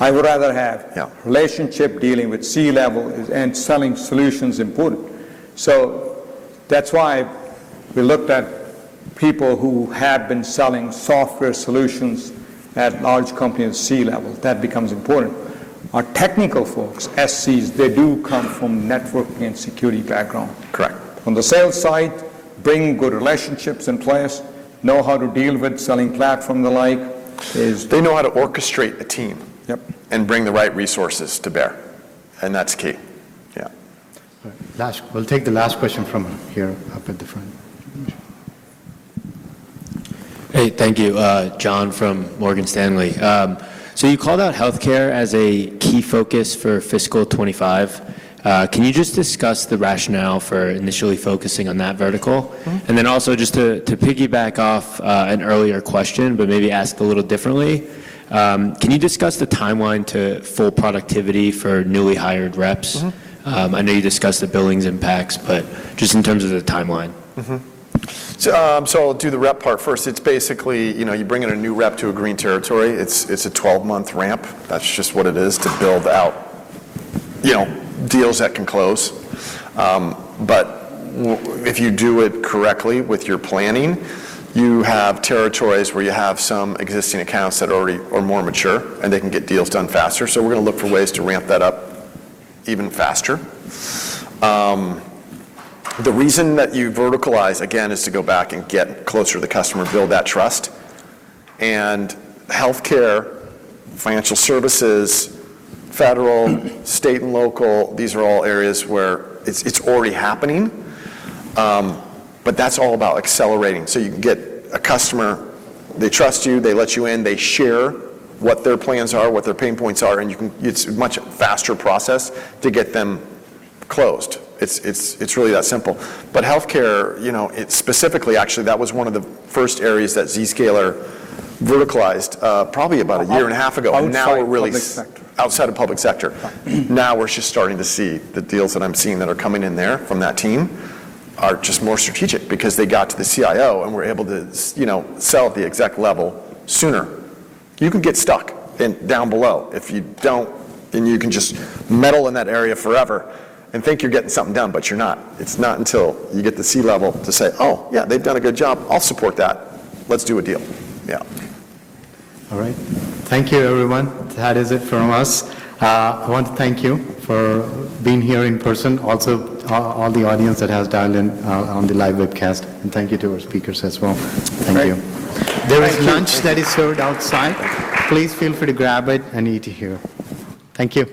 I would rather have relationship dealing with C-level and selling solutions important. So that's why we looked at people who have been selling software solutions at large companies C-level. That becomes important. Our technical folks, SCs, they do come from networking and security background. Correct. On the sales side, bring good relationships in place, know how to deal with selling platforms and the like. They know how to orchestrate a team and bring the right resources to bear. That's key. Yeah. We'll take the last question from here up at the front. Hey, thank you, John, from Morgan Stanley. So you called out healthcare as a key focus for fiscal 2025. Can you just discuss the rationale for initially focusing on that vertical? And then also just to piggyback off an earlier question, but maybe ask a little differently, can you discuss the timeline to full productivity for newly hired reps? I know you discussed the billings impacts, but just in terms of the timeline. I'll do the rep part first. It's basically you bring in a new rep to a green territory. It's a 12-month ramp. That's just what it is to build out deals that can close. But if you do it correctly with your planning, you have territories where you have some existing accounts that are more mature, and they can get deals done faster. So we're going to look for ways to ramp that up even faster. The reason that you verticalize, again, is to go back and get closer to the customer, build that trust. And healthcare, financial services, federal, state, and local, these are all areas where it's already happening. But that's all about accelerating. So you can get a customer, they trust you, they let you in, they share what their plans are, what their pain points are, and it's a much faster process to get them closed. It's really that simple. But healthcare, specifically, actually, that was one of the first areas that Zscaler verticalized probably about a year and a half ago. And now we're really outside of public sector. Now we're just starting to see the deals that I'm seeing that are coming in there from that team are just more strategic because they got to the CIO and were able to sell at the exact level sooner. You can get stuck down below if you don't, and you can just meddle in that area forever and think you're getting something done, but you're not. It's not until you get to C-level to say, "Oh, yeah, they've done a good job. I'll support that. Let's do a deal." Yeah. All right. Thank you, everyone. That is it from us. I want to thank you for being here in person. Also, all the audience that has dialed in on the live webcast. Thank you to our speakers as well. Thank you. There is lunch that is served outside. Please feel free to grab it and eat here. Thank you.